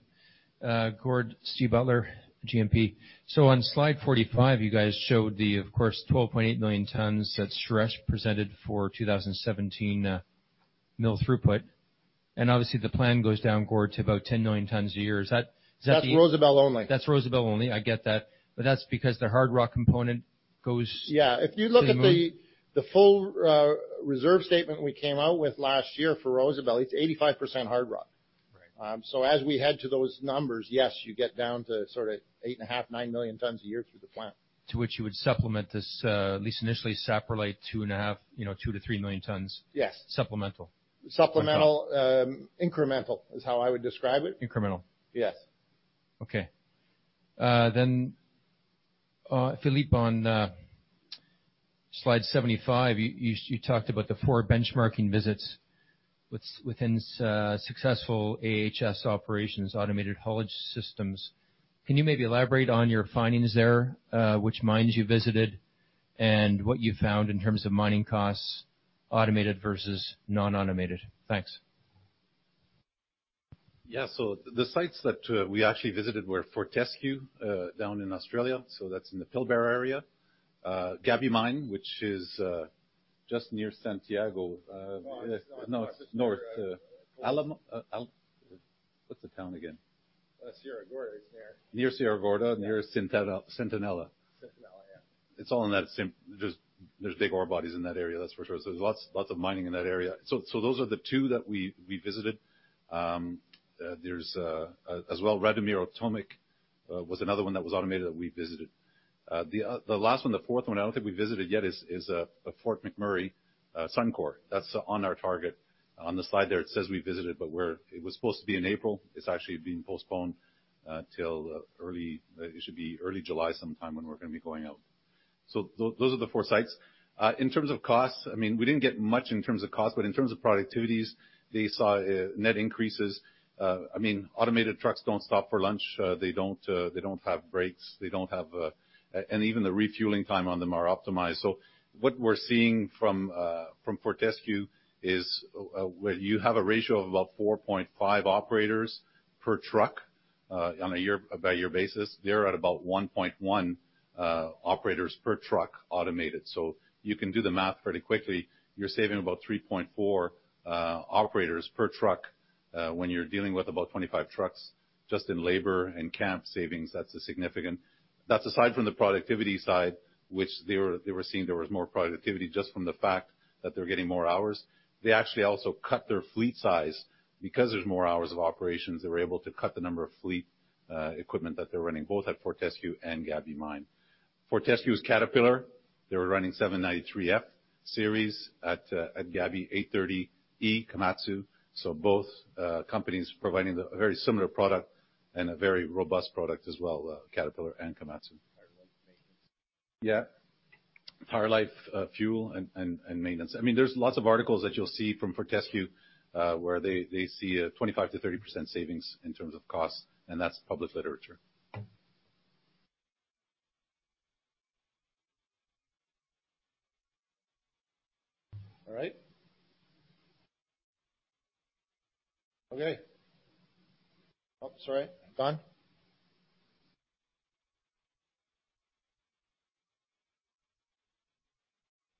Gord, Steve Butler, GMP. On slide 45, you guys showed the, of course, 12.8 million tons that Suresh presented for 2017 mill throughput. Obviously the plan goes down, Gord, to about 10 million tons a year. Is that the- That's Rosebel only. That's Rosebel only. I get that. That's because the hard rock component goes- If you look at the full reserve statement we came out with last year for Rosebel, it's 85% hard rock. Right. As we head to those numbers, you get down to sort of 8.5 million, 9 million tons a year through the plant. To which you would supplement this, at least initially, separately, 2.5 million, 2 million-3 million tons. Yes. Supplemental. Supplemental. Incremental, is how I would describe it. Incremental. Yes. Okay. Philip, on slide 75, you talked about the four benchmarking visits within successful AHS operations, automated haulage systems. Can you maybe elaborate on your findings there, which mines you visited, and what you found in terms of mining costs, automated versus non-automated? Thanks. Yeah. The sites that we actually visited were Fortescue down in Australia, so that's in the Pilbara area. Gaby Mine, which is just near Santiago. No, it's north. North. What's the town again? Sierra Gorda is near. Near Sierra Gorda, near Centinela. Centinela, yeah. There's big ore bodies in that area, that's for sure. There's lots of mining in that area. Those are the two that we visited. There's, as well, Radomiro Tomic was another one that was automated that we visited. The last one, the fourth one, I don't think we visited yet, is the Fort McMurray Suncor. That's on our target. On the slide there it says we visited, but it was supposed to be in April. It's actually been postponed till, it should be early July sometime when we're going to be going out. Those are the four sites. In terms of costs, we didn't get much in terms of cost, but in terms of productivities, they saw net increases. Automated trucks don't stop for lunch. They don't have breaks. Even the refueling time on them are optimized. What we're seeing from Fortescue is where you have a ratio of about 4.5 operators per truck on a by year basis, they're at about 1.1 operators per truck automated. You can do the math pretty quickly. You're saving about 3.4 operators per truck. When you're dealing with about 25 trucks, just in labor and camp savings, that's aside from the productivity side, which they were seeing there was more productivity just from the fact that they're getting more hours. They actually also cut their fleet size. Because there's more hours of operations, they were able to cut the number of fleet equipment that they're running, both at Fortescue and Gaby Mine. Fortescue's Caterpillar, they were running 793F series at Gaby, 830E Komatsu. Both companies providing a very similar product and a very robust product as well, Caterpillar and Komatsu. Power life, maintenance. Yeah. Power life, fuel, and maintenance. There's lots of articles that you'll see from Fortescue, where they see a 25%-30% savings in terms of cost, and that's public literature. All right. Okay. Oh, sorry. Don?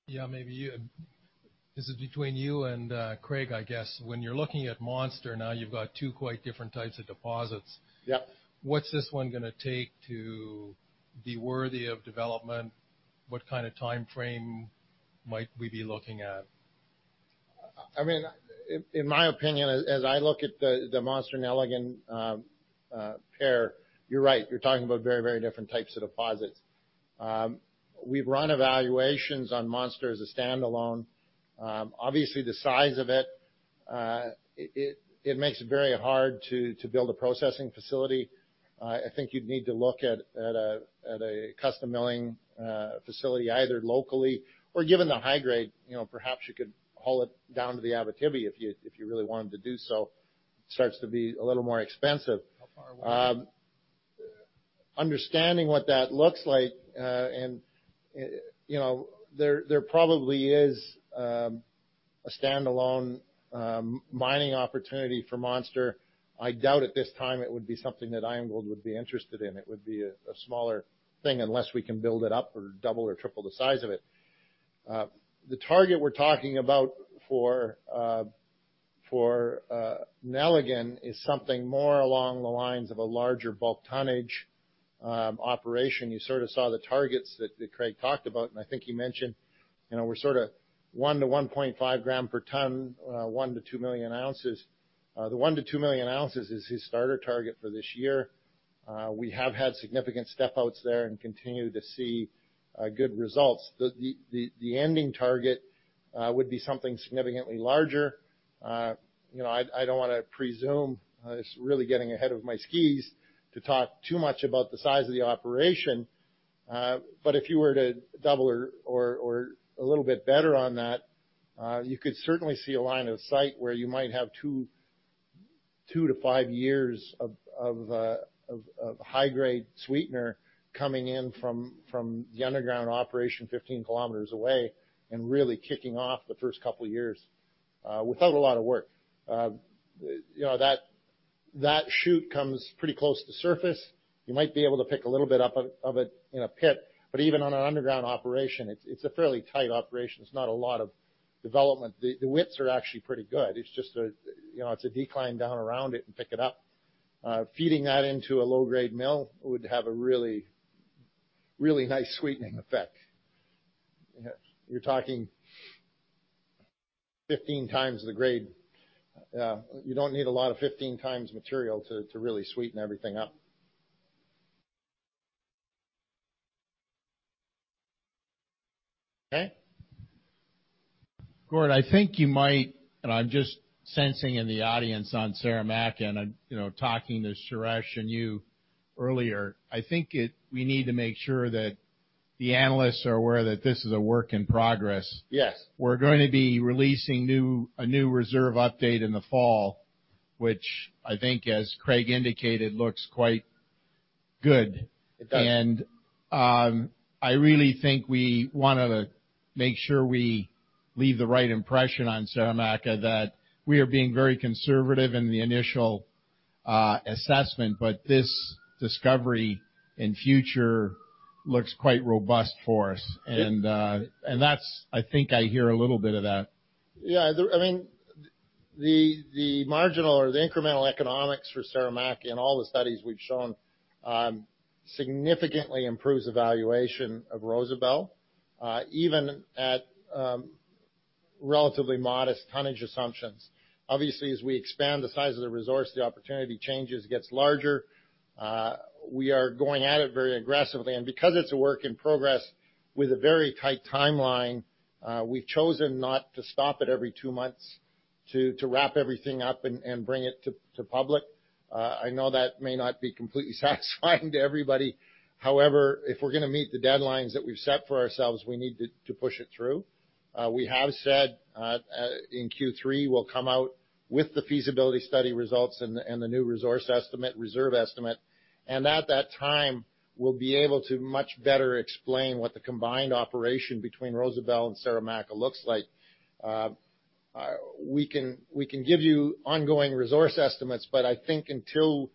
Yeah, maybe you. This is between you and Craig, I guess. When you're looking at Monster, now you've got two quite different types of deposits. Yep. What's this one going to take to be worthy of development? What kind of timeframe might we be looking at? In my opinion, as I look at the Monster-Nelligan pair, you're right. You're talking about very, very different types of deposits. We've run evaluations on Monster as a standalone. Obviously, the size of it makes it very hard to build a processing facility. I think you'd need to look at a custom milling facility, either locally or given the high grade, perhaps you could haul it down to the Abitibi if you really wanted to do so. It starts to be a little more expensive. How far away? Understanding what that looks like, there probably is a standalone mining opportunity for Monster. I doubt at this time it would be something that IAMGOLD would be interested in. It would be a smaller thing unless we can build it up or double or triple the size of it. The target we are talking about for Nelligan is something more along the lines of a larger bulk tonnage operation. You sort of saw the targets that Craig talked about. I think he mentioned we are sort of 1 to 1.5 gram per ton, 1 to 2 million ounces. The 1 to 2 million ounces is his starter target for this year. We have had significant step outs there and continue to see good results. The ending target would be something significantly larger. I do not want to presume. It is really getting ahead of my skis to talk too much about the size of the operation. If you were to double or a little bit better on that, you could certainly see a line of sight where you might have 2 to 5 years of high-grade sweetener coming in from the underground operation 15 kilometers away and really kicking off the first couple of years without a lot of work. That chute comes pretty close to surface. You might be able to pick a little bit up of it in a pit, but even on an underground operation, it is a fairly tight operation. It is not a lot of development. The widths are actually pretty good. It is a decline down around it and pick it up. Feeding that into a low-grade mill would have a really nice sweetening effect. You are talking 15 times the grade. You do not need a lot of 15 times material to really sweeten everything up. Okay? Gordon, I think you might. I am just sensing in the audience on Saramacca. Talking to Suresh and you earlier, I think we need to make sure that the analysts are aware that this is a work in progress. Yes. We're going to be releasing a new reserve update in the fall, which I think, as Craig indicated, looks quite good. It does. I really think we want to make sure we leave the right impression on Saramacca that we are being very conservative in the initial assessment, but this discovery in future looks quite robust for us. That's, I think I hear a little bit of that. Yeah. The marginal or the incremental economics for Saramacca and all the studies we've shown significantly improves the valuation of Rosebel, even at relatively modest tonnage assumptions. Obviously, as we expand the size of the resource, the opportunity changes, gets larger. We are going at it very aggressively. Because it's a work in progress with a very tight timeline, we've chosen not to stop it every two months to wrap everything up and bring it to public. I know that may not be completely satisfying to everybody. However, if we're going to meet the deadlines that we've set for ourselves, we need to push it through. We have said in Q3, we'll come out with the feasibility study results and the new resource estimate, reserve estimate, and at that time, we'll be able to much better explain what the combined operation between Rosebel and Saramacca looks like. We can give you ongoing resource estimates, but I think until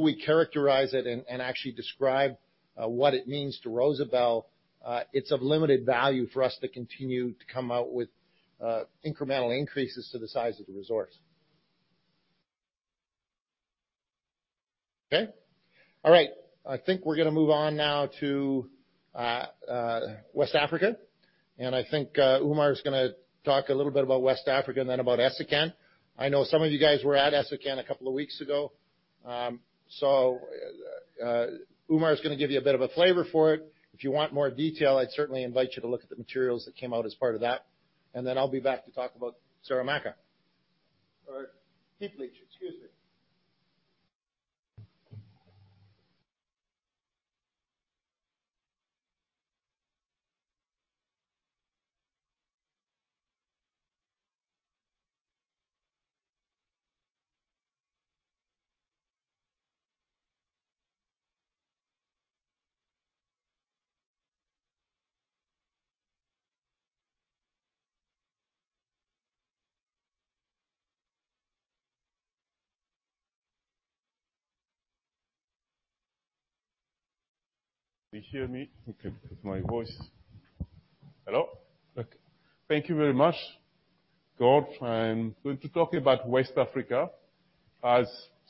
we characterize it and actually describe what it means to Rosebel, it's of limited value for us to continue to come out with incremental increases to the size of the resource. Okay? All right. I think Oumar is going to talk a little bit about West Africa and then about Essakane. I know some of you guys were at Essakane a couple of weeks ago. Oumar is going to give you a bit of a flavor for it. If you want more detail, I'd certainly invite you to look at the materials that came out as part of that, and then I'll be back to talk about Saramacca. Heap leach, excuse me. Can you hear me? Okay. My voice. Hello. Okay. Thank you very much, Gord. I'm going to talk about West Africa. As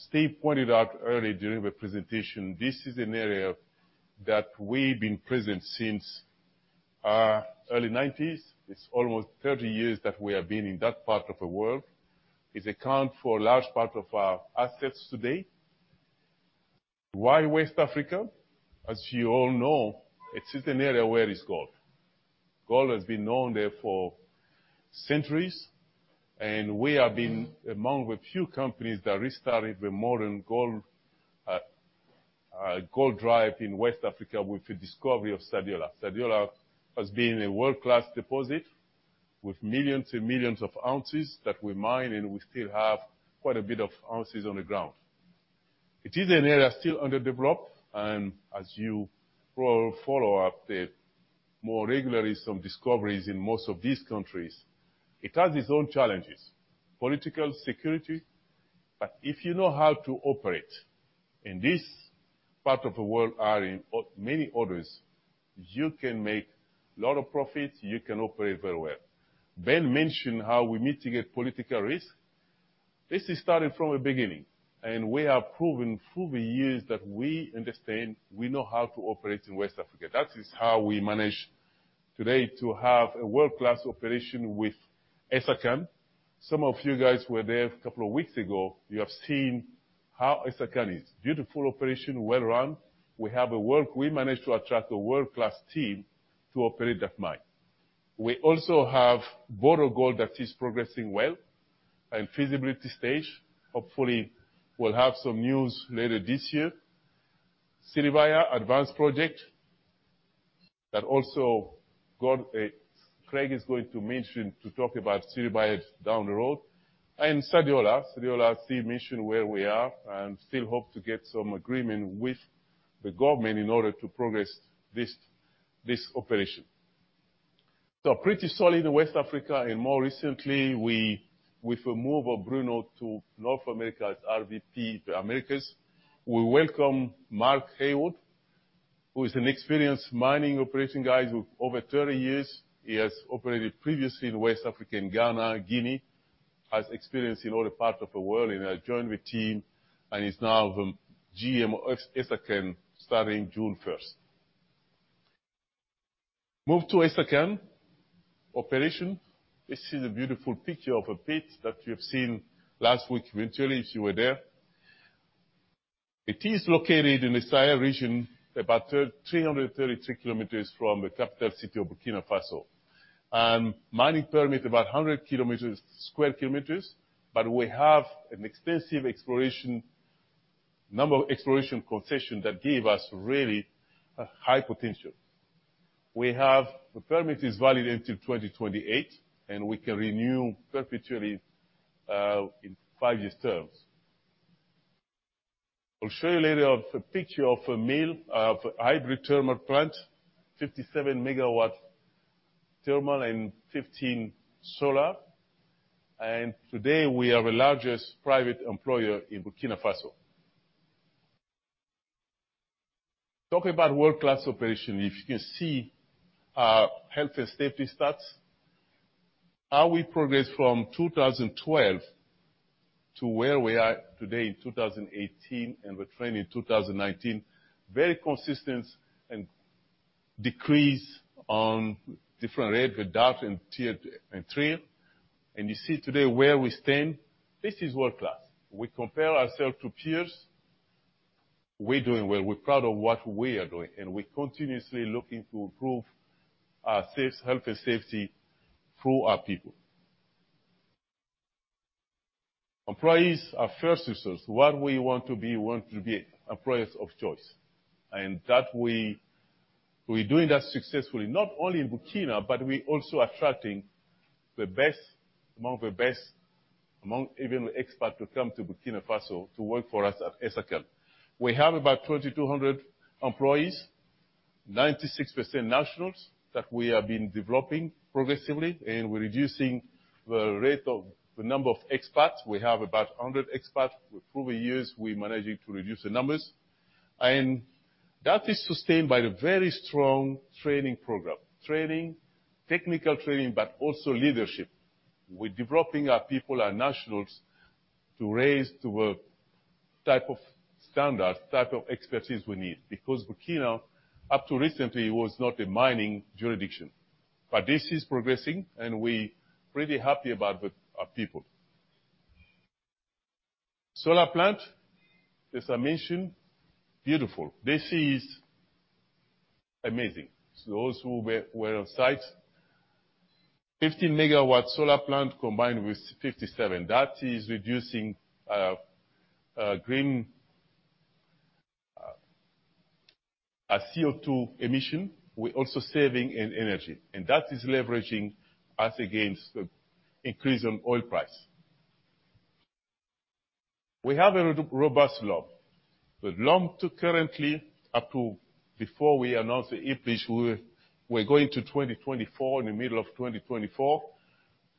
Steven pointed out earlier during the presentation, this is an area that we've been present since early 1990s. It's almost 30 years that we have been in that part of the world. It accounts for a large part of our assets today. Why West Africa? As you all know, it is an area where there's gold. Gold has been known there for centuries, and we have been among the few companies that restarted the modern gold drive in West Africa with the discovery of Sadiola. Sadiola has been a world-class deposit with millions and millions of ounces that we mine, and we still have quite a bit of ounces on the ground. It is an area still underdeveloped, and as you follow up the more regular discoveries in most of these countries, it has its own challenges, political, security. If you know how to operate in this part of the world or in many others, you can make a lot of profit, you can operate very well. Ben mentioned how we mitigate political risk. This started from the beginning, and we have proven through the years that we understand, we know how to operate in West Africa. That is how we manage today to have a world-class operation with Essakane. Some of you guys were there a couple of weeks ago. You have seen how Essakane is. Beautiful operation, well-run. We managed to attract a world-class team to operate that mine. We also have Boto Gold that is progressing well in feasibility stage. Hopefully, we'll have some news later this year. Siribaya advanced project, that also Craig is going to mention to talk about Siribaya down the road. Sadiola you see mentioned where we are, and still hope to get some agreement with the government in order to progress this operation. Pretty solid in West Africa, and more recently, with the move of Bruno to North America as RVP Americas, we welcome Mark Haywood, who is an experienced mining operation guy with over 30 years. He has operated previously in West African, Ghana, Guinea, has experience in other parts of the world, and has joined the team, and is now the GM of Essakane starting June 1st. Move to Essakane operation. This is a beautiful picture of a pit that you have seen last week virtually if you were there. It is located in the Sayah region, about 333 kilometers from the capital city of Burkina Faso. Mining permit about 100 sq km, but we have an extensive exploration, number of exploration concessions that give us a really high potential. The permit is valid until 2028, and we can renew perpetually in five-year terms. I'll show you later a picture of a mill, of a hybrid thermal plant, 57 MW thermal and 15 MW solar. Today, we are the largest private employer in Burkina Faso. Talk about world-class operation. If you can see our health and safety stats, how we progress from 2012 to where we are today in 2018 and returning in 2019, very consistent and decrease on different rate with death and tier and tier. You see today where we stand. This is world-class. We compare ourselves to peers. We're doing well. We're proud of what we are doing, and we're continuously looking to improve our health and safety through our people. Employees are first resource. What we want to be, we want to be employers of choice. That we're doing that successfully, not only in Burkina, but we're also attracting the best among the best, among even the expert to come to Burkina Faso to work for us at Essakane. We have about 2,200 employees, 96% nationals that we have been developing progressively, and we're reducing the number of expats. We have about 100 expats. Through the years, we're managing to reduce the numbers. That is sustained by the very strong training program. Training, technical training, but also leadership. We're developing our people, our nationals to raise to a type of standard, type of expertise we need. Because Burkina, up to recently, was not a mining jurisdiction. This is progressing, and we're pretty happy about our people. Solar plant, as I mentioned, beautiful. This is amazing. Those who were on site, 50 MW solar plant combined with 57 MW. That is reducing our CO2 emissions. We're also saving in energy. That is leveraging us against the increase on oil price. We have a robust life. The life to currently, up to before we announced the heap leach, we're going to 2024, in the middle of 2024.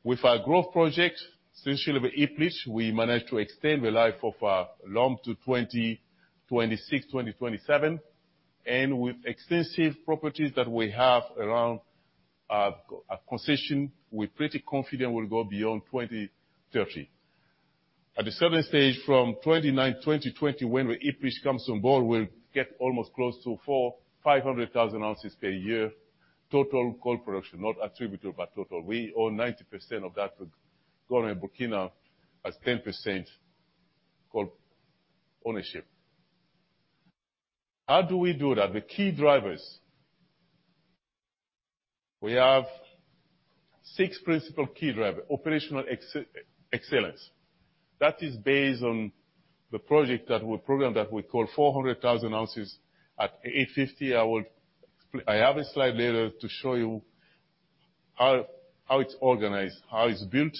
With our growth project, since heap leach, we managed to extend the life of our life to 2026, 2027. With extensive properties that we have around our concession, we're pretty confident we'll go beyond 2030. At a certain stage from 2029, 2020, when heap leach comes on board, we'll get almost close to 400,000, 500,000 ounces per year total gold production. Not attributable, but total. We own 90% of that. Burkina has 10% gold ownership. How do we do that? The key drivers. We have 6 principal key drivers. Operational excellence. That is based on the program that we call 400,000 ounces at 850. I have a slide later to show you how it's organized, how it's built.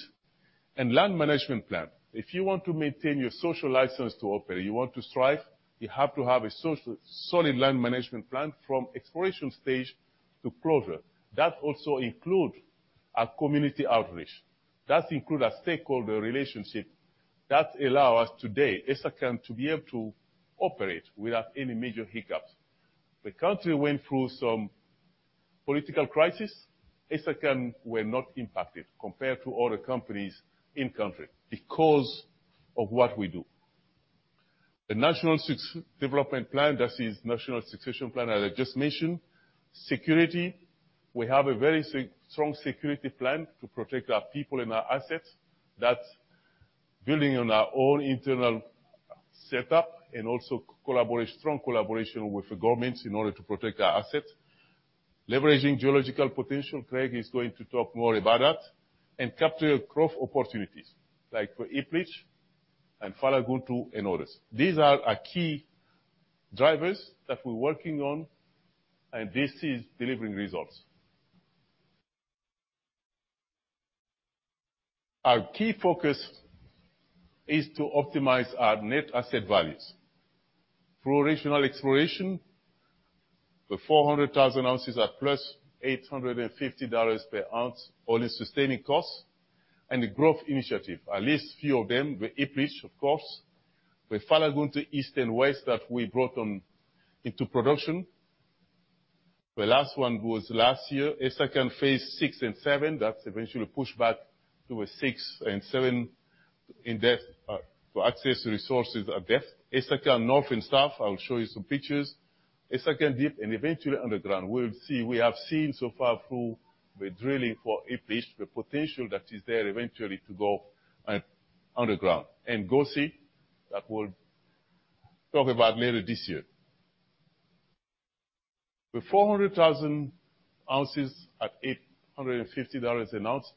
Land management plan. If you want to maintain your social license to operate, you want to strive, you have to have a solid land management plan from exploration stage to closure. That also includes our community outreach. That includes our stakeholder relationship. That allow us today, Essakane, to be able to operate without any major hiccups. The country went through some political crisis. Essakane were not impacted compared to other companies in country because of what we do. The National Success Development Plan, that is national succession plan, as I just mentioned. Security. We have a very strong security plan to protect our people and our assets. That's building on our own internal setup and also strong collaboration with the governments in order to protect our assets. Leveraging geological potential. Craig is going to talk more about that. Capturing growth opportunities like for heap leach and Falagountou and others. These are our key drivers that we're working on, and this is delivering results. Our key focus is to optimize our net asset values through regional exploration, the 400,000 ounces at plus 850 dollars per ounce, all-in sustaining costs, and the growth initiative. I list a few of them. The heap leach, of course. The Falagountou East and West that we brought into production. The last one was last year, Essakane phase 6 and 7. That's eventually pushed back to a 6 and 7 for access to resources at depth. Essakane North and South, I'll show you some pictures. Essakane Deep and eventually underground. We have seen so far through the drilling for heap leach, the potential that is there eventually to go underground. Gosse, that we'll talk about later this year. The 400,000 ounces at 850 dollars an ounce.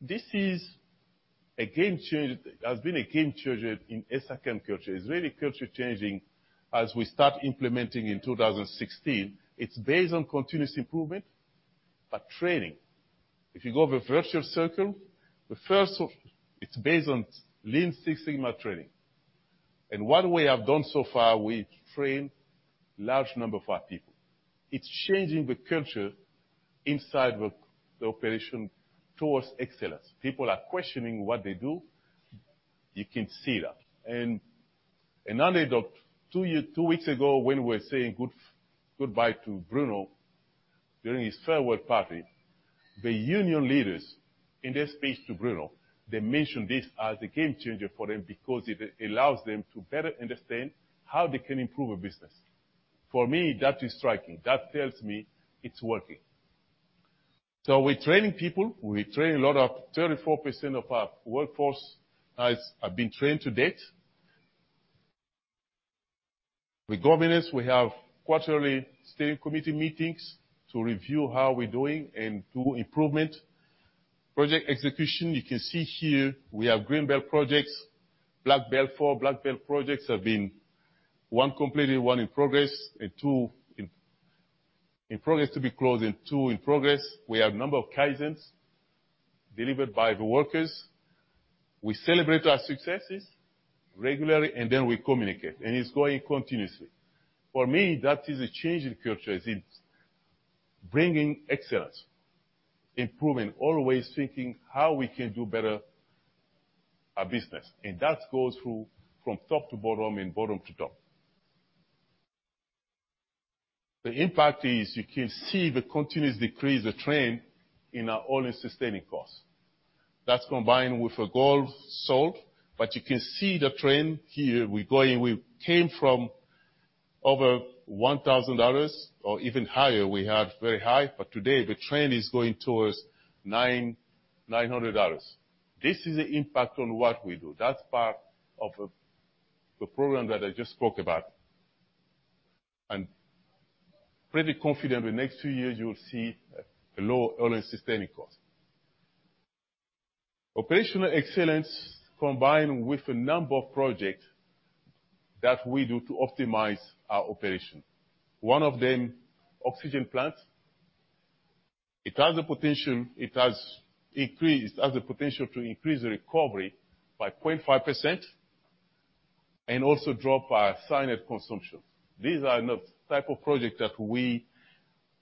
This has been a game changer in Essakane culture. It's really culture changing as we start implementing in 2016. It's based on continuous improvement, but training. If you go over virtual circle, it's based on Lean Six Sigma training. What we have done so far, we've trained large number of our people. It's changing the culture inside the operation towards excellence. People are questioning what they do. You can see that. An anecdote, two weeks ago when we were saying goodbye to Bruno during his farewell party, the union leaders, in their speech to Bruno, they mentioned this as a game changer for them because it allows them to better understand how they can improve a business. For me, that is striking. That tells me it's working. We're training people. We train a lot. 34% of our workforce have been trained to date. With governance, we have quarterly steering committee meetings to review how we're doing and do improvement. Project execution, you can see here we have Green Belt projects. Black Belt four, Black Belt projects have been one completed, one in progress, and two in progress to be closed and two in progress. We have a number of Kaizens delivered by the workers. We celebrate our successes regularly, and then we communicate. It's going continuously. For me, that is a change in culture, is it's bringing excellence, improving, always thinking how we can do better our business. That goes from top to bottom and bottom to top. The impact is you can see the continuous decrease, the trend, in our all-in sustaining costs. That's combined with a gold sold. You can see the trend here. We came from over 1,000 dollars, or even higher. We had very high, but today the trend is going towards 900 dollars. This is the impact on what we do. That's part of the program that I just spoke about. I'm pretty confident the next two years, you will see a low all-in sustaining cost. Operational excellence combined with a number of projects that we do to optimize our operation. One of them, oxygen plant. It has the potential to increase the recovery by 0.5% and also drop our cyanide consumption. These are the type of projects that we're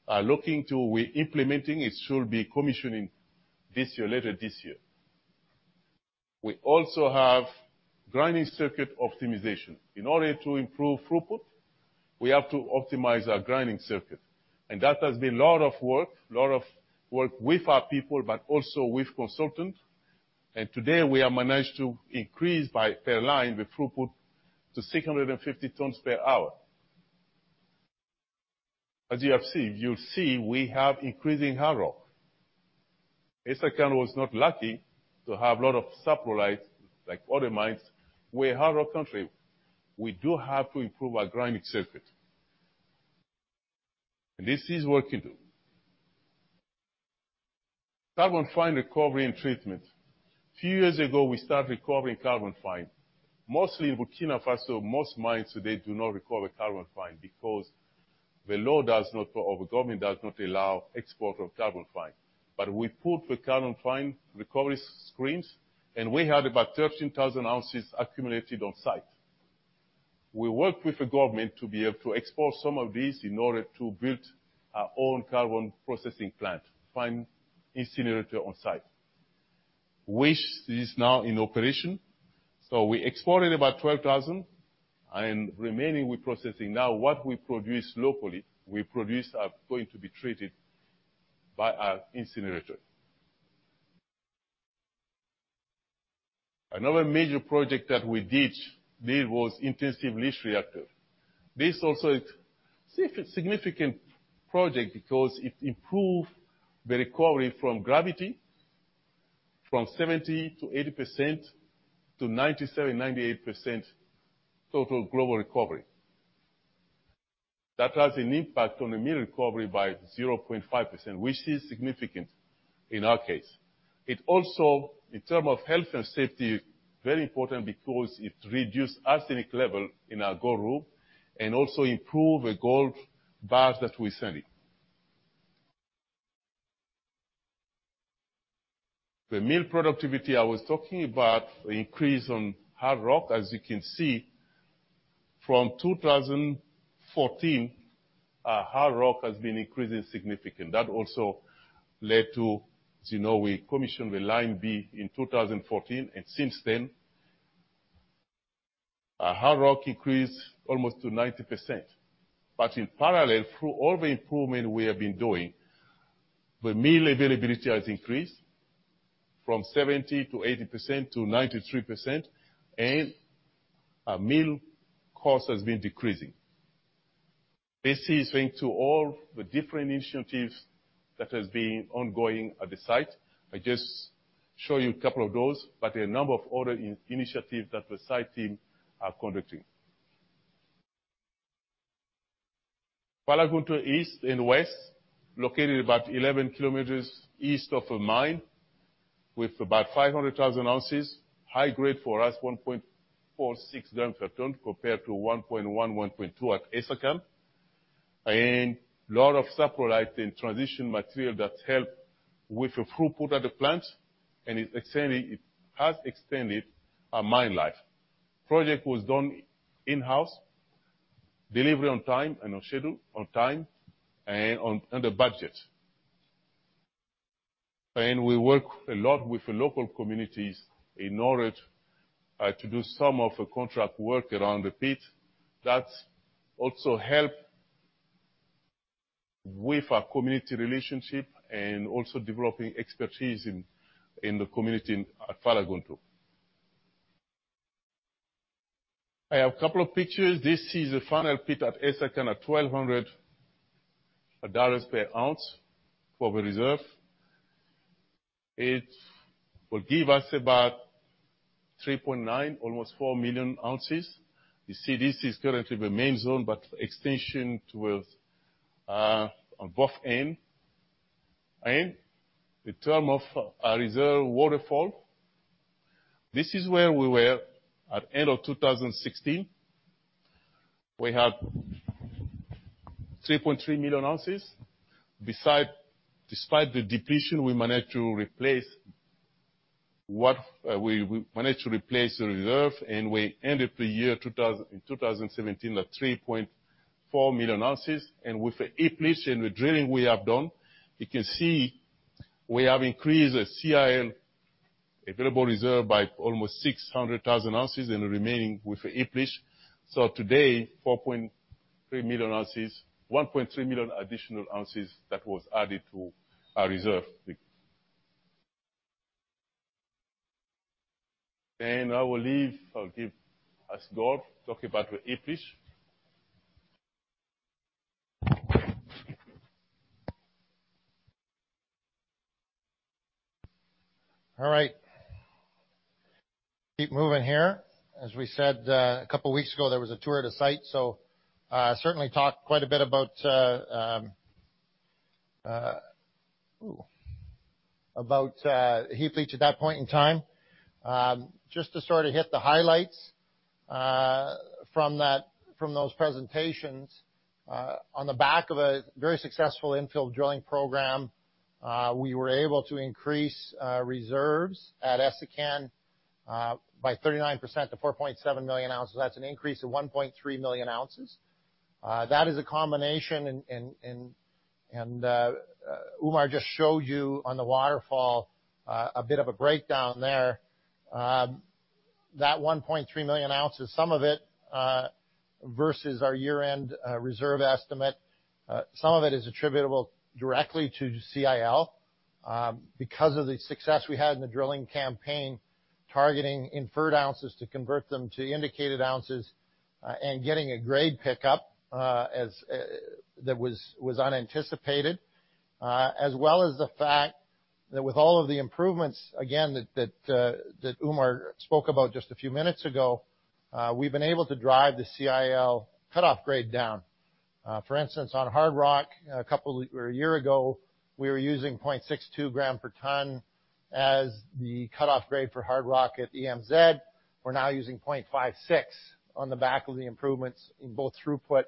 implementing. It should be commissioning this year, later this year. We also have grinding circuit optimization. In order to improve throughput, we have to optimize our grinding circuit. That has been lot of work, lot of work with our people, but also with consultants. Today, we have managed to increase by per line the throughput to 650 tons per hour. As you have seen, you'll see we have increasing hard rock. Essakane was not lucky to have lot of saprolite like other mines. We're a hard rock country. We do have to improve our grinding circuit. This is work in do. Carbon fine recovery and treatment. Few years ago, we start recovering carbon fine. Mostly in Burkina Faso, most mines today do not recover carbon fine because the law does not, or the government does not allow export of carbon fine. We put the carbon fine recovery screens, and we had about 13,000 ounces accumulated on site. We work with the government to be able to export some of these in order to build our own carbon processing plant, fine incinerator on site. Which is now in operation. We exported about 12,000, and remaining we're processing now what we produce locally. We produce are going to be treated by our incinerator. Another major project that we did was intensive leach reactor. This also is significant project because it improved the recovery from gravity from 70%-80% to 97%, 98% total global recovery. That has an impact on the mill recovery by 0.5%, which is significant in our case. It also, in term of health and safety, very important because it reduced arsenic level in our gold ore, and also improved the gold bars that we're selling. The mill productivity I was talking about, the increase on hard rock, as you can see, from 2014, our hard rock has been increasing significant. That also led to, as you know, we commissioned the line B in 2014, and since then our hard rock increased almost to 90%. In parallel, through all the improvement we have been doing, the mill availability has increased from 70%-80% to 93%, and our mill cost has been decreasing. This is thanks to all the different initiatives that has been ongoing at the site. I just show you a couple of those, but there are a number of other initiatives that the site team are conducting. Falagountou East and West, located about 11 kilometers east of the mine, with about 500,000 ounces. High grade for us, 1.46 grams per ton compared to 1.1.2 at Essakane. Lot of sulfurite and transition material that help with the throughput at the plant, and it has extended our mine life. Project was done in-house, delivery on time and on schedule, on time and under budget. We work a lot with the local communities in order to do some of the contract work around the pit. That also help with our community relationship and also developing expertise in the community at Falagountou. I have a couple of pictures. This is the final pit at Essakane at 1,200 dollars per ounce for the reserve. It will give us about 3.9, almost four million ounces. You see this is currently the main zone, but extension towards on both end. In terms of our reserve waterfall, this is where we were at end of 2016. We had 3.3 million ounces. Despite the depletion, we managed to replace the reserve, and we ended the year in 2017 at 3.4 million ounces. With the depletion, the drilling we have done, you can see we have increased the CIL available reserve by almost 600,000 ounces and remaining with the heap leach. Today, 4.7 million ounces, 1.3 million additional ounces that was added to our reserve. I will leave, I'll give to Gord, talk about the heap leach. All right. Keep moving here. As we said, a couple of weeks ago, there was a tour of the site, so certainly talked quite a bit about heap leach at that point in time. Just to hit the highlights from those presentations, on the back of a very successful infill drilling program, we were able to increase reserves at Essakane by 39% to 4.7 million ounces. That's an increase of 1.3 million ounces. That is a combination, and Oumar just showed you on the waterfall, a bit of a breakdown there. That 1.3 million ounces, some of it versus our year-end reserve estimate, some of it is attributable directly to CIL. Because of the success we had in the drilling campaign, targeting inferred ounces to convert them to indicated ounces, and getting a grade pickup, that was unanticipated. As well as the fact that with all of the improvements, again, that Oumar spoke about just a few minutes ago, we've been able to drive the CIL cut-off grade down. For instance, on hard rock, a year ago, we were using 0.62 gram per tonne as the cut-off grade for hard rock at EMZ. We're now using 0.56 on the back of the improvements in both throughput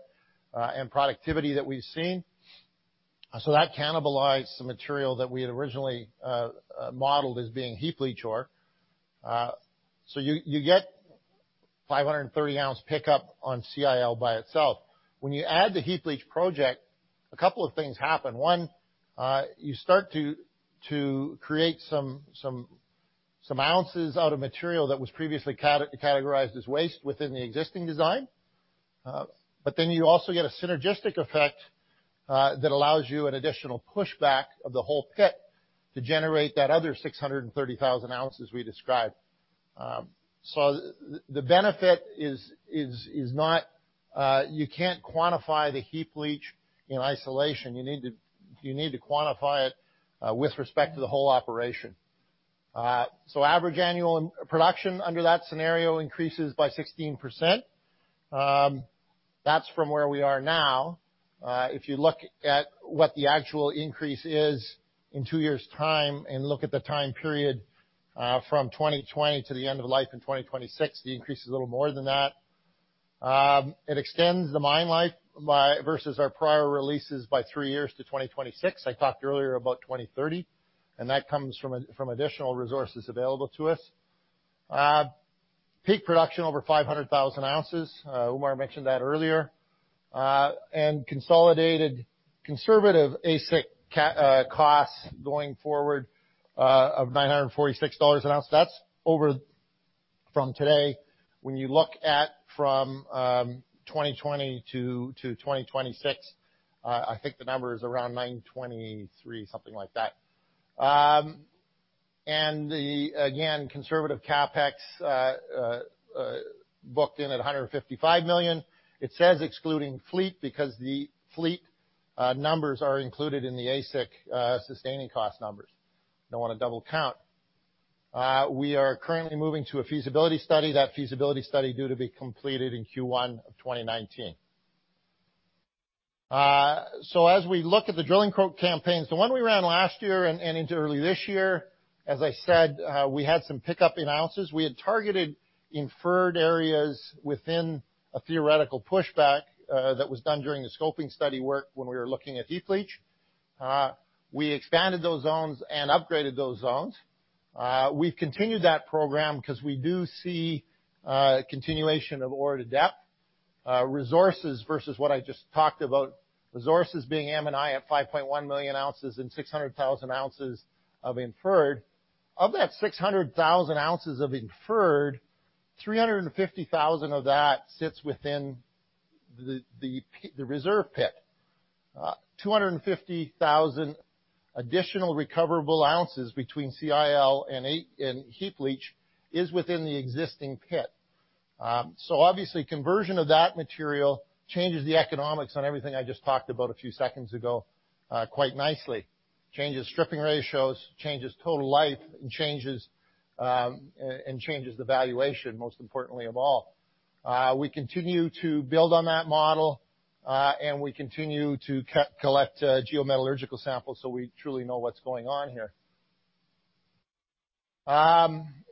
and productivity that we've seen. That cannibalized some material that we had originally modeled as being heap leach ore. You get 530-ounce pickup on CIL by itself. When you add the heap leach project, a couple of things happen. One, you start to create some ounces out of material that was previously categorized as waste within the existing design. You also get a synergistic effect, that allows you an additional pushback of the whole pit to generate that other 630,000 ounces we described. The benefit is you can't quantify the heap leach in isolation. You need to quantify it with respect to the whole operation. Average annual production under that scenario increases by 16%. That's from where we are now. If you look at what the actual increase is in two years' time and look at the time period, from 2020 to the end of life in 2026, the increase is a little more than that. It extends the mine life versus our prior releases by three years to 2026. I talked earlier about 2030. That comes from additional resources available to us. Peak production over 500,000 ounces. Oumar mentioned that earlier. Consolidated conservative AISC costs going forward, of 946 dollars an ounce. That's over from today. When you look at from 2020 to 2026, I think the number is around 923, something like that. Again, conservative CapEx, booked in at 155 million. It says excluding fleet because the fleet numbers are included in the AISC sustaining cost numbers. Don't want to double count. We are currently moving to a feasibility study. That feasibility study due to be completed in Q1 of 2019. As we look at the drilling campaigns, the one we ran last year and into early this year, as I said, we had some pickup in ounces. We had targeted inferred areas within a theoretical pushback that was done during the scoping study work when we were looking at heap leach. We expanded those zones and upgraded those zones. We've continued that program because we do see a continuation of ore to depth. Resources versus what I just talked about, resources being M&I at 5.1 million ounces and 600,000 ounces of inferred. Of that 600,000 ounces of inferred, 350,000 of that sits within the reserve pit. 250,000 additional recoverable ounces between CIL and heap leach is within the existing pit. Obviously, conversion of that material changes the economics on everything I just talked about a few seconds ago, quite nicely. Changes stripping ratios, changes total life, and changes the valuation, most importantly of all. We continue to build on that model, and we continue to collect geometallurgical samples so we truly know what's going on here.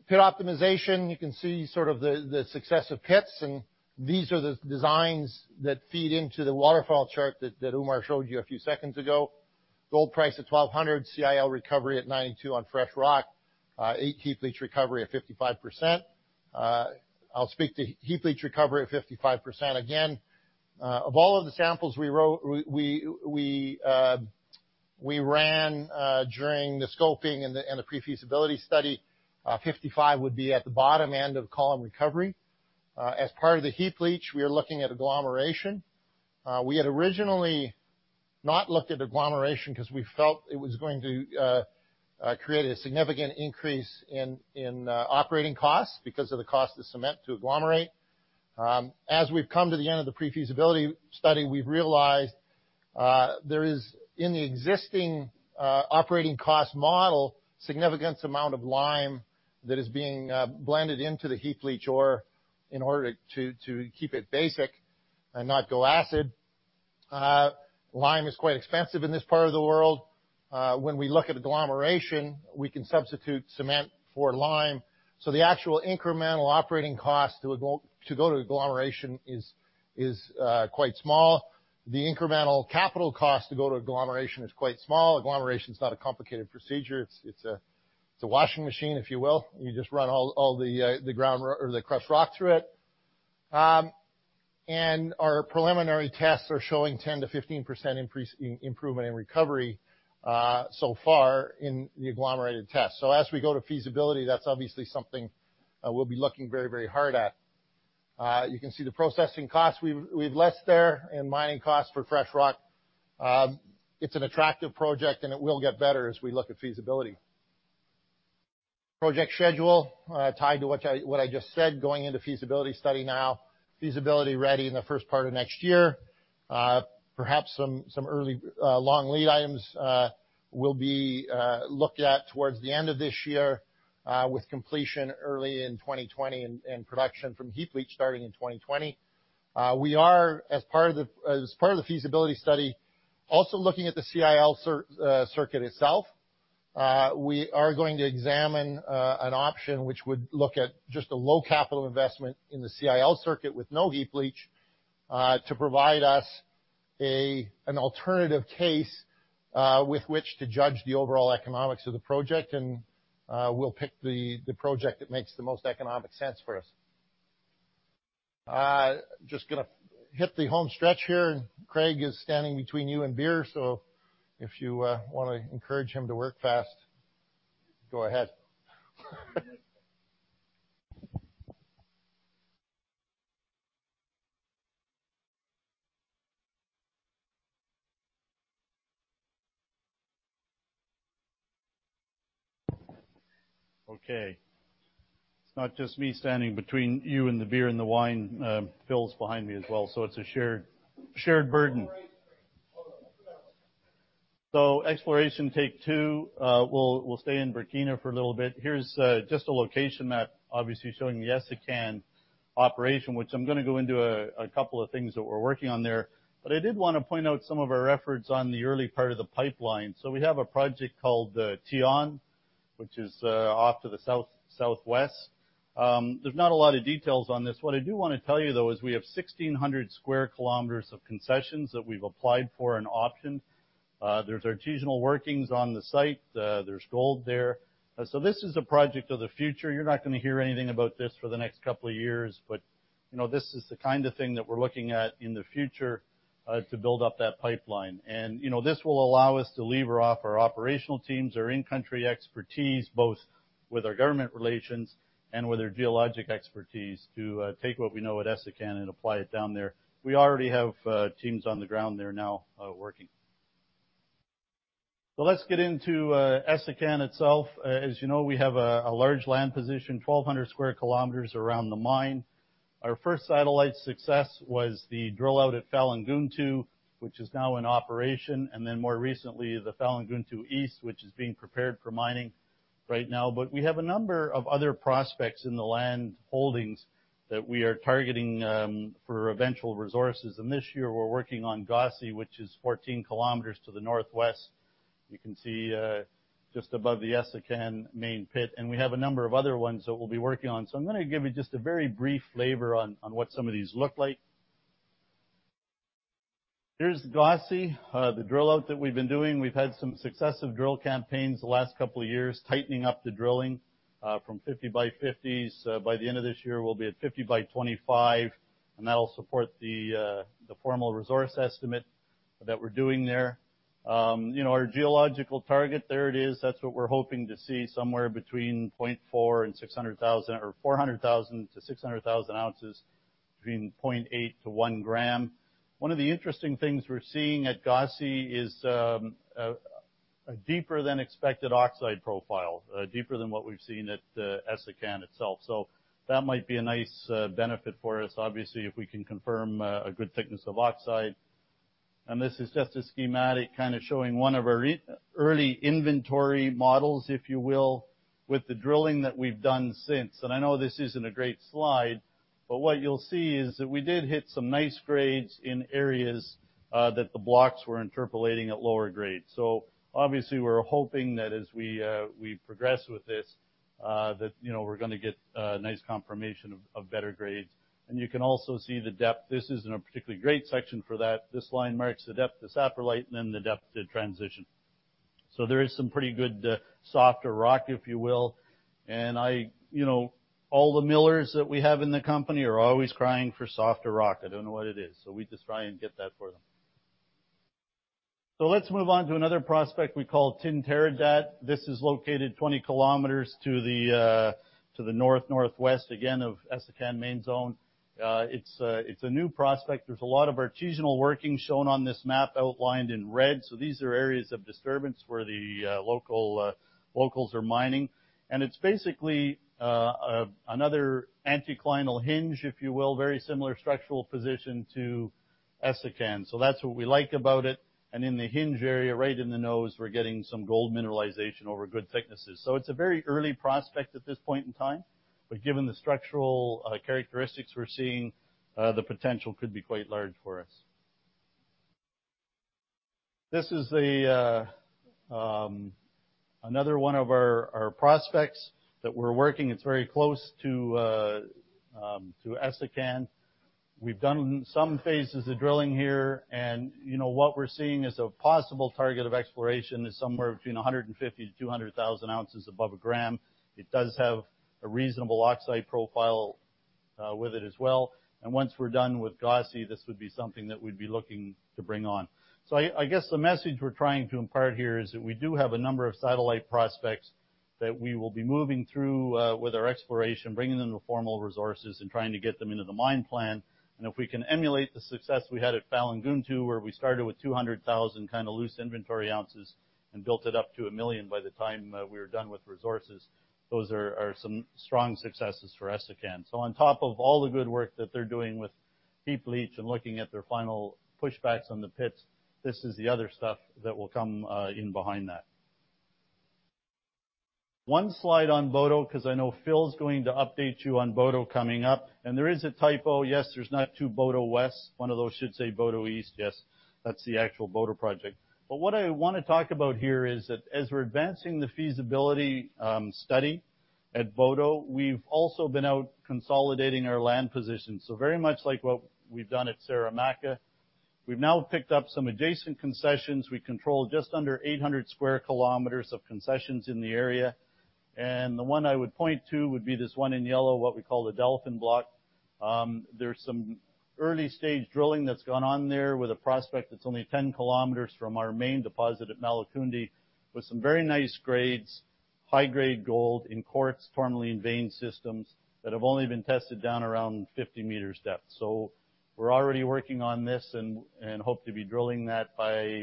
Pit optimization, you can see the success of pits, and these are the designs that feed into the waterfall chart that Oumar showed you a few seconds ago. Gold price at $1,200, CIL recovery at 92% on fresh rock, heap leach recovery at 55%. I'll speak to heap leach recovery at 55% again. Of all of the samples we ran during the scoping and the pre-feasibility study, 55% would be at the bottom end of column recovery. As part of the heap leach, we are looking at agglomeration. We had originally not looked at agglomeration because we felt it was going to create a significant increase in operating costs because of the cost of cement to agglomerate. As we've come to the end of the pre-feasibility study, we've realized there is, in the existing operating cost model, significant amount of lime that is being blended into the heap leach ore in order to keep it basic and not go acid. Lime is quite expensive in this part of the world. When we look at agglomeration, we can substitute cement for lime, the actual incremental operating cost to go to agglomeration is quite small. The incremental capital cost to go to agglomeration is quite small. Agglomeration is not a complicated procedure. It's a washing machine, if you will. You just run all the crushed rock through it. Our preliminary tests are showing 10%-15% improvement in recovery so far in the agglomerated test. As we go to feasibility, that's obviously something we'll be looking very hard at. You can see the processing cost we've lessed there and mining cost for fresh rock. It's an attractive project, and it will get better as we look at feasibility. Project schedule, tied to what I just said, going into feasibility study now. Feasibility ready in the first part of next year. Perhaps some early long lead items will be looked at towards the end of this year, with completion early in 2020, and production from heap leach starting in 2020. We are, as part of the feasibility study, also looking at the CIL circuit itself. We are going to examine an option which would look at just a low capital investment in the CIL circuit with no heap leach, to provide us an alternative case with which to judge the overall economics of the project. We'll pick the project that makes the most economic sense for us. Going to hit the home stretch here. Craig is standing between you and beer, so if you want to encourage him to work fast, go ahead. Okay. It's not just me standing between you and the beer and the wine. Phil's behind me as well, so it's a shared burden. Exploration take two. We'll stay in Burkina for a little bit. Here's just a location map, obviously showing the Essakane operation, which I'm going to go into a couple of things that we're working on there. I did want to point out some of our efforts on the early part of the pipeline. We have a project called Tioun, which is off to the south-southwest. There's not a lot of details on this. What I do want to tell you, though, is we have 1,600 square kilometers of concessions that we've applied for and optioned. There's artisanal workings on the site. There's gold there. This is a project of the future. You're not going to hear anything about this for the next couple of years. This is the kind of thing that we're looking at in the future to build up that pipeline. This will allow us to lever off our operational teams, our in-country expertise, both with our government relations and with our geologic expertise, to take what we know at Essakane and apply it down there. We already have teams on the ground there now working. Let's get into Essakane itself. As you know, we have a large land position, 1,200 square kilometers around the mine. Our first satellite success was the drill out at Falagountou, which is now in operation. More recently, the Falagountou East, which is being prepared for mining right now. We have a number of other prospects in the land holdings that we are targeting for eventual resources. This year, we're working on Gosse, which is 14 kilometers to the northwest. You can see just above the Essakane Main Zone. We have a number of other ones that we'll be working on. I'm going to give you just a very brief flavor on what some of these look like. Here's Gosse, the drill out that we've been doing. We've had some successive drill campaigns the last couple of years, tightening up the drilling from 50 by 50s. By the end of this year, we'll be at 50 by 25. That'll support the formal resource estimate that we're doing there. Our geological target, there it is. That's what we're hoping to see, somewhere between 400,000 to 600,000 ounces, between 0.8 to 1 gram. One of the interesting things we're seeing at Gosse is a deeper than expected oxide profile, deeper than what we've seen at Essakane itself. That might be a nice benefit for us, obviously, if we can confirm a good thickness of oxide. This is just a schematic showing one of our early inventory models, if you will, with the drilling that we've done since. What you'll see is that we did hit some nice grades in areas that the blocks were interpolating at lower grades. Obviously, we're hoping that as we progress with this, that we're going to get a nice confirmation of better grades. You can also see the depth. This isn't a particularly great section for that. This line marks the depth to saprolite and then the depth to transition. There is some pretty good softer rock, if you will. All the millers that we have in the company are always crying for softer rock. I don't know what it is. We just try and get that for them. Let's move on to another prospect we call Tintéradé. This is located 20 kilometers to the north-northwest, again, of Essakane Main Zone. It's a new prospect. There's a lot of artisanal working shown on this map outlined in red. These are areas of disturbance where the locals are mining. It's basically another anticlinal hinge, if you will, very similar structural position to Essakane. That's what we like about it. In the hinge area, right in the nose, we're getting some gold mineralization over good thicknesses. It's a very early prospect at this point in time. Given the structural characteristics we're seeing, the potential could be quite large for us. This is another one of our prospects that we're working. It's very close to Essakane. We've done some phases of drilling here, and what we're seeing is a possible target of exploration is somewhere between 150,000 to 200,000 ounces above 1 gram. It does have a reasonable oxide profile with it as well. Once we're done with Gosse, this would be something that we'd be looking to bring on. I guess the message we're trying to impart here is that we do have a number of satellite prospects that we will be moving through with our exploration, bringing them to formal resources, and trying to get them into the mine plan. If we can emulate the success we had at Falagountou, where we started with 200,000 loose inventory ounces and built it up to 1 million by the time we were done with resources, those are some strong successes for Essakane. On top of all the good work that they're doing with heap leach and looking at their final pushbacks on the pits, this is the other stuff that will come in behind that. One slide on Boto, because I know Phil's going to update you on Boto coming up. There is a typo. Yes, there's not 2 Boto West. One of those should say Boto East. Yes, that's the actual Boto project. What I want to talk about here is that as we're advancing the feasibility study at Boto, we've also been out consolidating our land position. Very much like what we've done at Saramacca, we've now picked up some adjacent concessions. We control just under 800 sq km of concessions in the area. The one I would point to would be this one in yellow, what we call the Dalafin Block. There's some early-stage drilling that's gone on there with a prospect that's only 10 km from our main deposit at Malikoundi, with some very nice grades, high-grade gold in quartz, tourmaline vein systems that have only been tested down around 50 m depth. We're already working on this and hope to be drilling that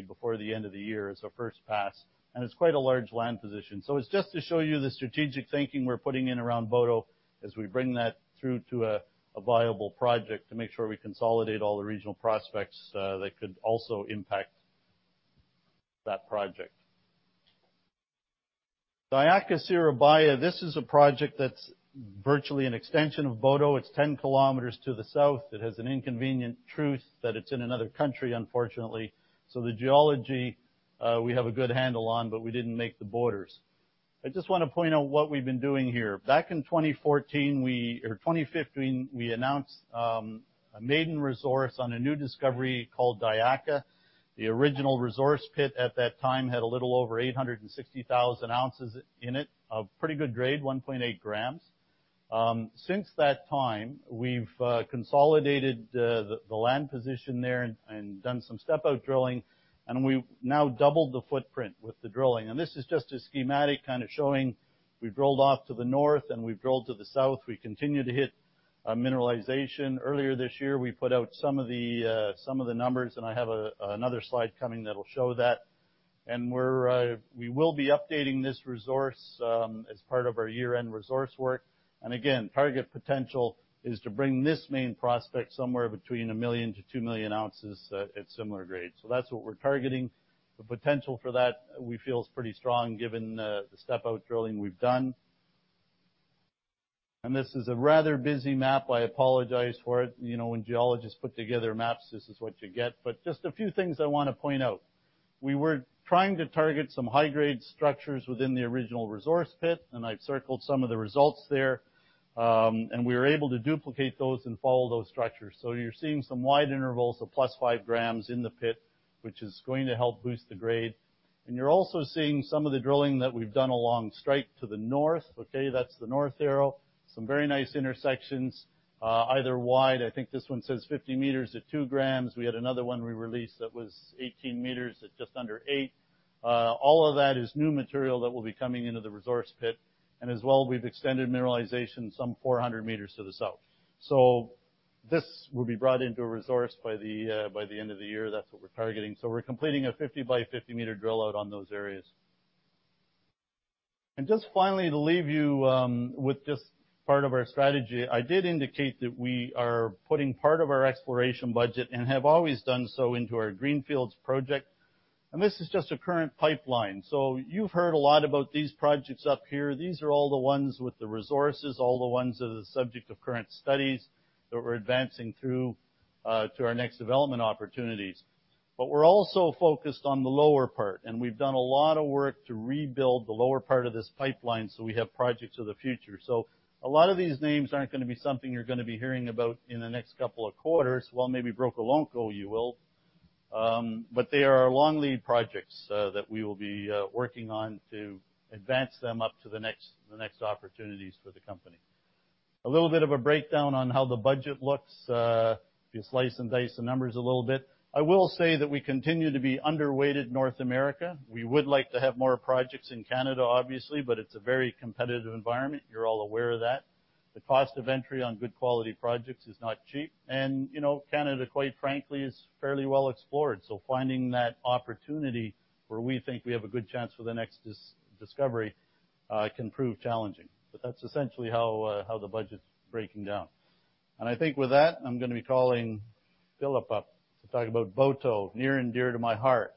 before the end of the year as a first pass. It's quite a large land position. It's just to show you the strategic thinking we're putting in around Boto as we bring that through to a viable project to make sure we consolidate all the regional prospects that could also impact that project. Diakha, Sierra Leone. This is a project that's virtually an extension of Boto. It's 10 km to the south. It has an inconvenient truth that it's in another country, unfortunately. The geology, we have a good handle on, but we didn't make the borders. I just want to point out what we've been doing here. Back in 2014 or 2015, we announced a maiden resource on a new discovery called Diakha. The original resource pit at that time had a little over 860,000 ounces in it, a pretty good grade, 1.8 grams. Since that time, we've consolidated the land position there and done some step-out drilling, and we've now doubled the footprint with the drilling. This is just a schematic showing we've drilled off to the north and we've drilled to the south. We continue to hit mineralization. Earlier this year, we put out some of the numbers, and I have another slide coming that'll show that. We will be updating this resource as part of our year-end resource work. Again, target potential is to bring this main prospect somewhere between 1 million to 2 million ounces at similar grades. That's what we're targeting. The potential for that, we feel, is pretty strong given the step-out drilling we've done. This is a rather busy map. I apologize for it. When geologists put together maps, this is what you get. Just a few things I want to point out. We were trying to target some high-grade structures within the original resource pit, and I've circled some of the results there. We were able to duplicate those and follow those structures. You're seeing some wide intervals of +5 grams in the pit, which is going to help boost the grade. You're also seeing some of the drilling that we've done along strike to the north. Okay, that's the north arrow. Some very nice intersections, either wide, I think this one says 50 m at 2 grams. We had another one we released that was 18 m at just under 8 grams. All of that is new material that will be coming into the resource pit. As well, we've extended mineralization some 400 m to the south. This will be brought into a resource by the end of the year. That's what we're targeting. We're completing a 50 by 50-meter drill out on those areas. Just finally, to leave you with just part of our strategy, I did indicate that we are putting part of our exploration budget, and have always done so, into our Greenfields project. This is just a current pipeline. You've heard a lot about these projects up here. These are all the ones with the resources, all the ones that are the subject of current studies that we're advancing through to our next development opportunities. We're also focused on the lower part, and we've done a lot of work to rebuild the lower part of this pipeline so we have projects of the future. A lot of these names aren't going to be something you're going to be hearing about in the next couple of quarters. Well, maybe Brokolonko you will. They are long lead projects that we will be working on to advance them up to the next opportunities for the company. A little bit of a breakdown on how the budget looks, if you slice and dice the numbers a little bit. I will say that we continue to be underweighted North America. We would like to have more projects in Canada, obviously, but it's a very competitive environment. You're all aware of that. The cost of entry on good quality projects is not cheap, and Canada, quite frankly, is fairly well explored. Finding that opportunity where we think we have a good chance for the next discovery can prove challenging. That's essentially how the budget's breaking down. I think with that, I'm going to be calling Philip up to talk about Boto, near and dear to my heart.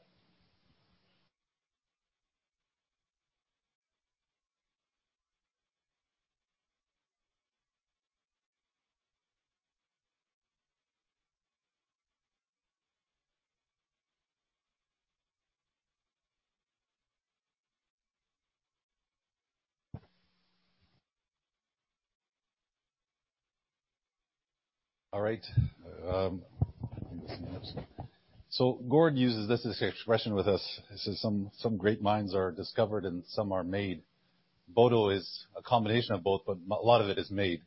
All right. Gord uses this expression with us. He says some great minds are discovered, and some are made. Boto is a combination of both, but a lot of it is made.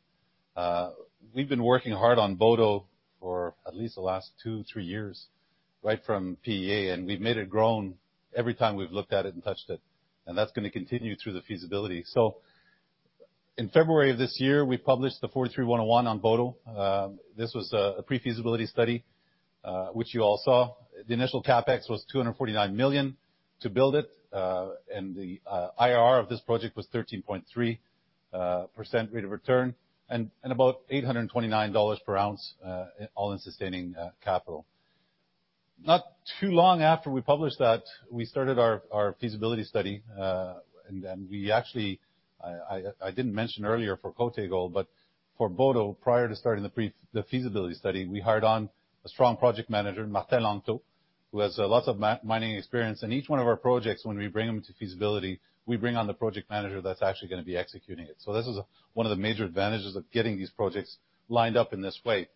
We've been working hard on Boto for at least the last two, three years, right from PEA, and we've made it grown every time we've looked at it and touched it, and that's going to continue through the feasibility. In February of this year, we published the National Instrument 43-101 on Boto. This was a pre-feasibility study, which you all saw. The initial CapEx was 249 million to build it, and the IRR of this project was 13.3% rate of return and about 829 dollars per ounce, all in sustaining capital. Not too long after we published that, we started our feasibility study. We actually I didn't mention earlier for Côté Gold, but for Boto, prior to starting the feasibility study, we hired on a strong project manager, Martin Anto, who has lots of mining experience. In each one of our projects, when we bring them to feasibility, we bring on the project manager that's actually going to be executing it. This is one of the major advantages of getting these projects lined up in this way.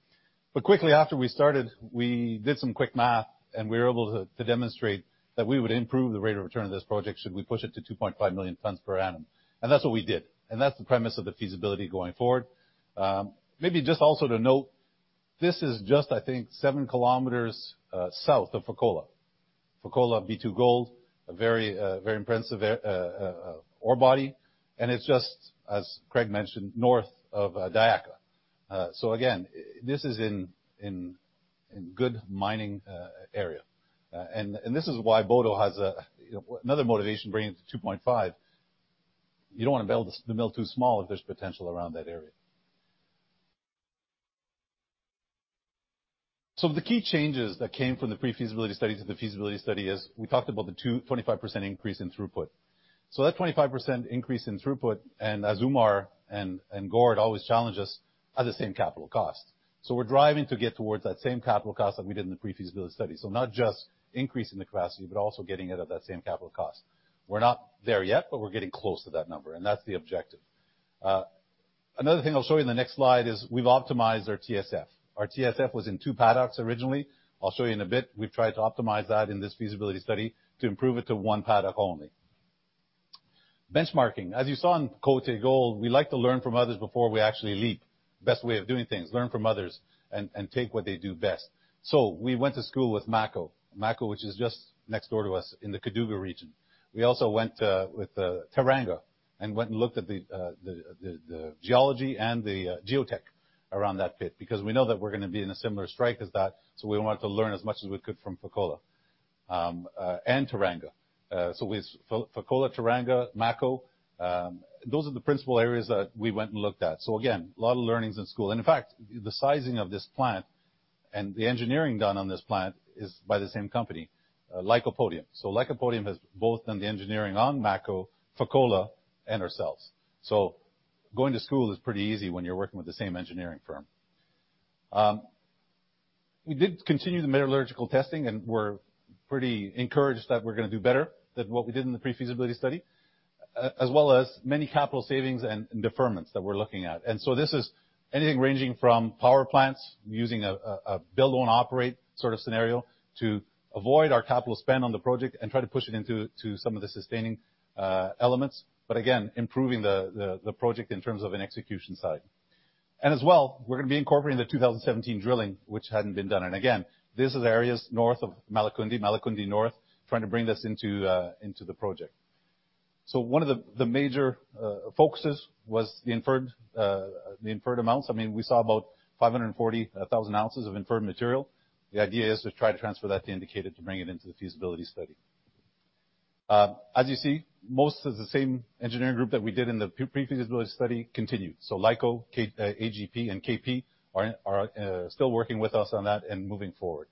Quickly after we started, we did some quick math, and we were able to demonstrate that we would improve the rate of return of this project should we push it to 2.5 million tons per annum. That's what we did. That's the premise of the feasibility going forward. Maybe just also to note, this is just I think, 7 kilometers south of Fekola. Fekola B2Gold, a very impressive ore body, and it's just, as Craig mentioned, north of Diakha. Again, this is in good mining area. This is why Boto has another motivation bringing it to 2.5. You don't want to build the mill too small if there's potential around that area. The key changes that came from the pre-feasibility study to the feasibility study is we talked about the 25% increase in throughput. That 25% increase in throughput, and as Umar and Gord always challenge us, at the same capital cost. We're driving to get towards that same capital cost that we did in the pre-feasibility study. Not just increasing the capacity, but also getting it at that same capital cost. We're not there yet, but we're getting close to that number, and that's the objective. Another thing I'll show you in the next slide is we've optimized our TSF. Our TSF was in 2 paddocks originally. I'll show you in a bit. We've tried to optimize that in this feasibility study to improve it to 1 paddock only. Benchmarking. As you saw in Côté Gold, we like to learn from others before we actually leap. Best way of doing things, learn from others and take what they do best. We went to school with Mako. Mako, which is just next door to us in the Kédougou region. We also went with Teranga and went and looked at the geology and the geotech around that pit because we know that we're going to be in a similar strike as that, we wanted to learn as much as we could from Fekola and Teranga. With Fekola, Teranga, Mako, those are the principal areas that we went and looked at. Again, a lot of learnings in school. In fact, the sizing of this plant and the engineering done on this plant is by the same company, Lycopodium. Lycopodium has both done the engineering on Mako, Fekola, and ourselves. Going to school is pretty easy when you're working with the same engineering firm. We did continue the metallurgical testing, and we're pretty encouraged that we're going to do better than what we did in the pre-feasibility study, as well as many capital savings and deferments that we're looking at. This is anything ranging from power plants using a build, own, operate sort of scenario to avoid our capital spend on the project and try to push it into some of the sustaining elements. Again, improving the project in terms of an execution side. As well, we're going to be incorporating the 2017 drilling, which hadn't been done. Again, this is areas north of Malikoundi North, trying to bring this into the project. One of the major focuses was the inferred amounts. I mean, we saw about 540,000 ounces of inferred material. The idea is to try to transfer that to indicated to bring it into the feasibility study. As you see, most of the same engineering group that we did in the pre-feasibility study continued. Lyco, AGP, and KP are still working with us on that and moving forward.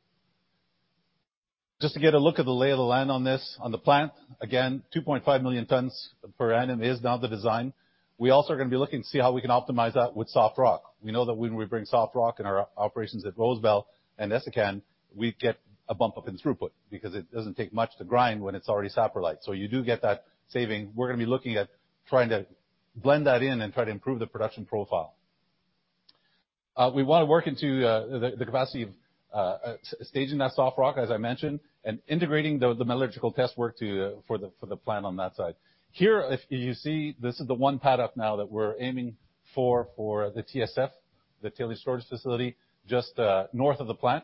Just to get a look at the lay of the land on this, on the plant, again, 2.5 million tons per annum is now the design. We also are going to be looking to see how we can optimize that with soft rock. We know that when we bring soft rock in our operations at Rosebel and Essakane, we get a bump up in throughput because it doesn't take much to grind when it's already saprolite. You do get that saving. We're going to be looking at trying to blend that in and try to improve the production profile. We want to work into the capacity of staging that soft rock, as I mentioned, and integrating the metallurgical test work for the plan on that side. Here, if you see, this is the one pad up now that we're aiming for the TSF, the Tailings Storage Facility, just north of the plant.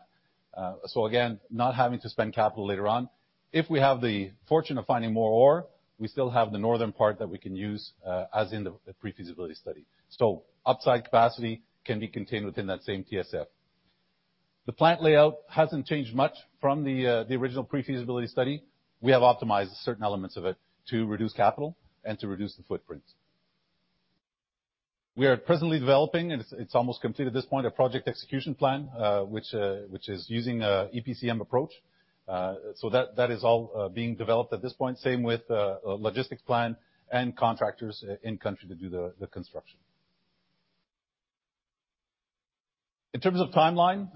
Again, not having to spend capital later on. If we have the fortune of finding more ore, we still have the northern part that we can use, as in the pre-feasibility study. Upside capacity can be contained within that same TSF. The plant layout hasn't changed much from the original pre-feasibility study. We have optimized certain elements of it to reduce capital and to reduce the footprint. We are presently developing, and it's almost complete at this point, a project execution plan, which is using EPCM approach. That is all being developed at this point, same with a logistics plan and contractors in country to do the construction. In terms of timeline,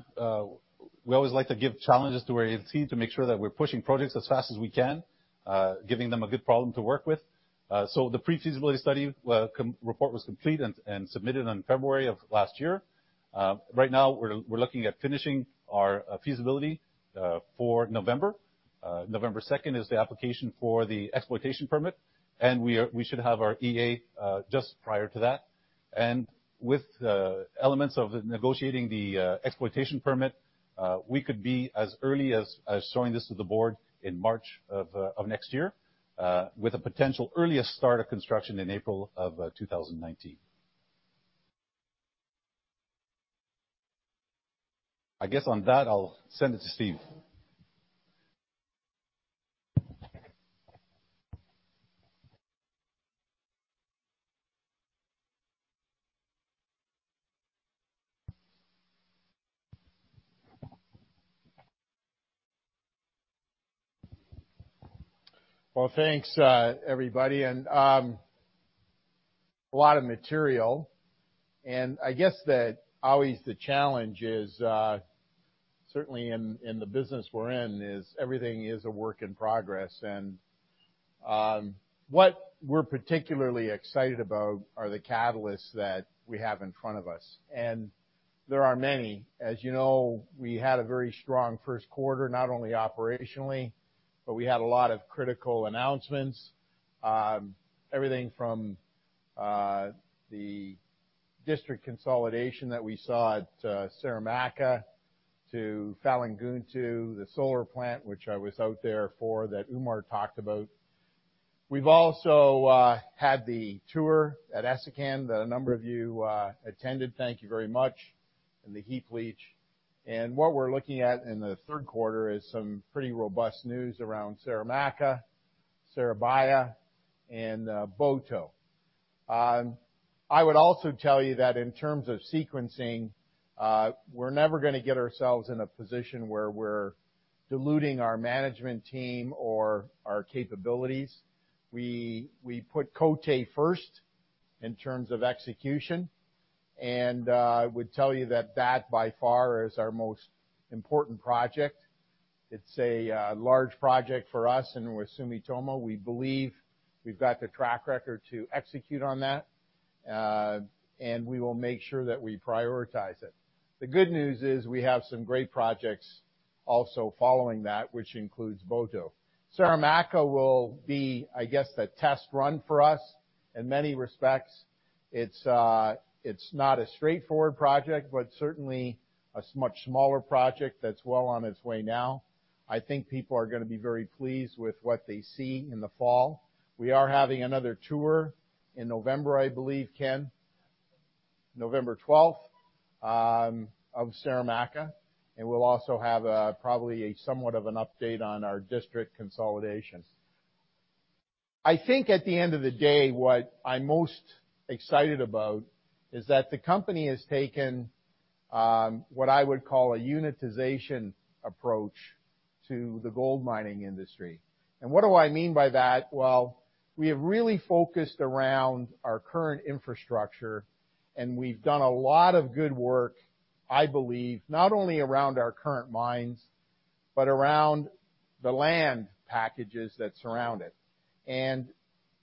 we always like to give challenges to our team to make sure that we're pushing projects as fast as we can, giving them a good problem to work with. The pre-feasibility study report was complete and submitted in February of last year. Right now, we're looking at finishing our feasibility for November. November 2nd is the application for the exploitation permit, and we should have our EA just prior to that. With elements of negotiating the exploitation permit, we could be as early as showing this to the board in March of next year with a potential earliest start of construction in April of 2019. I guess on that, I'll send it to Steve. Well, thanks, everybody, a lot of material. I guess that always the challenge is, certainly in the business we're in, is everything is a work in progress. What we're particularly excited about are the catalysts that we have in front of us, and there are many. As you know, we had a very strong first quarter, not only operationally, but we had a lot of critical announcements. Everything from the district consolidation that we saw at Saramacca to Falagountou, the solar plant, which I was out there for, that Oumar talked about. We've also had the tour at Essakane that a number of you attended, thank you very much, and the heap leach. What we're looking at in the third quarter is some pretty robust news around Saramacca, Siribaya, and Boto. I would also tell you that in terms of sequencing, we're never going to get ourselves in a position where we're diluting our management team or our capabilities. We put Côté first in terms of execution. I would tell you that that, by far, is our most important project. It's a large project for us and with Sumitomo. We believe we've got the track record to execute on that, and we will make sure that we prioritize it. The good news is we have some great projects also following that, which includes Boto. Saramacca will be, I guess, the test run for us in many respects. It's not a straightforward project, but certainly a much smaller project that's well on its way now. I think people are going to be very pleased with what they see in the fall. We are having another tour in November, I believe, Ken? November 12th, of Saramacca. We'll also have probably somewhat of an update on our district consolidation. I think at the end of the day, what I'm most excited about is that the company has taken what I would call a unitization approach to the gold mining industry. What do I mean by that? Well, we have really focused around our current infrastructure, and we've done a lot of good work, I believe, not only around our current mines, but around the land packages that surround it.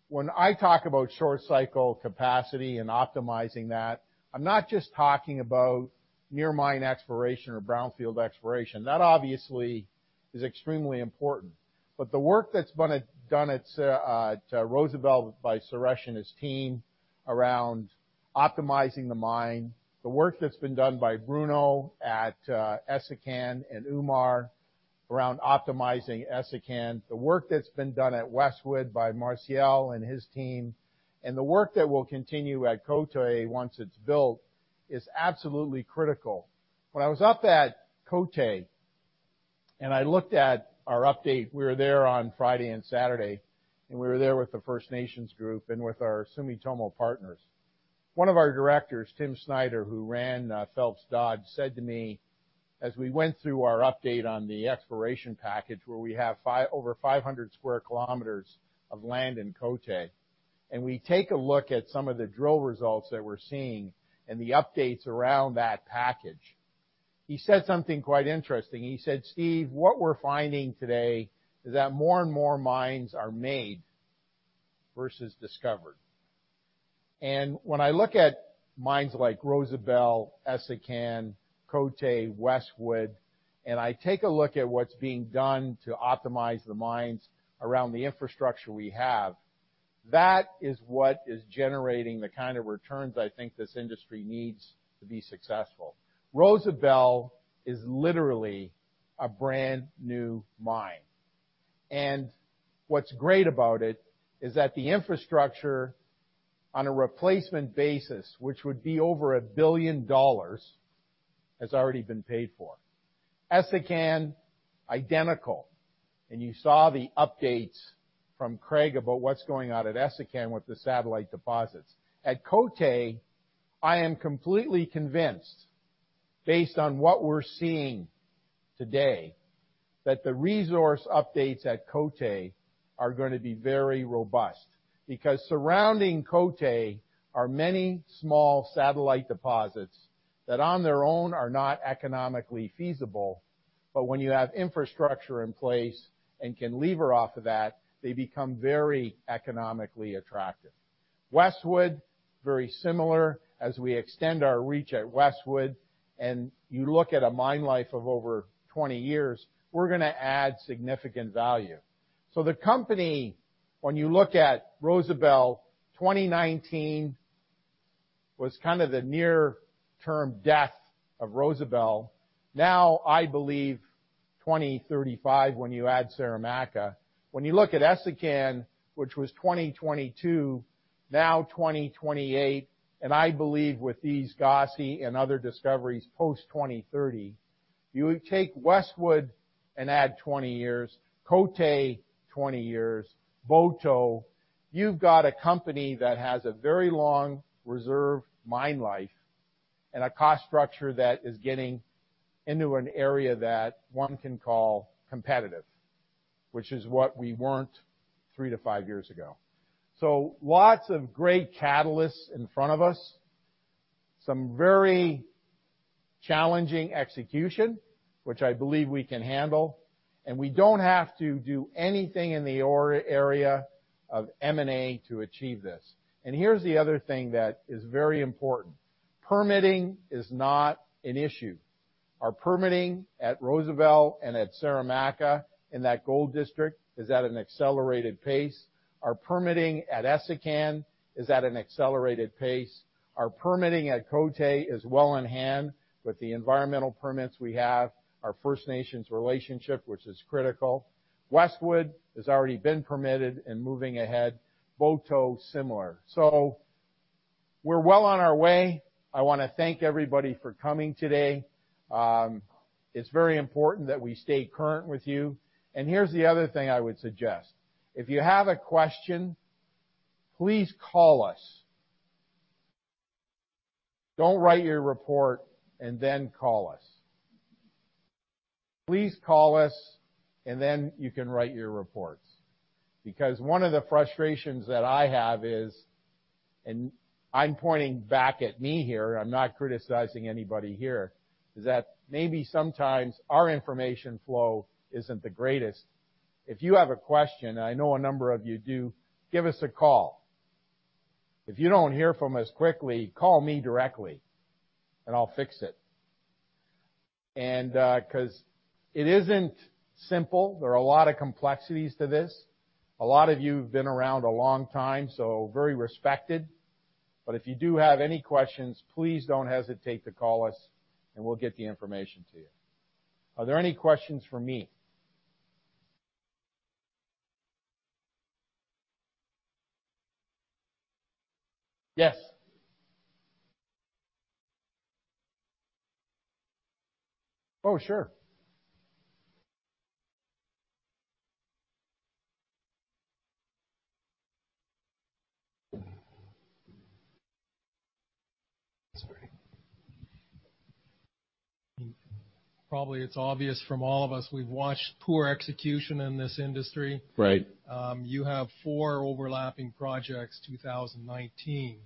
When I talk about short cycle capacity and optimizing that, I'm not just talking about near mine exploration or brownfield exploration. That obviously is extremely important. The work that's been done at Rosebel by Suresh and his team around optimizing the mine, the work that's been done by Bruno at Essakane, and Oumar around optimizing Essakane, the work that's been done at Westwood by Martial and his team, and the work that will continue at Côté once it's built is absolutely critical. When I was up at Côté and I looked at our update, we were there on Friday and Saturday, and we were there with the First Nations group and with our Sumitomo partners. One of our directors, Tim Snider, who ran Phelps Dodge, said to me as we went through our update on the exploration package, where we have over 500 sq km of land in Côté, and we take a look at some of the drill results that we're seeing and the updates around that package. He said something quite interesting. He said, "Steve, what we're finding today is that more and more mines are made." Versus discovered. When I look at mines like Rosebel, Essakane, Côté, Westwood, and I take a look at what's being done to optimize the mines around the infrastructure we have, that is what is generating the kind of returns I think this industry needs to be successful. Rosebel is literally a brand-new mine. What's great about it is that the infrastructure on a replacement basis, which would be over 1 billion dollars, has already been paid for. Essakane, identical. You saw the updates from Craig about what's going on at Essakane with the satellite deposits. At Côté, I am completely convinced, based on what we're seeing today, that the resource updates at Côté are going to be very robust because surrounding Côté are many small satellite deposits that on their own are not economically feasible. When you have infrastructure in place and can lever off of that, they become very economically attractive. Westwood, very similar. As we extend our reach at Westwood and you look at a mine life of over 20 years, we're going to add significant value. The company, when you look at Rosebel, 2019 was kind of the near-term death of Rosebel. Now, I believe 2035, when you add Saramacca. When you look at Essakane, which was 2022, now 2028. I believe with these Gosse and other discoveries, post-2030. You take Westwood and add 20 years, Côté 20 years, Boto. You've got a company that has a very long reserve mine life and a cost structure that is getting into an area that one can call competitive, which is what we weren't 3 to 5 years ago. Lots of great catalysts in front of us, some very challenging execution, which I believe we can handle, and we don't have to do anything in the area of M&A to achieve this. Here's the other thing that is very important. Permitting is not an issue. Our permitting at Rosebel and at Saramacca in that gold district is at an accelerated pace. Our permitting at Essakane is at an accelerated pace. Our permitting at Côté is well in hand with the environmental permits we have, our First Nations relationship, which is critical. Westwood has already been permitted and moving ahead. Boto, similar. We're well on our way. I want to thank everybody for coming today. It's very important that we stay current with you. Here's the other thing I would suggest. If you have a question, please call us. Don't write your report then call us. Please call us then you can write your reports. One of the frustrations that I have is, I'm pointing back at me here, I'm not criticizing anybody here, is that maybe sometimes our information flow isn't the greatest. If you have a question, I know a number of you do, give us a call. If you don't hear from us quickly, call me directly and I'll fix it. It isn't simple. There are a lot of complexities to this. A lot of you have been around a long time, so very respected. If you do have any questions, please don't hesitate to call us and we'll get the information to you. Are there any questions for me? Yes. Oh, sure. Sorry. Probably it's obvious from all of us, we've watched poor execution in this industry. Right. You have four overlapping projects, 2019.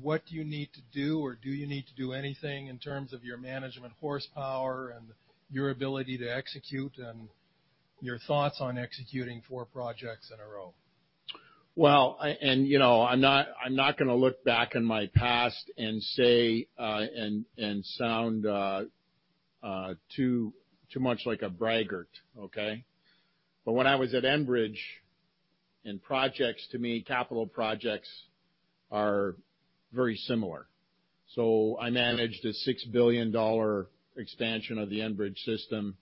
What do you need to do, or do you need to do anything in terms of your management horsepower and your ability to execute, and your thoughts on executing four projects in a row? Well, I'm not going to look back in my past and sound too much like a braggart, okay? When I was at Enbridge, and projects to me, capital projects are very similar. I managed a 6 billion dollar expansion of the Enbridge system,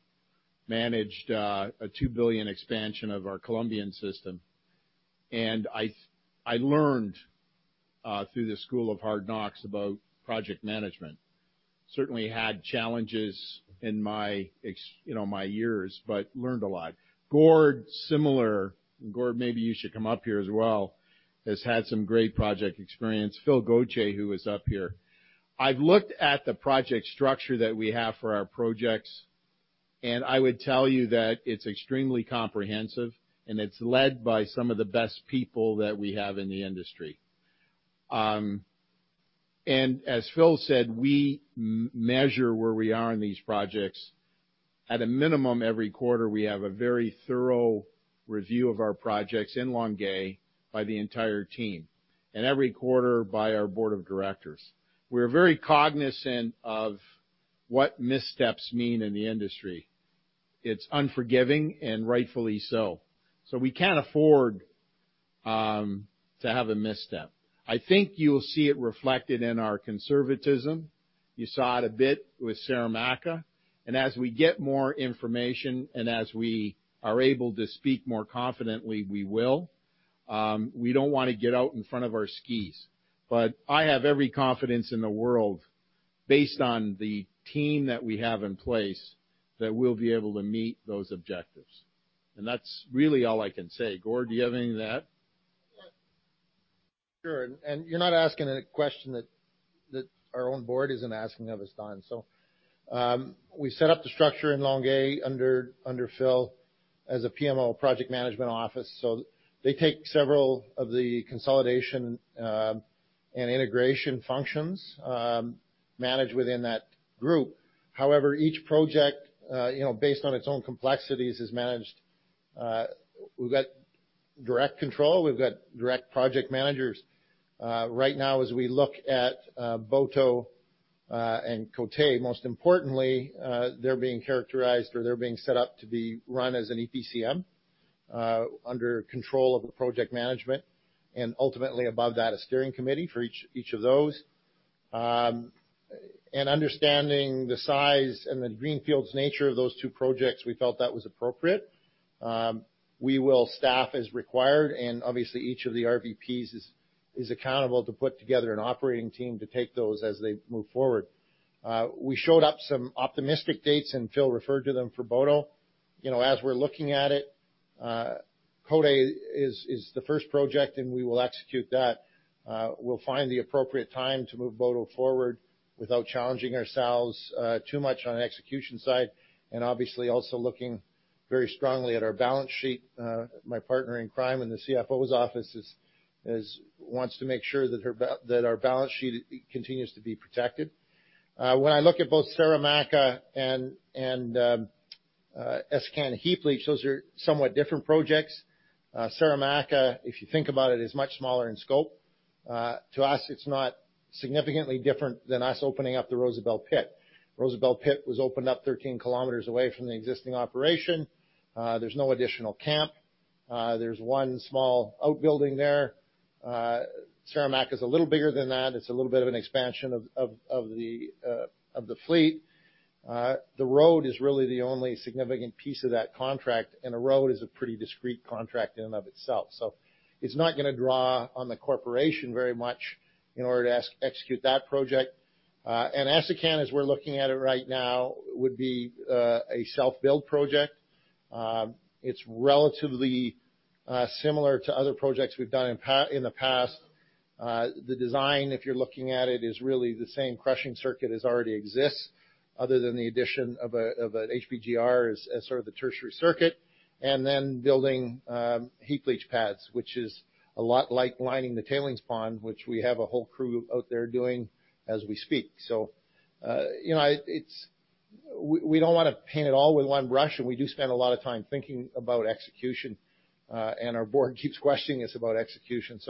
managed a 2 billion expansion of our Colombian system. I learned, through the school of hard knocks, about project management. Certainly had challenges in my years, but learned a lot. Gord, similar. Gord, maybe you should come up here as well, has had some great project experience. Phil Gauthier, who is up here. I've looked at the project structure that we have for our projects, and I would tell you that it's extremely comprehensive and it's led by some of the best people that we have in the industry. As Phil said, we measure where we are in these projects. At a minimum, every quarter, we have a very thorough review of our projects in Longueuil by the entire team, and every quarter by our board of directors. We're very cognizant of what missteps mean in the industry. It's unforgiving and rightfully so. We can't afford to have a misstep. I think you'll see it reflected in our conservatism. You saw it a bit with Saramacca. As we get more information, and as we are able to speak more confidently, we will. We don't want to get out in front of our skis. I have every confidence in the world, based on the team that we have in place, that we'll be able to meet those objectives. That's really all I can say. Gord, do you have anything to add? Sure. You're not asking a question that our own board isn't asking of us, Don. We set up the structure in Longueuil under Phil as a PMO, Project Management Office. They take several of the consolidation and integration functions managed within that group. However, each project, based on its own complexities, is managed. We've got direct control. We've got direct project managers. Right now, as we look at Boto and Côté, most importantly, they're being characterized or they're being set up to be run as an EPCM under control of the project management, and ultimately above that, a steering committee for each of those. Understanding the size and the greenfield's nature of those two projects, we felt that was appropriate. We will staff as required, and obviously each of the RVPs is accountable to put together an operating team to take those as they move forward. We showed up some optimistic dates, Phil referred to them for Boto. As we're looking at it, Côté is the first project, we will execute that. We'll find the appropriate time to move Boto forward without challenging ourselves too much on the execution side, obviously also looking very strongly at our balance sheet. My partner in crime in the CFO's office wants to make sure that our balance sheet continues to be protected. When I look at both Saramacca and Essakane heap leach, those are somewhat different projects. Saramacca, if you think about it, is much smaller in scope. To us, it's not significantly different than us opening up the Rosebel pit. Rosebel pit was opened up 13 km away from the existing operation. There's no additional camp. There's one small outbuilding there. Saramacca is a little bigger than that. It's a little bit of an expansion of the fleet. The road is really the only significant piece of that contract, a road is a pretty discreet contract in and of itself. It's not going to draw on the corporation very much in order to execute that project. Essakane, as we're looking at it right now, would be a self-build project. It's relatively similar to other projects we've done in the past. The design, if you're looking at it, is really the same crushing circuit as already exists, other than the addition of an HPGR as sort of the tertiary circuit, then building heap leach pads, which is a lot like lining the tailings pond, which we have a whole crew out there doing as we speak. We don't want to paint it all with one brush, and we do spend a lot of time thinking about execution, and our board keeps questioning us about execution.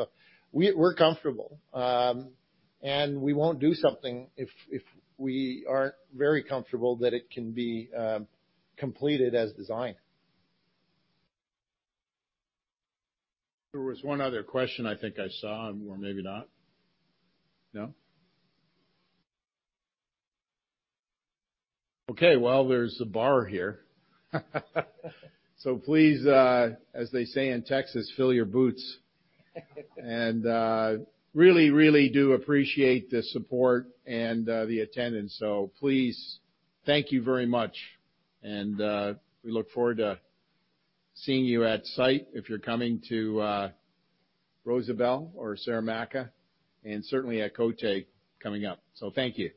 We're comfortable. We won't do something if we aren't very comfortable that it can be completed as designed. There was one other question I think I saw, or maybe not. No? Okay, well, there's the bar here. Please, as they say in Texas, fill your boots. Really, really do appreciate the support and the attendance. Please, thank you very much. We look forward to seeing you at site if you're coming to Rosebel or Saramacca, and certainly at Côté coming up. Thank you.